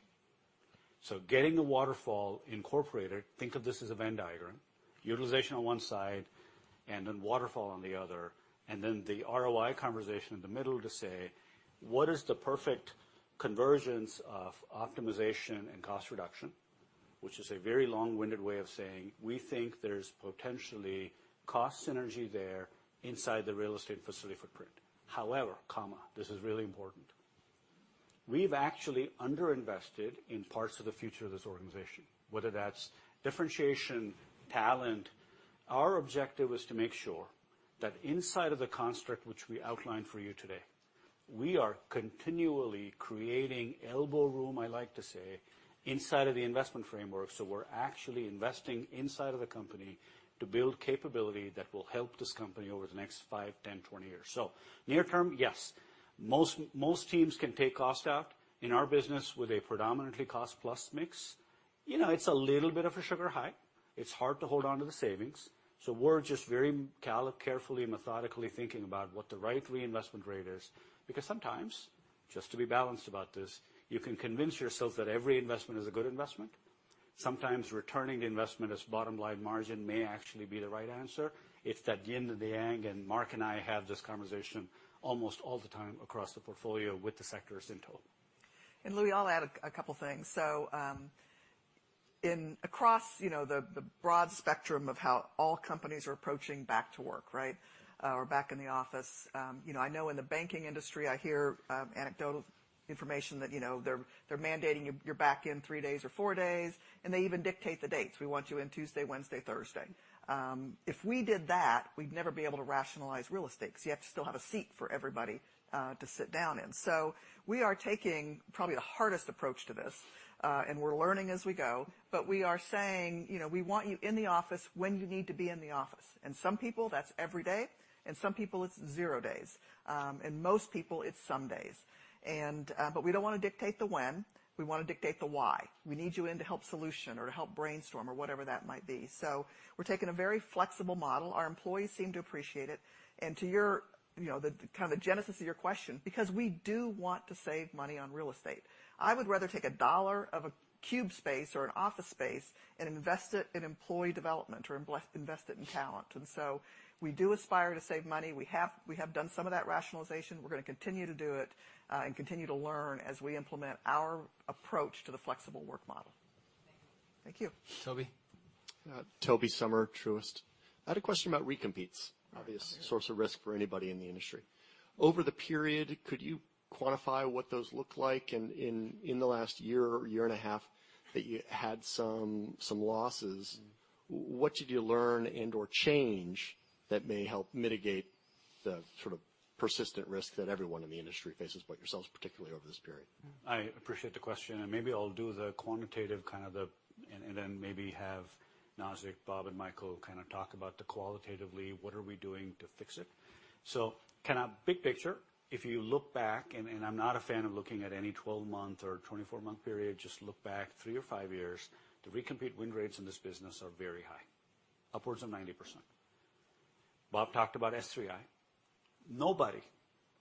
Speaker 5: Getting the waterfall incorporated, think of this as a Venn diagram, utilization on 1 side and then waterfall on the other, and then the ROI conversation in the middle to say, what is the perfect convergence of optimization and cost reduction, which is a very long-winded way of saying we think there's potentially cost synergy there inside the real estate facility footprint. However, comma, this is really important. We've actually underinvested in parts of the future of this organization, whether that's differentiation, talent. Our objective is to make sure that inside of the construct which we outlined for you today, we are continually creating elbow room, I like to say, inside of the investment framework, so we're actually investing inside of the company to build capability that will help this company over the next five, 10, 20 years. Near term, yes, most teams can take cost out. In our business with a predominantly cost-plus mix, you know, it's a little bit of a sugar high. It's hard to hold onto the savings, so we're just very carefully, methodically thinking about what the right reinvestment rate is, because sometimes, just to be balanced about this, you can convince yourself that every investment is a good investment. Sometimes returning the investment as bottom line margin may actually be the right answer. It's that yin and the yang, and Mark and I have this conversation almost all the time across the portfolio with the sectors in total.
Speaker 2: Louie, I'll add a couple things. across, you know, the broad spectrum of how all companies are approaching back to work, right, or back in the office, you know, I know in the banking industry I hear anecdotal information that, you know, they're mandating you're back in three days or four days, and they even dictate the dates. We want you in Tuesday, Wednesday, Thursday. If we did that, we'd never be able to rationalize real estate 'cause you have to still have a seat for everybody to sit down in. We are taking probably the hardest approach to this, and we're learning as we go, but we are saying, you know, "We want you in the office when you need to be in the office." Some people, that's every day, and some people, it's zero days. Most people, it's some days. We don't wanna dictate the when, we wanna dictate the why. We need you in to help solution or to help brainstorm or whatever that might be. We're taking a very flexible model. Our employees seem to appreciate it. To your, you know, the kind of the genesis of your question, because we do want to save money on real estate. I would rather take $1 of a cube space or an office space and invest it in employee development or invest it in talent. We do aspire to save money. We have done some of that rationalization. We're going to continue to do it and continue to learn as we implement our approach to the flexible work model.
Speaker 9: Thank you.
Speaker 2: Thank you.
Speaker 1: Tobey?
Speaker 10: Tobey Sommer, Truist. I had a question about recompetes, obvious source of risk for anybody in the industry. Over the period, could you quantify what those looked like in the last year or year and a half that you had some losses? What did you learn and/or change that may help mitigate the sort of persistent risk that everyone in the industry faces, but yourselves particularly over this period?
Speaker 5: I appreciate the question. Maybe I'll do the quantitative, kind of the. Then maybe have Nazzic, Bob, and Michael kind of talk about the qualitatively what are we doing to fix it. Kinda big picture, if you look back, and I'm not a fan of looking at any 12-month or 24-month period, just look back 3 or 5 years, the recompete win rates in this business are very high, upwards of 90%. Bob talked about S3I. Nobody,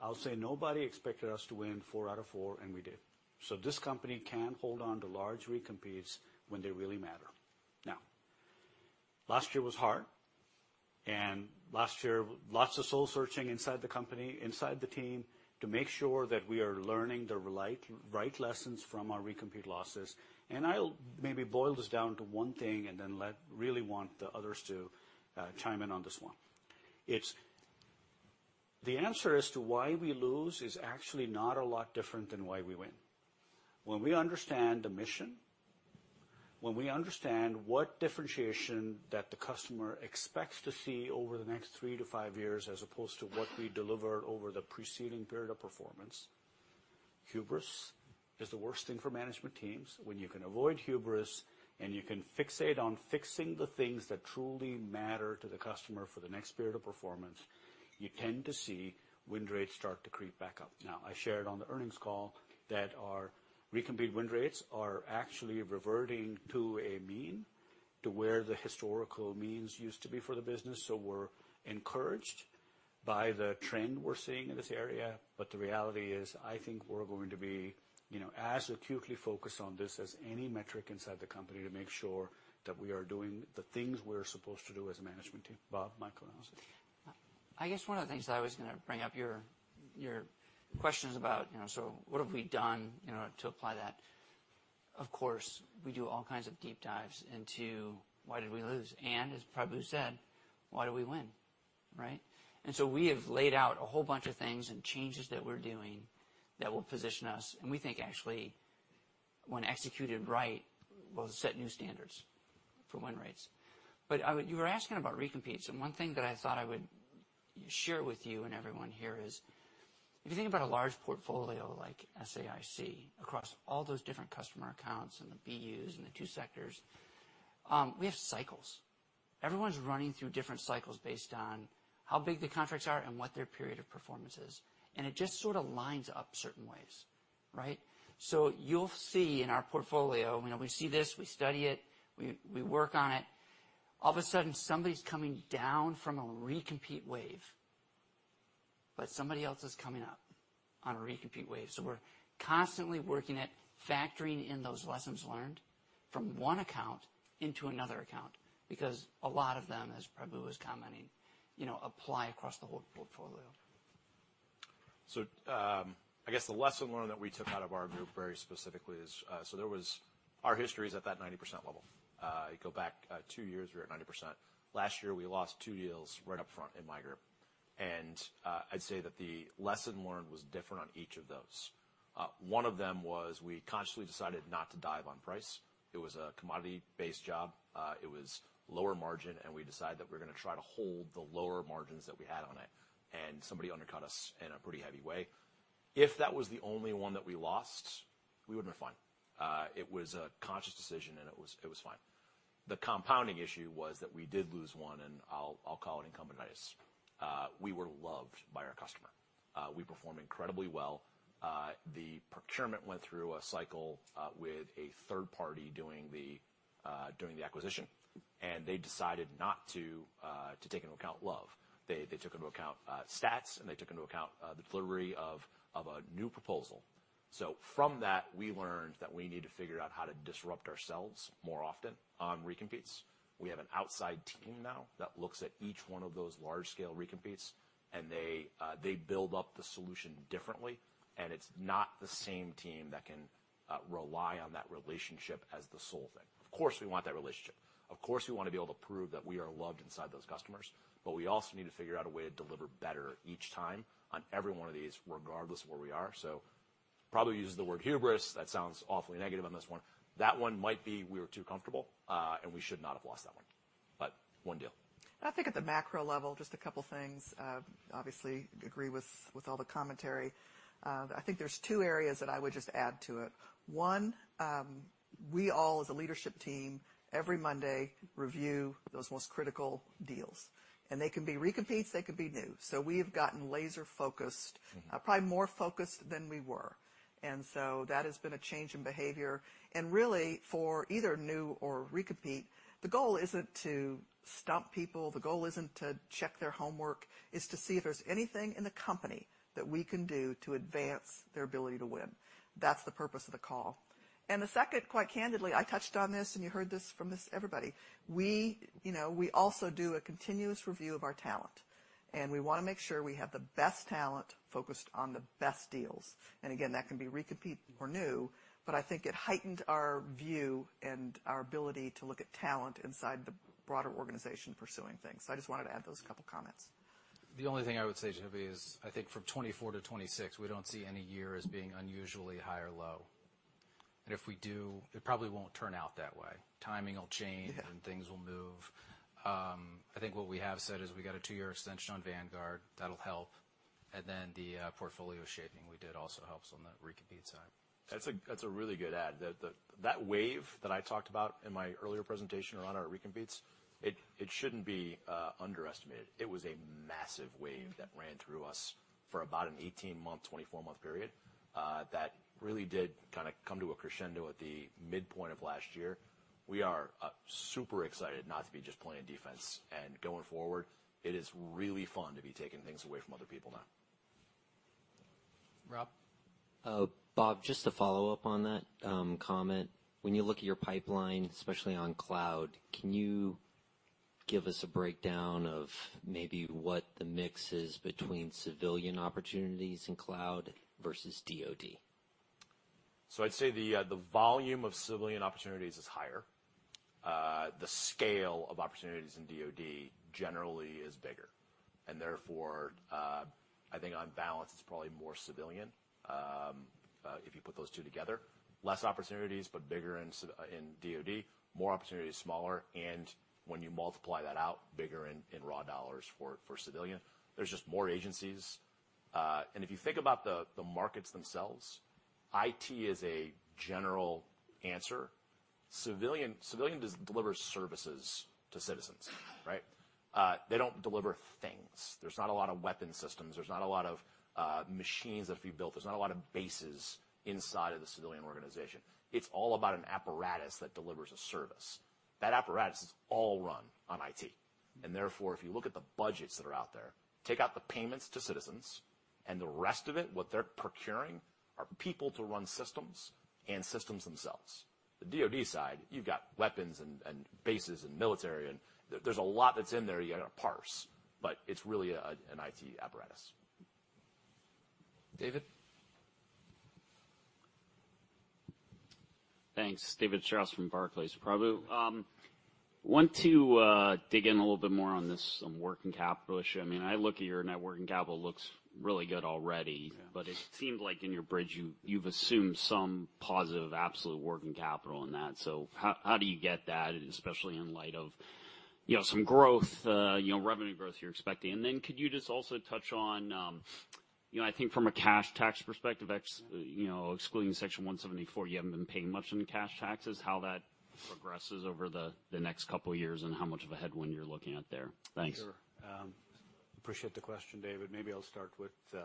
Speaker 5: I'll say nobody expected us to win 4 out of 4, and we did. This company can hold on to large recompetes when they really matter. Last year was hard. Last year, lots of soul searching inside the company, inside the team to make sure that we are learning the right lessons from our recompete losses. I'll maybe boil this down to one thing and then really want the others to chime in on this one. The answer as to why we lose is actually not a lot different than why we win. When we understand the mission, when we understand what differentiation that the customer expects to see over the next 3-5 years, as opposed to what we deliver over the preceding period of performance, hubris is the worst thing for management teams. When you can avoid hubris and you can fixate on fixing the things that truly matter to the customer for the next period of performance, you tend to see win rates start to creep back up. I shared on the earnings call that our recompete win rates are actually reverting to a mean to where the historical means used to be for the business. We're encouraged by the trend we're seeing in this area. The reality is, I think we're going to be, you know, as acutely focused on this as any metric inside the company to make sure that we are doing the things we're supposed to do as a management team. Bob, Michael, and Allison.
Speaker 4: I guess one of the things that I was gonna bring up, your questions about, you know, so what have we done, you know, to apply that? Of course, we do all kinds of deep dives into why did we lose, and as Prabu said, why do we win, right? We have laid out a whole bunch of things and changes that we're doing that will position us, and we think actually, when executed right, will set new standards for win rates. You were asking about recompetes, and one thing that I thought I would share with you and everyone here is, if you think about a large portfolio like SAIC, across all those different customer accounts and the BUs and the 2 sectors, we have cycles. Everyone's running through different cycles based on how big the contracts are and what their period of performance is. It just sort of lines up certain ways, right? You'll see in our portfolio, you know, we see this, we study it, we work on it. All of a sudden, somebody's coming down from a recompete wave, but somebody else is coming up on a recompete wave. We're constantly working at factoring in those lessons learned from one account into another account, because a lot of them, as Prabu was commenting, you know, apply across the whole portfolio.
Speaker 3: I guess the lesson learned that we took out of our group very specifically is, our history is at that 90% level. You go back, two years, we were at 90%. Last year, we lost two deals right up front in my group. I'd say that the lesson learned was different on each of those. One of them was we consciously decided not to dive on price. It was a commodity-based job. It was lower margin, and we decided that we're gonna try to hold the lower margins that we had on it, and somebody undercut us in a pretty heavy way. If that was the only one that we lost, we would've been fine. It was a conscious decision, and it was fine. The compounding issue was that we did lose one, and I'll call it incumbent bias. We were loved by our customer. We performed incredibly well. The procurement went through a cycle with a third party doing the doing the acquisition, and they decided not to to take into account love. They took into account stats, and they took into account the delivery of a new proposal. From that, we learned that we need to figure out how to disrupt ourselves more often on recompetes. We have an outside team now that looks at each one of those large-scale recompetes, and they they build up the solution differently, and it's not the same team that can rely on that relationship as the sole thing. Of course, we want that relationship. Of course, we wanna be able to prove that we are loved inside those customers, but we also need to figure out a way to deliver better each time on every one of these, regardless of where we are. Prabu uses the word hubris. That sounds awfully negative on this one. That one might be we were too comfortable, and we should not have lost that one. One deal.
Speaker 2: I think at the macro level, just a couple things. obviously agree with all the commentary. I think there's two areas that I would just add to it. One, we all as a leadership team, every Monday review those most critical deals, and they can be recompetes, they could be new. we've gotten laser focused, probably more focused than we were. that has been a change in behavior. really, for either new or recompete, the goal isn't to stump people. The goal isn't to check their homework. It's to see if there's anything in the company that we can do to advance their ability to win. That's the purpose of the call. the second, quite candidly, I touched on this, and you heard this from everybody. We, you know, we also do a continuous review of our talent, and we wanna make sure we have the best talent focused on the best deals. Again, that can be recompete or new, but I think it heightened our view and our ability to look at talent inside the broader organization pursuing things. I just wanted to add those couple comments.
Speaker 1: The only thing I would say, Genevieve, is I think from 2024 to 2026, we don't see any year as being unusually high or low. If we do, it probably won't turn out that way. Timing will change...
Speaker 2: Yeah.
Speaker 1: things will move. I think what we have said is we got a two-year extension on Vanguard that'll help. the portfolio shaping we did also helps on the recompete side.
Speaker 3: That's a really good add. That wave that I talked about in my earlier presentation around our recompetes, it shouldn't be underestimated. It was a massive wave that ran through us for about an 18-month, 24-month period, that really did kinda come to a crescendo at the midpoint of last year. We are super excited not to be just playing defense. Going forward, it is really fun to be taking things away from other people now.
Speaker 1: Rob?
Speaker 11: Bob, just to follow up on that comment, when you look at your pipeline, especially on cloud, can you give us a breakdown of maybe what the mix is between civilian opportunities in cloud versus DoD?
Speaker 3: I'd say the volume of civilian opportunities is higher. The scale of opportunities in DoD generally is bigger. Therefore, I think on balance, it's probably more civilian if you put those two together. Less opportunities, but bigger in DoD. More opportunities, smaller, and when you multiply that out, bigger in raw dollars for civilian. There's just more agencies. If you think about the markets themselves, IT is a general answer. Civilian does deliver services to citizens, right? They don't deliver things. There's not a lot of weapons systems. There's not a lot of machines that we built. There's not a lot of bases inside of the civilian organization. It's all about an apparatus that delivers a service. That apparatus is all run on IT. Therefore, if you look at the budgets that are out there, take out the payments to citizens, and the rest of it, what they're procuring, are people to run systems and systems themselves. The DoD side, you've got weapons and bases and military, and there's a lot that's in there you gotta parse, but it's really, an IT apparatus.
Speaker 1: David?
Speaker 12: Thanks. David Strauss from Barclays. Prabu, want to dig in a little bit more on this, some working capital issue. I mean, I look at your net working capital, it looks really good already.
Speaker 5: Yeah.
Speaker 12: It seemed like in your bridge, you've assumed some positive absolute working capital in that. How do you get that, especially in light of, you know, some growth, you know, revenue growth you're expecting? Then could you just also touch on, you know, I think from a cash tax perspective, excluding Section 174, you haven't been paying much in cash taxes, how that progresses over the next couple of years and how much of a headwind you're looking at there. Thanks.
Speaker 5: Sure. Appreciate the question, David. Maybe I'll start with the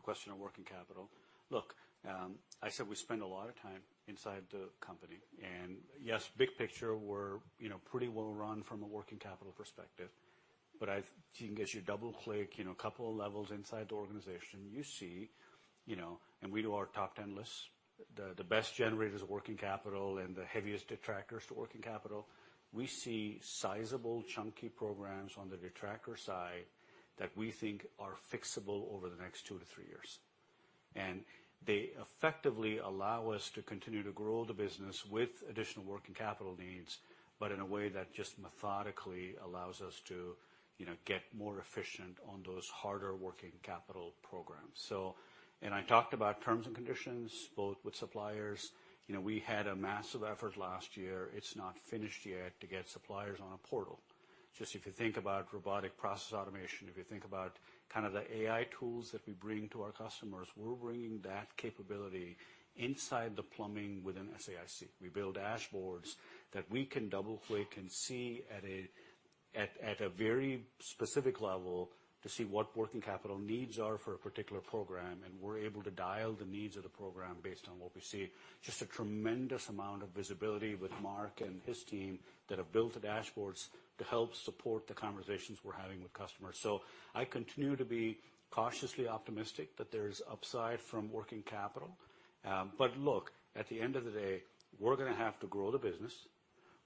Speaker 5: question on working capital. Look, I said we spend a lot of time inside the company. Yes, big picture, we're, you know, pretty well run from a working capital perspective. As you double-click, you know, a couple of levels inside the organization, you see, you know, and we do our top 10 lists, the best generators of working capital and the heaviest detractors to working capital. We see sizable, chunky programs on the detractor side that we think are fixable over the next 2-3 years. They effectively allow us to continue to grow the business with additional working capital needs, but in a way that just methodically allows us to, you know, get more efficient on those harder working capital programs. I talked about terms and conditions, both with suppliers. You know, we had a massive effort last year, it's not finished yet, to get suppliers on a portal. Just if you think about robotic process automation, if you think about kind of the AI tools that we bring to our customers, we're bringing that capability inside the plumbing within SAIC. We build dashboards that we can double-click and see at a very specific level to see what working capital needs are for a particular program, and we're able to dial the needs of the program based on what we see. Just a tremendous amount of visibility with Mark and his team that have built the dashboards to help support the conversations we're having with customers. I continue to be cautiously optimistic that there's upside from working capital. At the end of the day, we're gonna have to grow the business,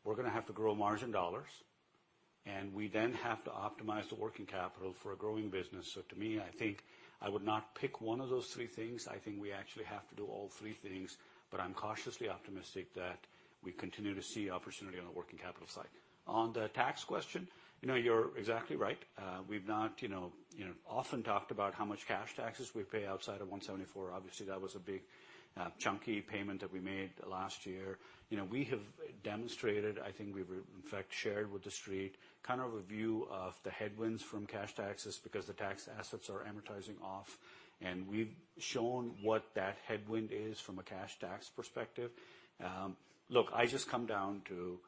Speaker 5: we're gonna have to grow margin dollars, and we then have to optimize the working capital for a growing business. I think I would not pick one of those three things. I think we actually have to do all three things, but I'm cautiously optimistic that we continue to see opportunity on the working capital side. You're exactly right. We've not often talked about how much cash taxes we pay outside of Section 174. Obviously, that was a big, chunky payment that we made last year. We have demonstrated, I think we've in fact shared with the street kind of a view of the headwinds from cash taxes because the tax assets are amortizing off. We've shown what that headwind is from a cash tax perspective. Look, I just come down to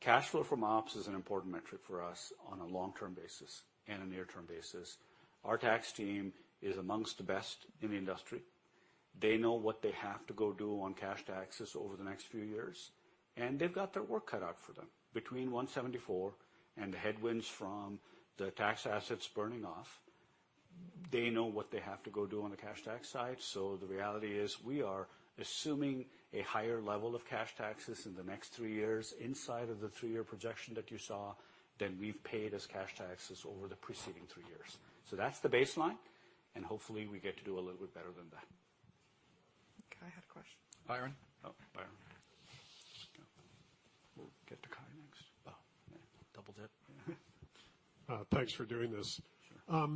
Speaker 5: cash flow from ops is an important metric for us on a long-term basis and a near-term basis. Our tax team is amongst the best in the industry. They know what they have to go do on cash taxes over the next few years, and they've got their work cut out for them. Between Section 174 and the headwinds from the tax assets burning off, they know what they have to go do on the cash tax side. The reality is, we are assuming a higher level of cash taxes in the next 3 years inside of the 3-year projection that you saw than we've paid as cash taxes over the preceding 3 years. That's the baseline, and hopefully, we get to do a little bit better than that.
Speaker 2: Cai had a question.
Speaker 1: Byron? Oh, Byron. We'll get to Cai next.
Speaker 13: Oh, double dip.
Speaker 5: Yeah.
Speaker 13: Thanks for doing this.
Speaker 5: Sure.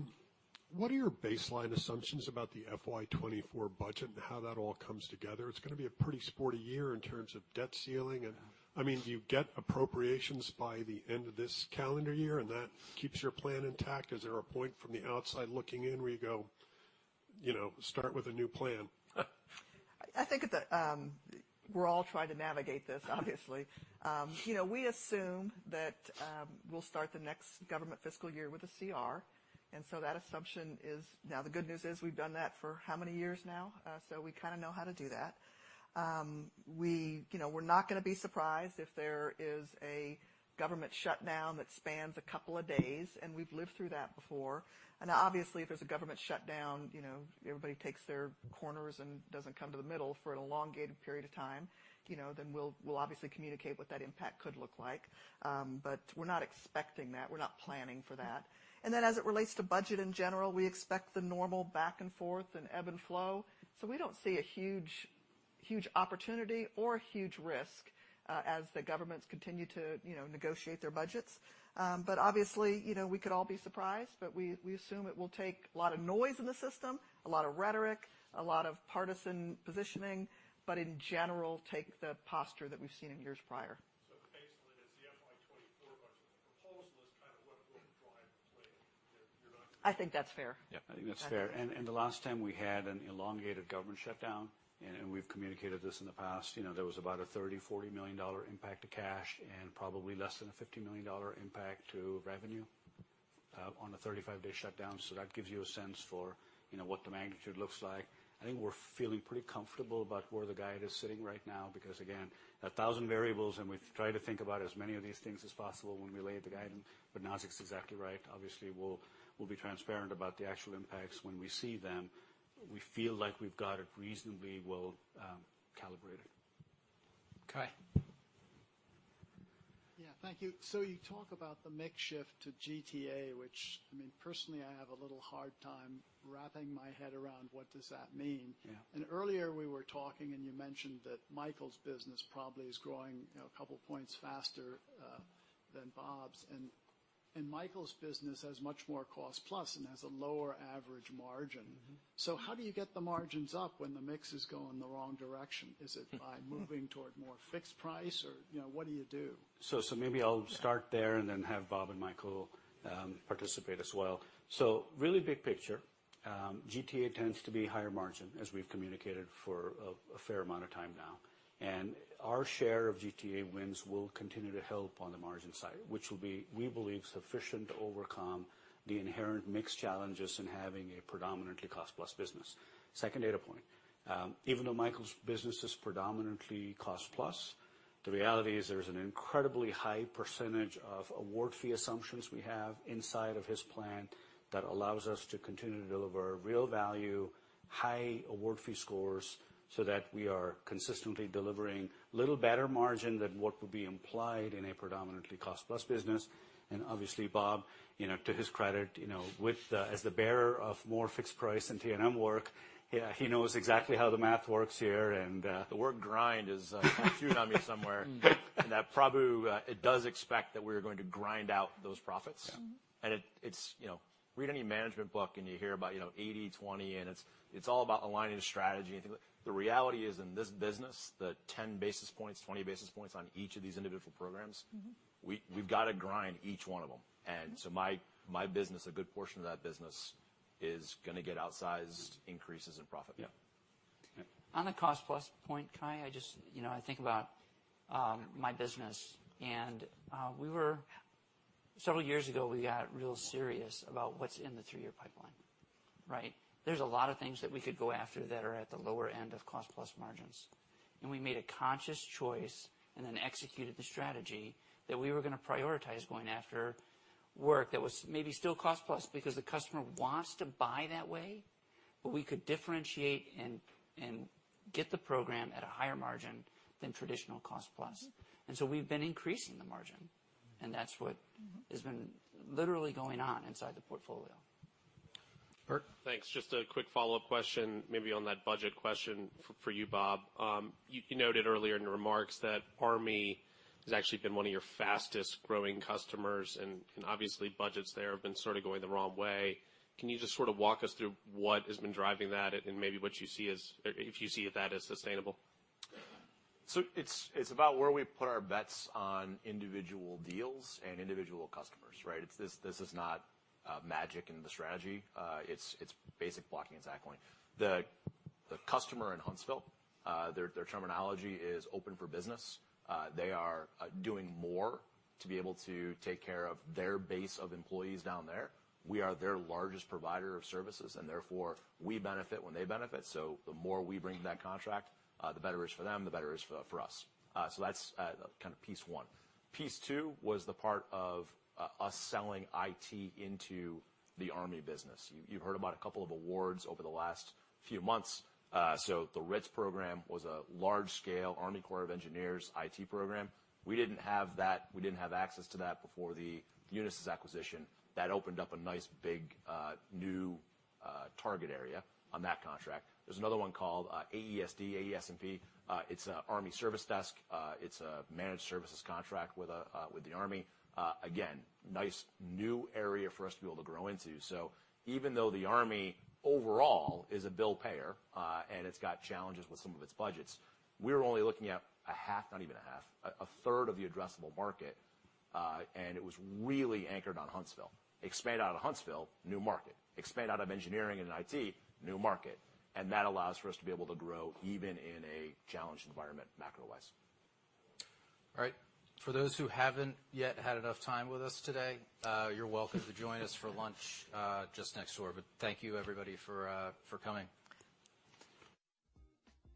Speaker 13: What are your baseline assumptions about the FY 2024 budget and how that all comes together? It's gonna be a pretty sporty year in terms of debt ceiling.
Speaker 5: Yeah.
Speaker 13: I mean, do you get appropriations by the end of this calendar year, and that keeps your plan intact? Is there a point from the outside looking in where you go, you know, start with a new plan?
Speaker 2: I think at the, we're all trying to navigate this, obviously. You know, we assume that, we'll start the next government fiscal year with a CR. Now, the good news is we've done that for how many years now? We kind of know how to do that. We, you know, we're not going to be surprised if there is a government shutdown that spans 2 days. We've lived through that before. Obviously, if there's a government shutdown, you know, everybody takes their corners and doesn't come to the middle for an elongated period of time, you know, then we'll obviously communicate what that impact could look like. We're not expecting that. We're not planning for that. As it relates to budget in general, we expect the normal back and forth and ebb and flow. We don't see a huge opportunity or huge risk as the governments continue to, you know, negotiate their budgets. Obviously, you know, we could all be surprised, we assume it will take a lot of noise in the system, a lot of rhetoric, a lot of partisan positioning, in general, take the posture that we've seen in years prior. Basically it's the FY 2024 budget proposal is kind of what will drive the plane, that you're not. I think that's fair.
Speaker 5: Yeah, I think that's fair.
Speaker 2: Okay.
Speaker 5: The last time we had an elongated government shutdown, and we've communicated this in the past, you know, there was about a $30 million, $40 million impact to cash and probably less than a $50 million impact to revenue on a 35-day shutdown. That gives you a sense for, you know, what the magnitude looks like. I think we're feeling pretty comfortable about where the guide is sitting right now because, again, 1,000 variables, and we try to think about as many of these things as possible when we lay the guide. Nazzic's exactly right. Obviously, we'll be transparent about the actual impacts when we see them. We feel like we've got it reasonably well calibrated.
Speaker 1: Cai.
Speaker 7: Yeah. Thank you. You talk about the mix shift to GTA, which, I mean, personally, I have a little hard time wrapping my head around what does that mean?
Speaker 5: Yeah.
Speaker 7: Earlier, we were talking and you mentioned that Michael's business probably is growing, you know, a couple points faster than Bob's. Michael's business has much more cost-plus and has a lower average margin.
Speaker 5: Mm-hmm.
Speaker 7: How do you get the margins up when the mix is going the wrong direction? Is it by moving toward more fixed price or, you know, what do you do?
Speaker 5: Maybe I'll start there and then have Bob and Michael participate as well. Really big picture, GTA tends to be higher margin, as we've communicated for a fair amount of time now. Our share of GTA wins will continue to help on the margin side, which will be, we believe, sufficient to overcome the inherent mix challenges in having a predominantly cost plus business. Second data point. Even though Michael's business is predominantly cost plus, the reality is there's an incredibly high percentage of award fee assumptions we have inside of his plan that allows us to continue to deliver real value, high award fee scores so that we are consistently delivering a little better margin than what would be implied in a predominantly cost plus business. Obviously, Bob, you know, to his credit, you know, as the bearer of more fixed price and T&M work, yeah, he knows exactly how the math works here.
Speaker 3: The word grind is tattooed on me somewhere. That probably it does expect that we're going to grind out those profits.
Speaker 5: Yeah.
Speaker 2: Mm-hmm.
Speaker 3: It's, you know, read any management book and you hear about, you know, 80/20 and it's all about aligning the strategy and things. The reality is, in this business, the 10 basis points, 20 basis points on each of these individual programs
Speaker 2: Mm-hmm.
Speaker 3: We've got to grind each one of them my business, a good portion of that business is gonna get outsized increases in profit.
Speaker 5: Yeah. Yeah.
Speaker 4: On the cost plus point, Cai, I just, you know, I think about my business, several years ago, we got real serious about what's in the three-year pipeline, right? There's a lot of things that we could go after that are at the lower end of cost plus margins. We made a conscious choice and then executed the strategy that we were gonna prioritize going after work that was maybe still cost plus because the customer wants to buy that way, but we could differentiate and get the program at a higher margin than traditional cost plus.
Speaker 2: Mm-hmm.
Speaker 4: We've been increasing the margin, and that's what has been literally going on inside the portfolio.
Speaker 1: Bert.
Speaker 6: Thanks. Just a quick follow-up question, maybe on that budget question for you, Bob. You noted earlier in your remarks that Army has actually been one of your fastest-growing customers, and obviously budgets there have been sort of going the wrong way. Can you just sort of walk us through what has been driving that and maybe what you see as if you see that as sustainable?
Speaker 3: It's about where we put our bets on individual deals and individual customers, right? It's this is not magic in the strategy. It's basic blocking and tackling. The customer in Huntsville, their terminology is open for business. They are doing more to be able to take care of their base of employees down there. We are their largest provider of services and therefore we benefit when they benefit. The more we bring to that contract, the better it is for them, the better it is for us. That's kind of piece one. Piece two was the part of us selling IT into the Army business. You've heard about a couple of awards over the last few months. The RITS was a large scale Army Corps of Engineers IT program. We didn't have that. We didn't have access to that before the Unisys acquisition. That opened up a nice, big, new target area on that contract. There's another one called AESD, AESD, It's a Army service desk. It's a managed services contract with the Army. Again, nice new area for us to be able to grow into. Even though the Army overall is a bill payer, and it's got challenges with some of its budgets, we're only looking at a half, not even a half, a third of the addressable market. It was really anchored on Huntsville. Expand out of Huntsville, new market. Expand out of engineering and IT, new market. That allows for us to be able to grow even in a challenged environment macro-wise.
Speaker 1: All right. For those who haven't yet had enough time with us today, you're welcome to join us for lunch, just next door. Thank you, everybody, for coming.